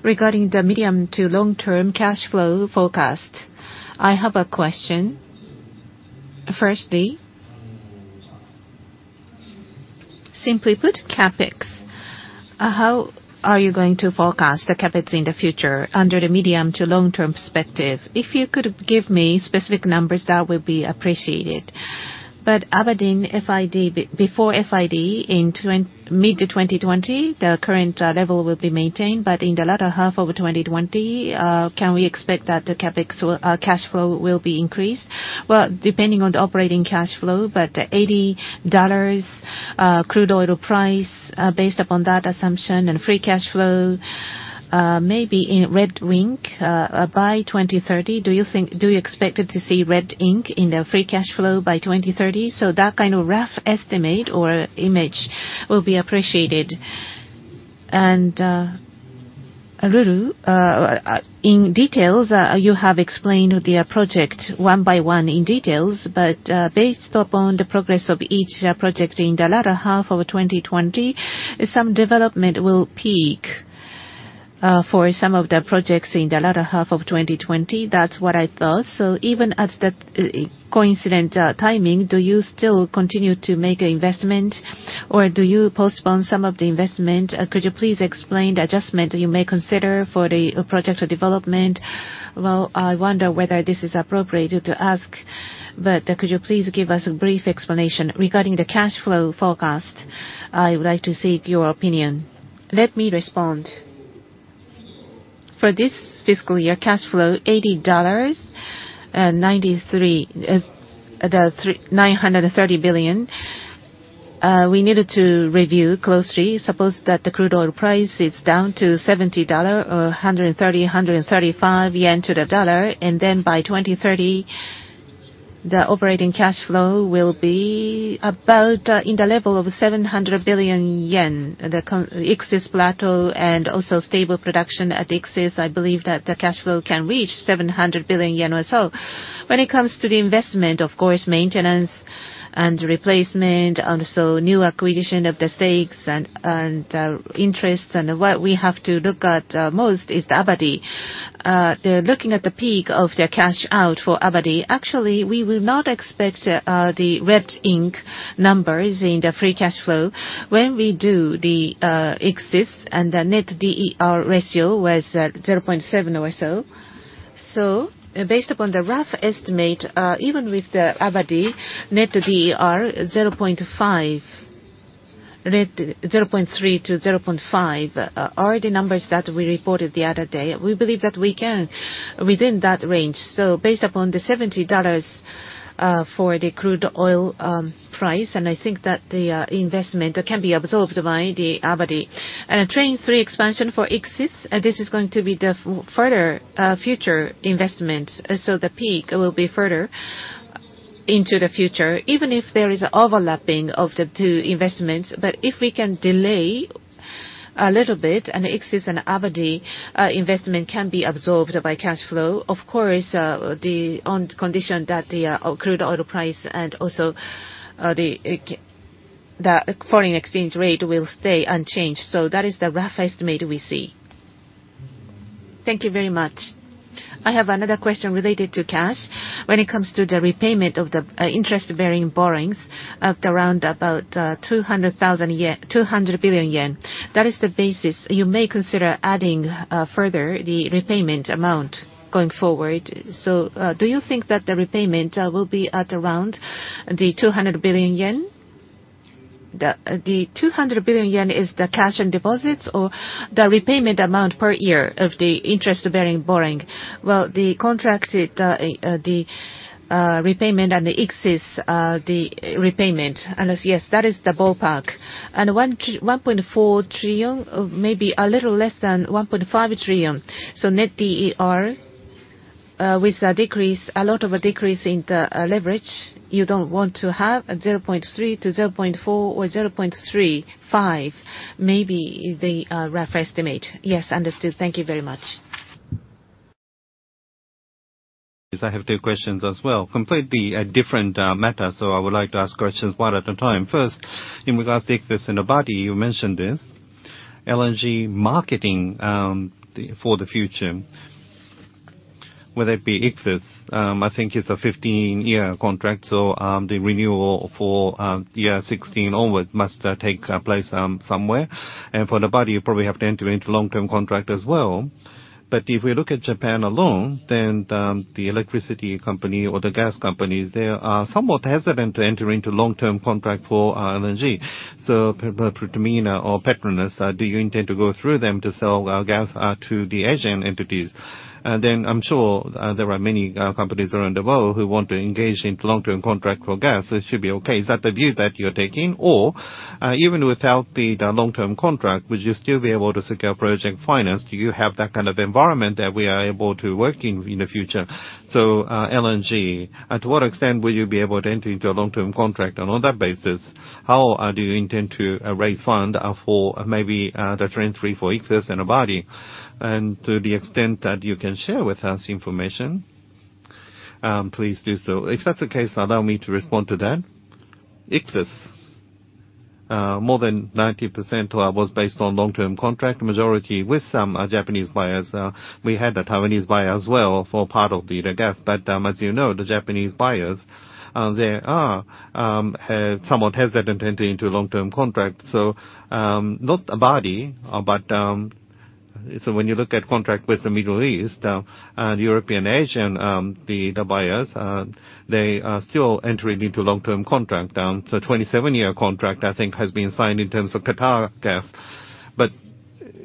regarding the medium to long-term cash flow forecast, I have a question. Firstly, simply put, CapEx. How are you going to forecast the CapEx in the future under the medium to long-term perspective? If you could give me specific numbers, that would be appreciated. But Abadi FID, before FID in mid-2020, the current level will be maintained, but in the latter half of 2020, can we expect that the CapEx cash flow will be increased? Well, depending on the operating cash flow, but $80 crude oil price, based upon that assumption and free cash flow, maybe in red ink by 2030. Do you think - do you expect to see red ink in the free cash flow by 2030? So that kind of rough estimate or image will be appreciated. And... Ruru, in details, you have explained the project one by one in details, but based upon the progress of each project in the latter half of 2020, some development will peak for some of the projects in the latter half of 2020. That's what I thought. So even at that coincident timing, do you still continue to make an investment, or do you postpone some of the investment? Could you please explain the adjustment you may consider for the project development? Well, I wonder whether this is appropriate to ask, but could you please give us a brief explanation regarding the cash flow forecast? I would like to seek your opinion. Let me respond. For this fiscal year, cash flow, $80, 93, 930 billion, we needed to review closely. Suppose that the crude oil price is down to $70 or 130-135 yen to the dollar, and then by 2030, the operating cash flow will be about, in the level of 700 billion yen. The Ichthys plateau and also stable production at Ichthys, I believe that the cash flow can reach 700 billion yen or so. When it comes to the investment, of course, maintenance and replacement, and so new acquisition of the stakes and interests, and what we have to look at most is Abadi. Looking at the peak of the cash out for Abadi, actually, we will not expect the red ink numbers in the free cash flow. When we do the Ichthys and the Net DER ratio was 0.7 or so. So based upon the rough estimate, even with the Abadi, Net DER 0.5, range 0.3-0.5 are the numbers that we reported the other day. We believe that we can within that range. So based upon the $70 for the crude oil price, and I think that the investment can be absorbed by the Abadi. Train 3 expansion for Ichthys, this is going to be the further future investment, so the peak will be further into the future, even if there is overlapping of the two investments. But if we can delay a little bit, and Ichthys and Abadi investment can be absorbed by cash flow, of course, on the condition that the crude oil price and also the foreign exchange rate will stay unchanged. So that is the rough estimate we see. Thank you very much. I have another question related to cash. When it comes to the repayment of the interest-bearing borrowings of around about 200,000 JPY- 200 billion yen, that is the basis you may consider adding further the repayment amount going forward. So, do you think that the repayment will be at around the 200 billion yen? The 200 billion yen is the cash and deposits or the repayment amount per year of the interest-bearing borrowing? Well, the contracted repayment and the Ichthys repayment, and yes, that is the ballpark. And 1.4 trillion, maybe a little less than 1.5 trillion. So Net DER, with a decrease, a lot of a decrease in the leverage, you don't want to have a 0.3-0.4 or 0.35 maybe the rough estimate. Yes, understood. Thank you very much. I have two questions as well, completely a different matter, so I would like to ask questions one at a time. First, in regards to Ichthys and Abadi, you mentioned this, LNG marketing, the, for the future, whether it be Ichthys, I think it's a 15-year contract, so, the renewal for, year 16 onwards must, take, place, somewhere. And for Abadi, you probably have to enter into long-term contract as well. But if we look at Japan alone, then, the electricity company or the gas companies, they are somewhat hesitant to enter into long-term contract for, LNG. So for Pertamina or Petronas, do you intend to go through them to sell our gas, to the Asian entities? I'm sure there are many companies around the world who want to engage in long-term contract for gas. It should be okay. Is that the view that you're taking? Or even without the long-term contract, would you still be able to secure project finance? Do you have that kind of environment that we are able to work in in the future? So LNG, to what extent will you be able to enter into a long-term contract on all that basis? How do you intend to raise fund for maybe the Train 3 for Ichthys and Abadi? And to the extent that you can share with us information, please do so. If that's the case, allow me to respond to that. Ichthys, more than 90% was based on long-term contract, majority with some Japanese buyers. We had a Taiwanese buyer as well for part of the gas. But, as you know, the Japanese buyers, they are have somewhat hesitant to enter into a long-term contract. So, not Abadi, but... So when you look at contract with the Middle East and European, Asian, the buyers, they are still entering into long-term contract. So 27-year contract, I think, has been signed in terms of Qatargas. But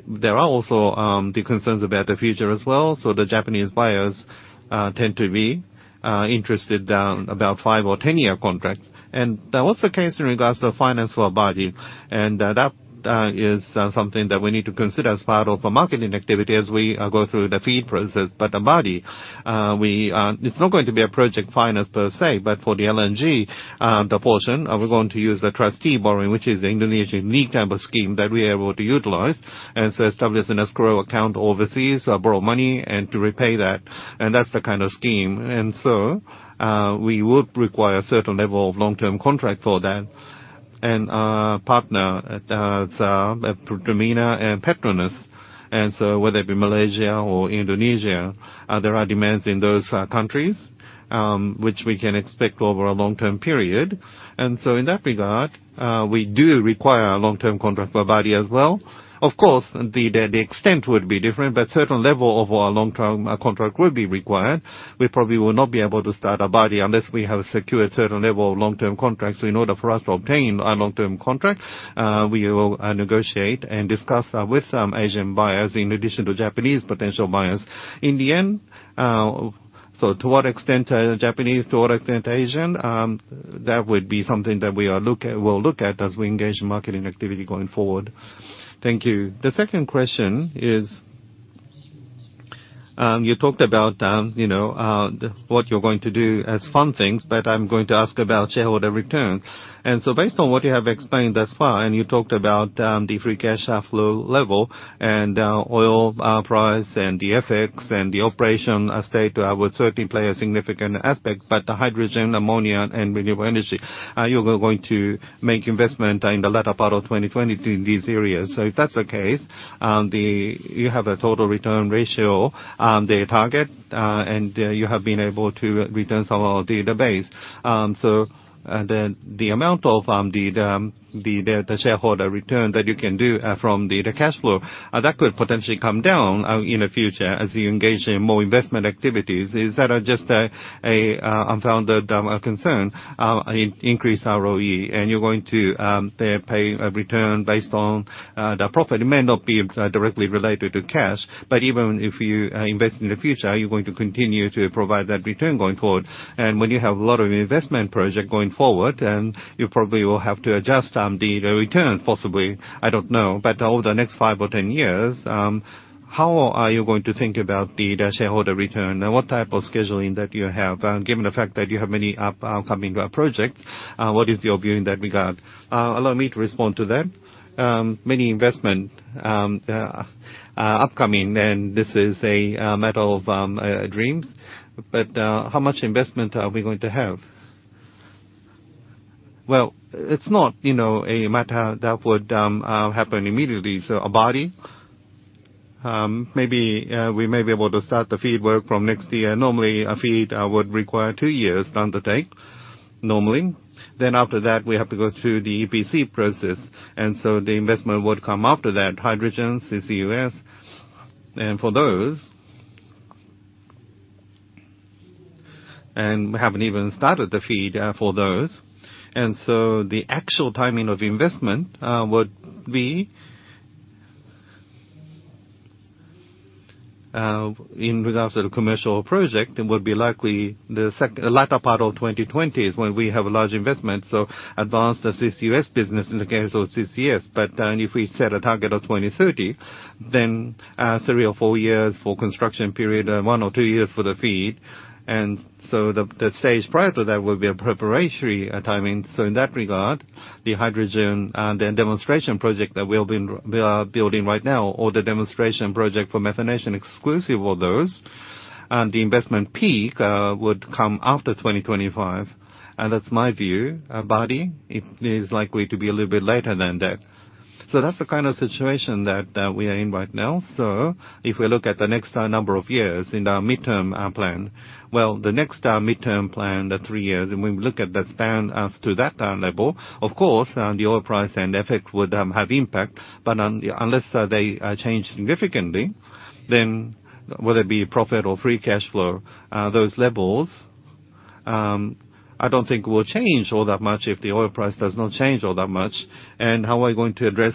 there are also the concerns about the future as well. So the Japanese buyers tend to be interested about 5- or 10-year contract. That was the case in regards to finance for Abadi, and that is something that we need to consider as part of a marketing activity as we go through the FEED process. But Abadi, it's not going to be a project finance per se, but for the LNG portion, we're going to use the trustee borrowing, which is the Indonesian unique type of scheme that we are able to utilize, and so establish an escrow account overseas, borrow money and to repay that, and that's the kind of scheme. And so, we would require a certain level of long-term contract for that. And, partner, it's Pertamina and Petronas. And so whether it be Malaysia or Indonesia, there are demands in those countries, which we can expect over a long-term period. And so in that regard, we do require a long-term contract for Abadi as well. Of course, the extent would be different, but certain level of our long-term contract will be required. We probably will not be able to start Abadi unless we have secured certain level of long-term contracts. In order for us to obtain a long-term contract, we will negotiate and discuss with some Asian buyers in addition to Japanese potential buyers. In the end, so to what extent Japanese, to what extent Asian, that would be something that we'll look at as we engage in marketing activity going forward. Thank you. The second question is, you talked about, you know, the, what you're going to do as fun things, but I'm going to ask about shareholder return. And so based on what you have explained thus far, and you talked about, the free cash flow level and, oil, price, and the FX, and the operation state, would certainly play a significant aspect. But the hydrogen, ammonia, and renewable energy, you're going to make investment in the latter part of 2020 in these areas. So if that's the case, the... You have a total return ratio, the target, and you have been able to return some of the base. So, the amount of the shareholder return that you can do from the cash flow that could potentially come down in the future as you engage in more investment activities. Is that just a unfounded concern? In increase ROE, and you're going to pay a return based on the profit. It may not be directly related to cash, but even if you invest in the future, you're going to continue to provide that return going forward. And when you have a lot of investment project going forward, and you probably will have to adjust the return, possibly, I don't know. But over the next 5 or 10 years, how are you going to think about the shareholder return, and what type of scheduling that you have? Given the fact that you have many upcoming projects, what is your view in that regard? Allow me to respond to that. Many investment upcoming, and this is a matter of dreams. But how much investment are we going to have? Well, it's not, you know, a matter that would happen immediately. So Abadi, maybe we may be able to start the FEED work from next year. Normally, a FEED would require 2 years to undertake, normally. Then after that, we have to go through the EPC process, and so the investment would come after that. Hydrogen, CCUS, and for those... We haven't even started the FEED for those. So the actual timing of investment would be in regards to the commercial project; it would be likely the latter part of the 2020s when we have a large investment, so advance the CCUS business in the case of CCS. But if we set a target of 2030, then 3 or 4 years for construction period, 1 or 2 years for the FEED, and so the stage prior to that will be a preparatory timing. So in that regard, the hydrogen and the demonstration project that we are building right now, or the demonstration project for methanation, exclusive of those, the investment peak would come after 2025, and that's my view. Abadi, it is likely to be a little bit later than that. So that's the kind of situation that we are in right now. So if we look at the next number of years in our midterm plan, well, the next midterm plan, the three years, and when we look at the stand to that level, of course the oil price and FX would have impact. But unless they change significantly, then whether it be profit or free cash flow, those levels I don't think will change all that much if the oil price does not change all that much. And how are we going to address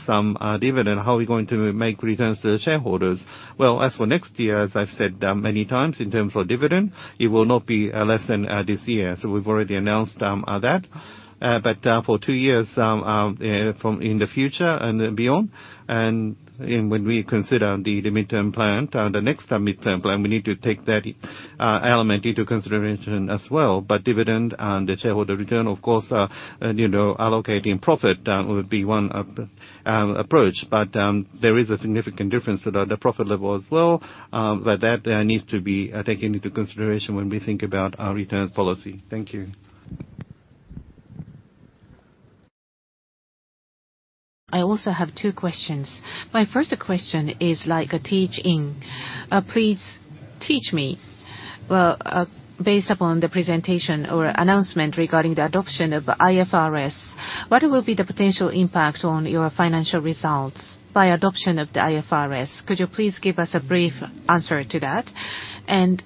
dividend? How are we going to make returns to the shareholders? Well, as for next year, as I've said, many times, in terms of dividend, it will not be less than this year. So we've already announced that. But for two years in the future and beyond, and when we consider the midterm plan, the next midterm plan, we need to take that element into consideration as well. But dividend and the shareholder return, of course, you know, allocating profit would be one approach. But there is a significant difference at the profit level as well, but that needs to be taken into consideration when we think about our returns policy. Thank you. I also have two questions. My first question is like a teaching. Please teach me. Well, based upon the presentation or announcement regarding the adoption of IFRS, what will be the potential impact on your financial results by adoption of the IFRS? Could you please give us a brief answer to that? And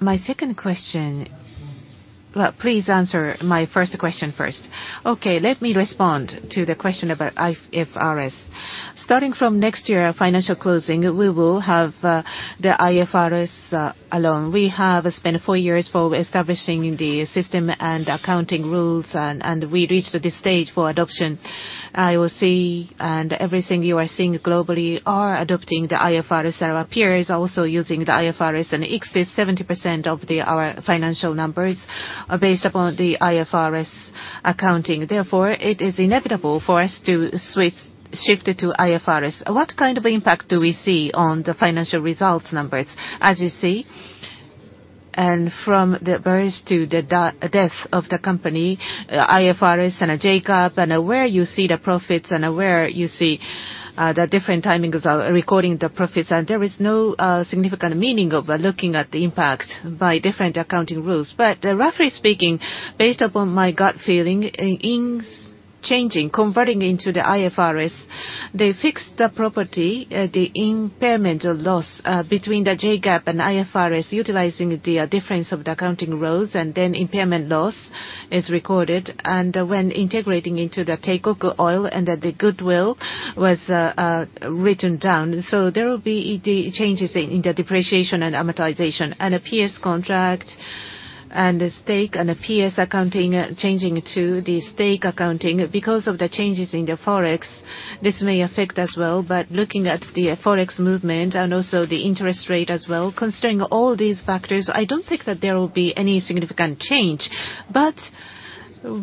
my second question... Well, please answer my first question first. Okay, let me respond to the question about IFRS. Starting from next year, financial closing, we will have the IFRS alone. We have spent four years for establishing the system and accounting rules, and we reached this stage for adoption. IOC and everything you are seeing globally are adopting the IFRS, our peers also using the IFRS, and it exceeds 70% of our financial numbers are based upon the IFRS accounting. Therefore, it is inevitable for us to switch, shift to IFRS. What kind of impact do we see on the financial results numbers? From the birth to the death of the company, IFRS and a JGAAP, and where you see the profits and where you see the different timings of recording the profits, and there is no significant meaning of looking at the impact by different accounting rules. But roughly speaking, based upon my gut feeling, in changing, converting into the IFRS, they fixed the property, the impairment or loss, between the JGAAP and IFRS, utilizing the difference of the accounting rules, and then impairment loss is recorded. When integrating into the Teikoku Oil and that the goodwill was written down. There will be changes in the depreciation and amortization, and a PS contract and a stake, and a PS accounting changing to the stake accounting. Because of the changes in the Forex, this may affect as well, but looking at the Forex movement and also the interest rate as well, considering all these factors, I don't think that there will be any significant change. But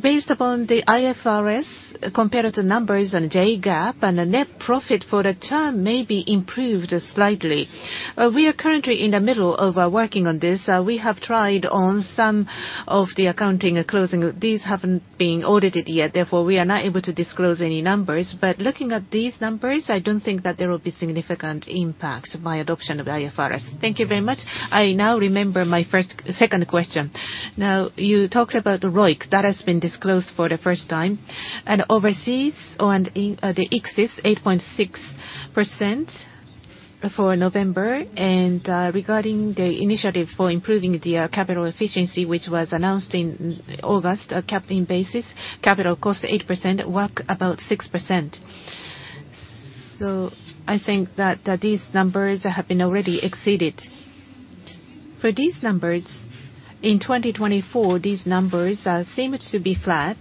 based upon the IFRS, comparative numbers and JGAAP, and the net profit for the term may be improved slightly. We are currently in the middle of working on this. We have tried on some of the accounting closing. These haven't been audited yet, therefore, we are not able to disclose any numbers. But looking at these numbers, I don't think that there will be significant impact by adoption of IFRS. Thank you very much. I now remember my second question. Now, you talked about the ROIC, that has been disclosed for the first time, and overseas, one in the existing 8.6% for November. And, regarding the initiative for improving the capital efficiency, which was announced in August, on a capital basis, capital cost 8%, WACC about 6%. So I think that these numbers have already been exceeded. For these numbers, in 2024, these numbers are seeming to be flat,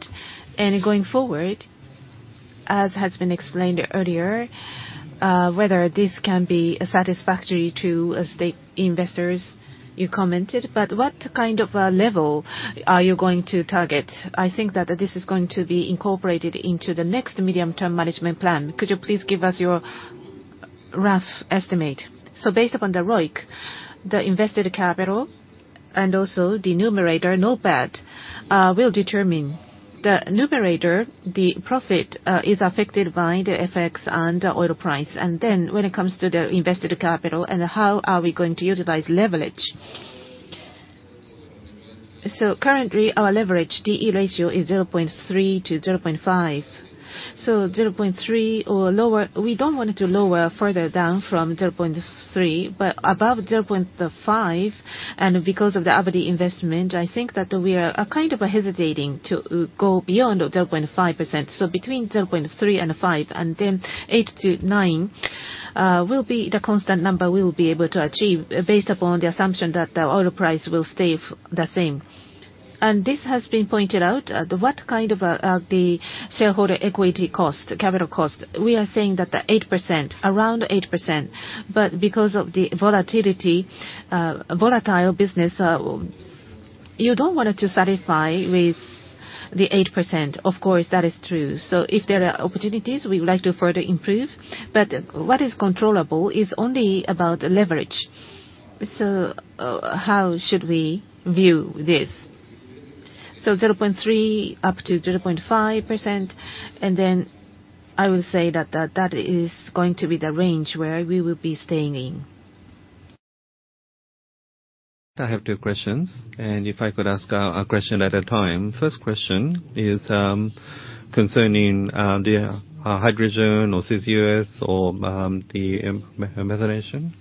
and going forward, as has been explained earlier, whether this can be satisfactory to stakeholders, you commented, but what kind of a level are you going to target? I think that this is going to be incorporated into the next medium-term management plan. Could you please give us your rough estimate? Based upon the ROIC, the invested capital and also the numerator, NOPAT, will determine. The numerator, the profit, is affected by the FX and the oil price. And then when it comes to the invested capital and how are we going to utilize leverage? Currently, our leverage, D/E ratio, is 0.3-0.5. So 0.3 or lower, we don't want it to lower further down from 0.3, but above 0.5, and because of the Aberdeen investment, I think that we are kind of hesitating to go beyond 0.5 percent. So between 0.3 and 0.5, and then 8-9 will be the constant number we will be able to achieve, based upon the assumption that the oil price will stay the same. This has been pointed out, what kind of the shareholder equity cost, capital cost? We are saying that the 8%, around 8%, but because of the volatility, volatile business, you don't want it to satisfy with the 8%. Of course, that is true. So if there are opportunities, we would like to further improve, but what is controllable is only about leverage. So, how should we view this? So 0.3%-0.5%, and then I would say that, that, that is going to be the range where we will be staying in. I have two questions, and if I could ask a question at a time. First question is concerning the hydrogen or CCUS or the methanation.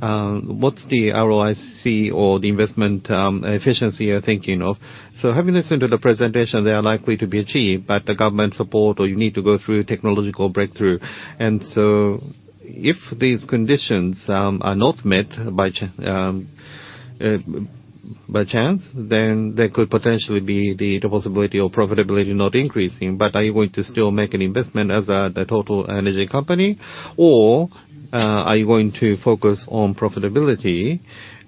What's the ROIC or the investment efficiency you're thinking of? So having listened to the presentation, they are likely to be achieved, but the government support or you need to go through technological breakthrough. And so if these conditions are not met by chance, then there could potentially be the possibility of profitability not increasing. But are you going to still make an investment as a total energy company? Or are you going to focus on profitability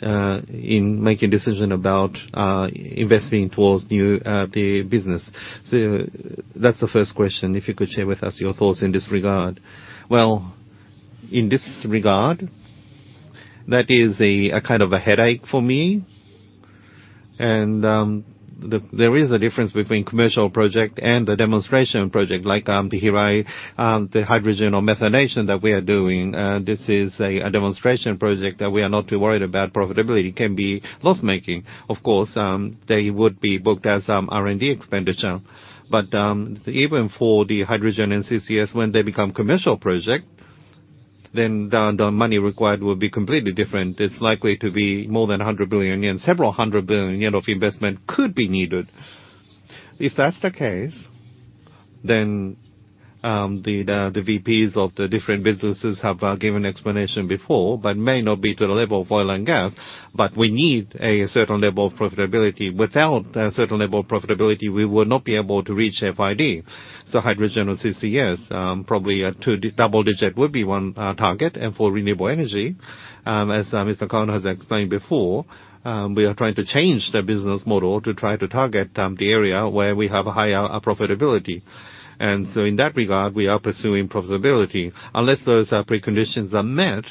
in making decision about investing towards new the business? So that's the first question. If you could share with us your thoughts in this regard. Well, in this regard, that is a kind of a headache for me. There is a difference between commercial project and a demonstration project, like the hydrogen or methanation that we are doing. This is a demonstration project that we are not too worried about profitability. It can be loss-making. Of course, they would be booked as R&D expenditure. But, even for the hydrogen and CCS, when they become commercial project, then the money required will be completely different. It's likely to be more than 100 billion yen. JPY several hundred billion of investment could be needed. If that's the case, then the VPs of the different businesses have given explanation before, but may not be to the level of oil and gas, but we need a certain level of profitability. Without a certain level of profitability, we will not be able to reach FID. So hydrogen or CCS, probably a double digit would be one target. And for renewable energy, as Mr. Kawano has explained before, we are trying to change the business model to try to target the area where we have a higher profitability. And so in that regard, we are pursuing profitability. Unless those preconditions are met-...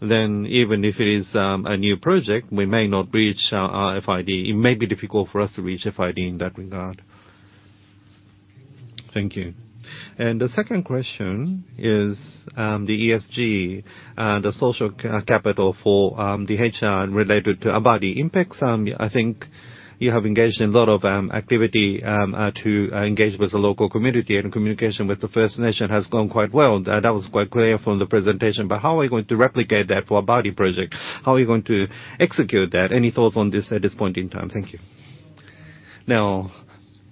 then even if it is a new project, we may not reach our FID. It may be difficult for us to reach FID in that regard. Thank you. The second question is, the ESG, the social capital for the HR related to Abadi impacts. I think you have engaged in a lot of activity to engage with the local community, and communication with the First Nation has gone quite well. That was quite clear from the presentation. But how are you going to replicate that for Abadi project? How are you going to execute that? Any thoughts on this at this point in time? Thank you. Now,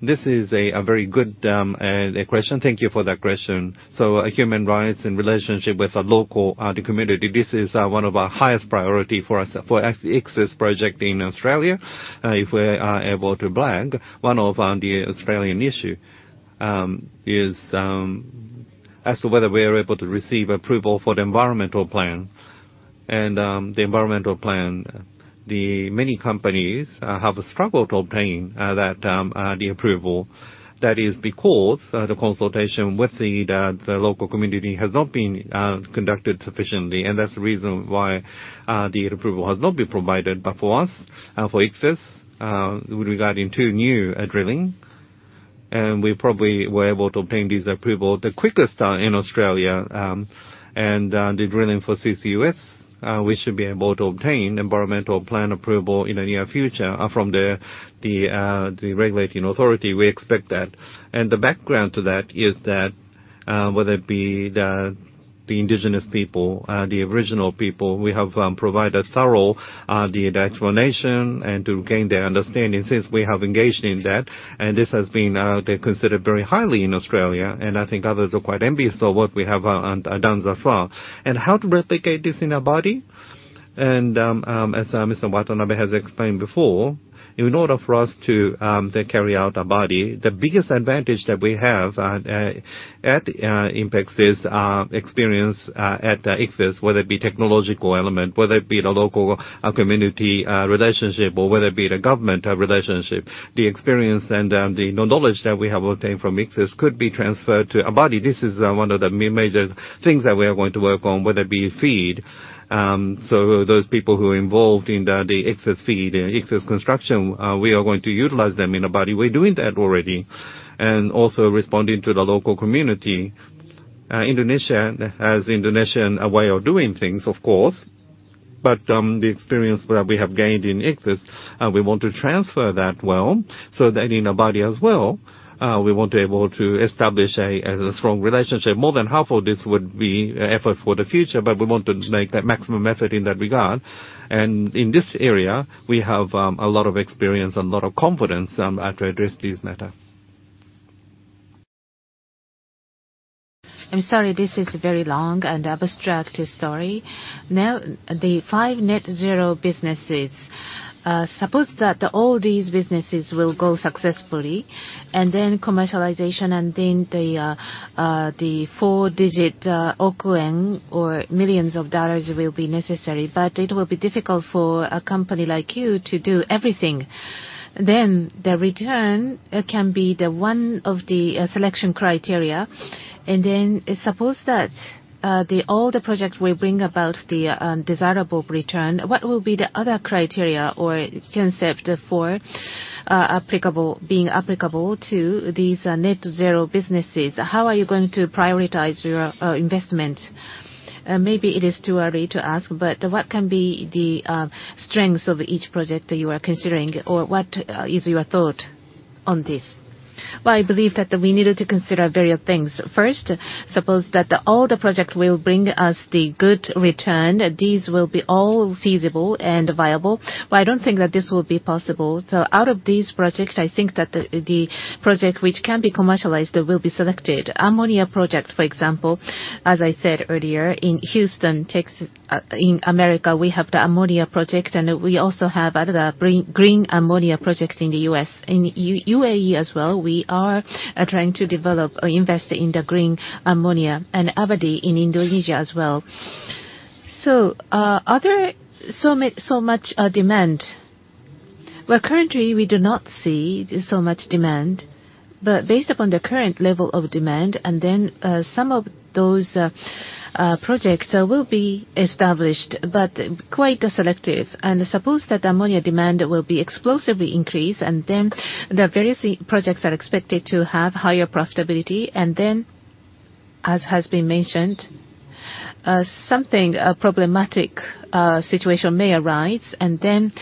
this is a very good question. Thank you for that question. So, human rights and relationship with the local community, this is one of our highest priority for us, for Ichthys project in Australia. If we are able to blend, one of the Australian issue is as to whether we are able to receive approval for the environmental plan. And the environmental plan, many companies have struggled to obtain that approval. That is because the consultation with the local community has not been conducted sufficiently, and that's the reason why the approval has not been provided. But for us, for Ichthys, with regarding to new drilling, and we probably were able to obtain this approval the quickest in Australia. The drilling for CCUS, we should be able to obtain environmental plan approval in the near future, from the regulating authority. We expect that. The background to that is that, whether it be the Indigenous people, the original people, we have provided thorough explanation and to gain their understanding since we have engaged in that, and this has been considered very highly in Australia, and I think others are quite envious of what we have done thus far. How to replicate this in Abadi? And as Mr. Watanabe has explained before, in order for us to carry out Abadi, the biggest advantage that we have at INPEX is experience at Ichthys, whether it be technological element, whether it be the local community relationship, or whether it be the government relationship. The experience and the knowledge that we have obtained from Ichthys could be transferred to Abadi. This is one of the major things that we are going to work on, whether it be FEED. So those people who are involved in the Ichthys FEED and Ichthys construction, we are going to utilize them in Abadi. We're doing that already. And also responding to the local community. Indonesia has Indonesian way of doing things, of course, but the experience that we have gained in Ichthys, we want to transfer that well, so that in Abadi as well, we want to be able to establish a strong relationship. More than half of this would be effort for the future, but we want to make the maximum effort in that regard. And in this area, we have a lot of experience and a lot of confidence to address this matter. I'm sorry, this is a very long and abstract story. Now, the five net zero businesses, suppose that all these businesses will go successfully, and then commercialization, and then the four-digit okuen, or $ millions will be necessary, but it will be difficult for a company like you to do everything. Then the return can be one of the selection criteria. And then suppose that all the projects will bring about the desirable return, what will be the other criteria or concept for being applicable to these net zero businesses? How are you going to prioritize your investment? Maybe it is too early to ask, but what can be the strengths of each project that you are considering, or what is your thought on this? Well, I believe that we needed to consider various things. First, suppose that all the project will bring us the good return, these will be all feasible and viable. But I don't think that this will be possible. So out of these projects, I think that the project which can be commercialized will be selected. Ammonia project, for example, as I said earlier, in Houston, Texas, in America, we have the ammonia project, and we also have other green, green ammonia projects in the US. In UAE as well, we are trying to develop or invest in the green ammonia, and Abadi in Indonesia as well. So, are there so much demand? Well, currently, we do not see so much demand, but based upon the current level of demand, and then, some of those projects will be established, but quite selective. Suppose that ammonia demand will be explosively increased, and then the various projects are expected to have higher profitability. And then, as has been mentioned, something, a problematic situation may arise, and then,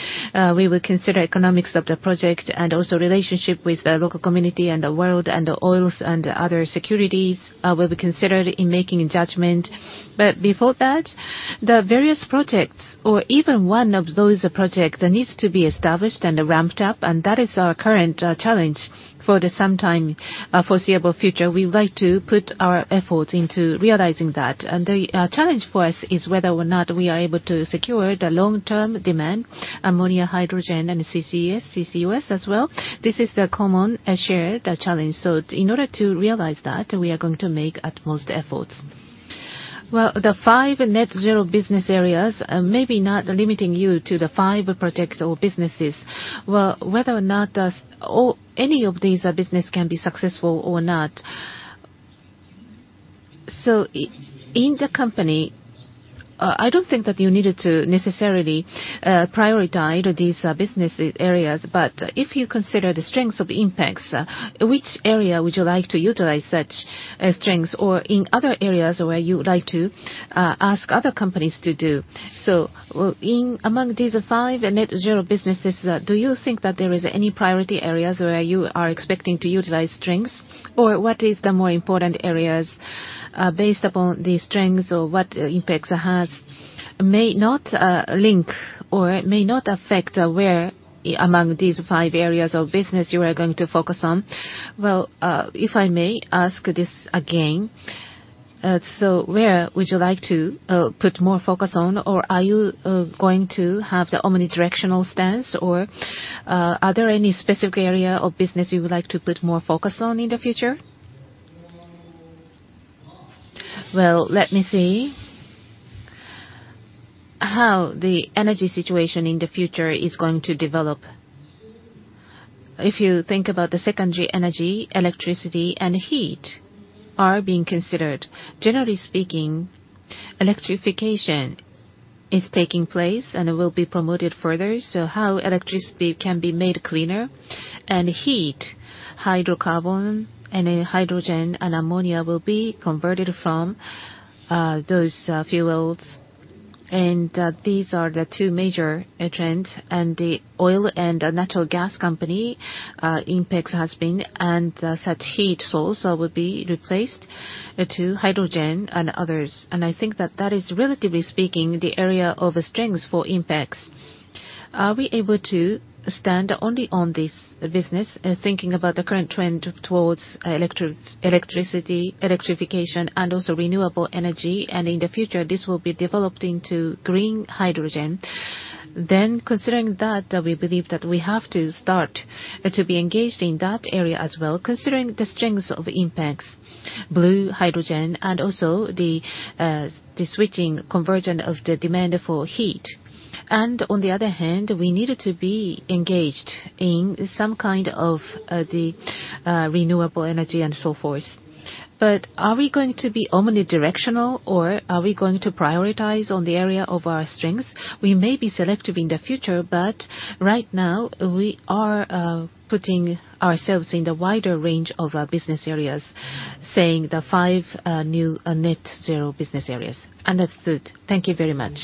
we will consider economics of the project and also relationship with the local community and the world, and the oils and other securities will be considered in making a judgment. But before that, the various projects or even one of those projects needs to be established and ramped up, and that is our current challenge for the sometime foreseeable future. We like to put our efforts into realizing that. The challenge for us is whether or not we are able to secure the long-term demand, ammonia, hydrogen, and CCS, CCUS as well. This is the common, shared, challenge. So in order to realize that, we are going to make utmost efforts. Well, the five net zero business areas, maybe not limiting you to the five projects or businesses. Well, whether or not this, or any of these business can be successful or not. So in the company, I don't think that you needed to necessarily, prioritize these, business areas, but if you consider the strengths of INPEX, which area would you like to utilize such, strengths? Or in other areas where you would like to, ask other companies to do. So in among these five net zero businesses, do you think that there is any priority areas where you are expecting to utilize strengths? Or what is the more important areas, based upon the strengths or what INPEX has, may not link or may not affect, where among these five areas of business you are going to focus on? Well, if I may ask this again, so where would you like to put more focus on? Or are you going to have the omnidirectional stance? Or, are there any specific area of business you would like to put more focus on in the future? Well, let me see how the energy situation in the future is going to develop. If you think about the secondary energy, electricity and heat are being considered. Generally speaking, electrification is taking place, and it will be promoted further, so how electricity can be made cleaner, and heat, hydrocarbon, and hydrogen and ammonia will be converted from those fuels. And these are the two major trends, and the oil and natural gas company INPEX has been, and such heat source will be replaced to hydrogen and others. And I think that that is, relatively speaking, the area of strength for INPEX. Are we able to stand only on this business, thinking about the current trend towards electrification, and also renewable energy, and in the future, this will be developed into green hydrogen? Then, considering that, we believe that we have to start to be engaged in that area as well, considering the strengths of INPEX, blue hydrogen and also the switching conversion of the demand for heat. And on the other hand, we needed to be engaged in some kind of the renewable energy and so forth. But are we going to be omnidirectional, or are we going to prioritize on the area of our strengths? We may be selective in the future, but right now, we are putting ourselves in the wider range of our business areas, saying the five new net zero business areas. And that's it. Thank you very much.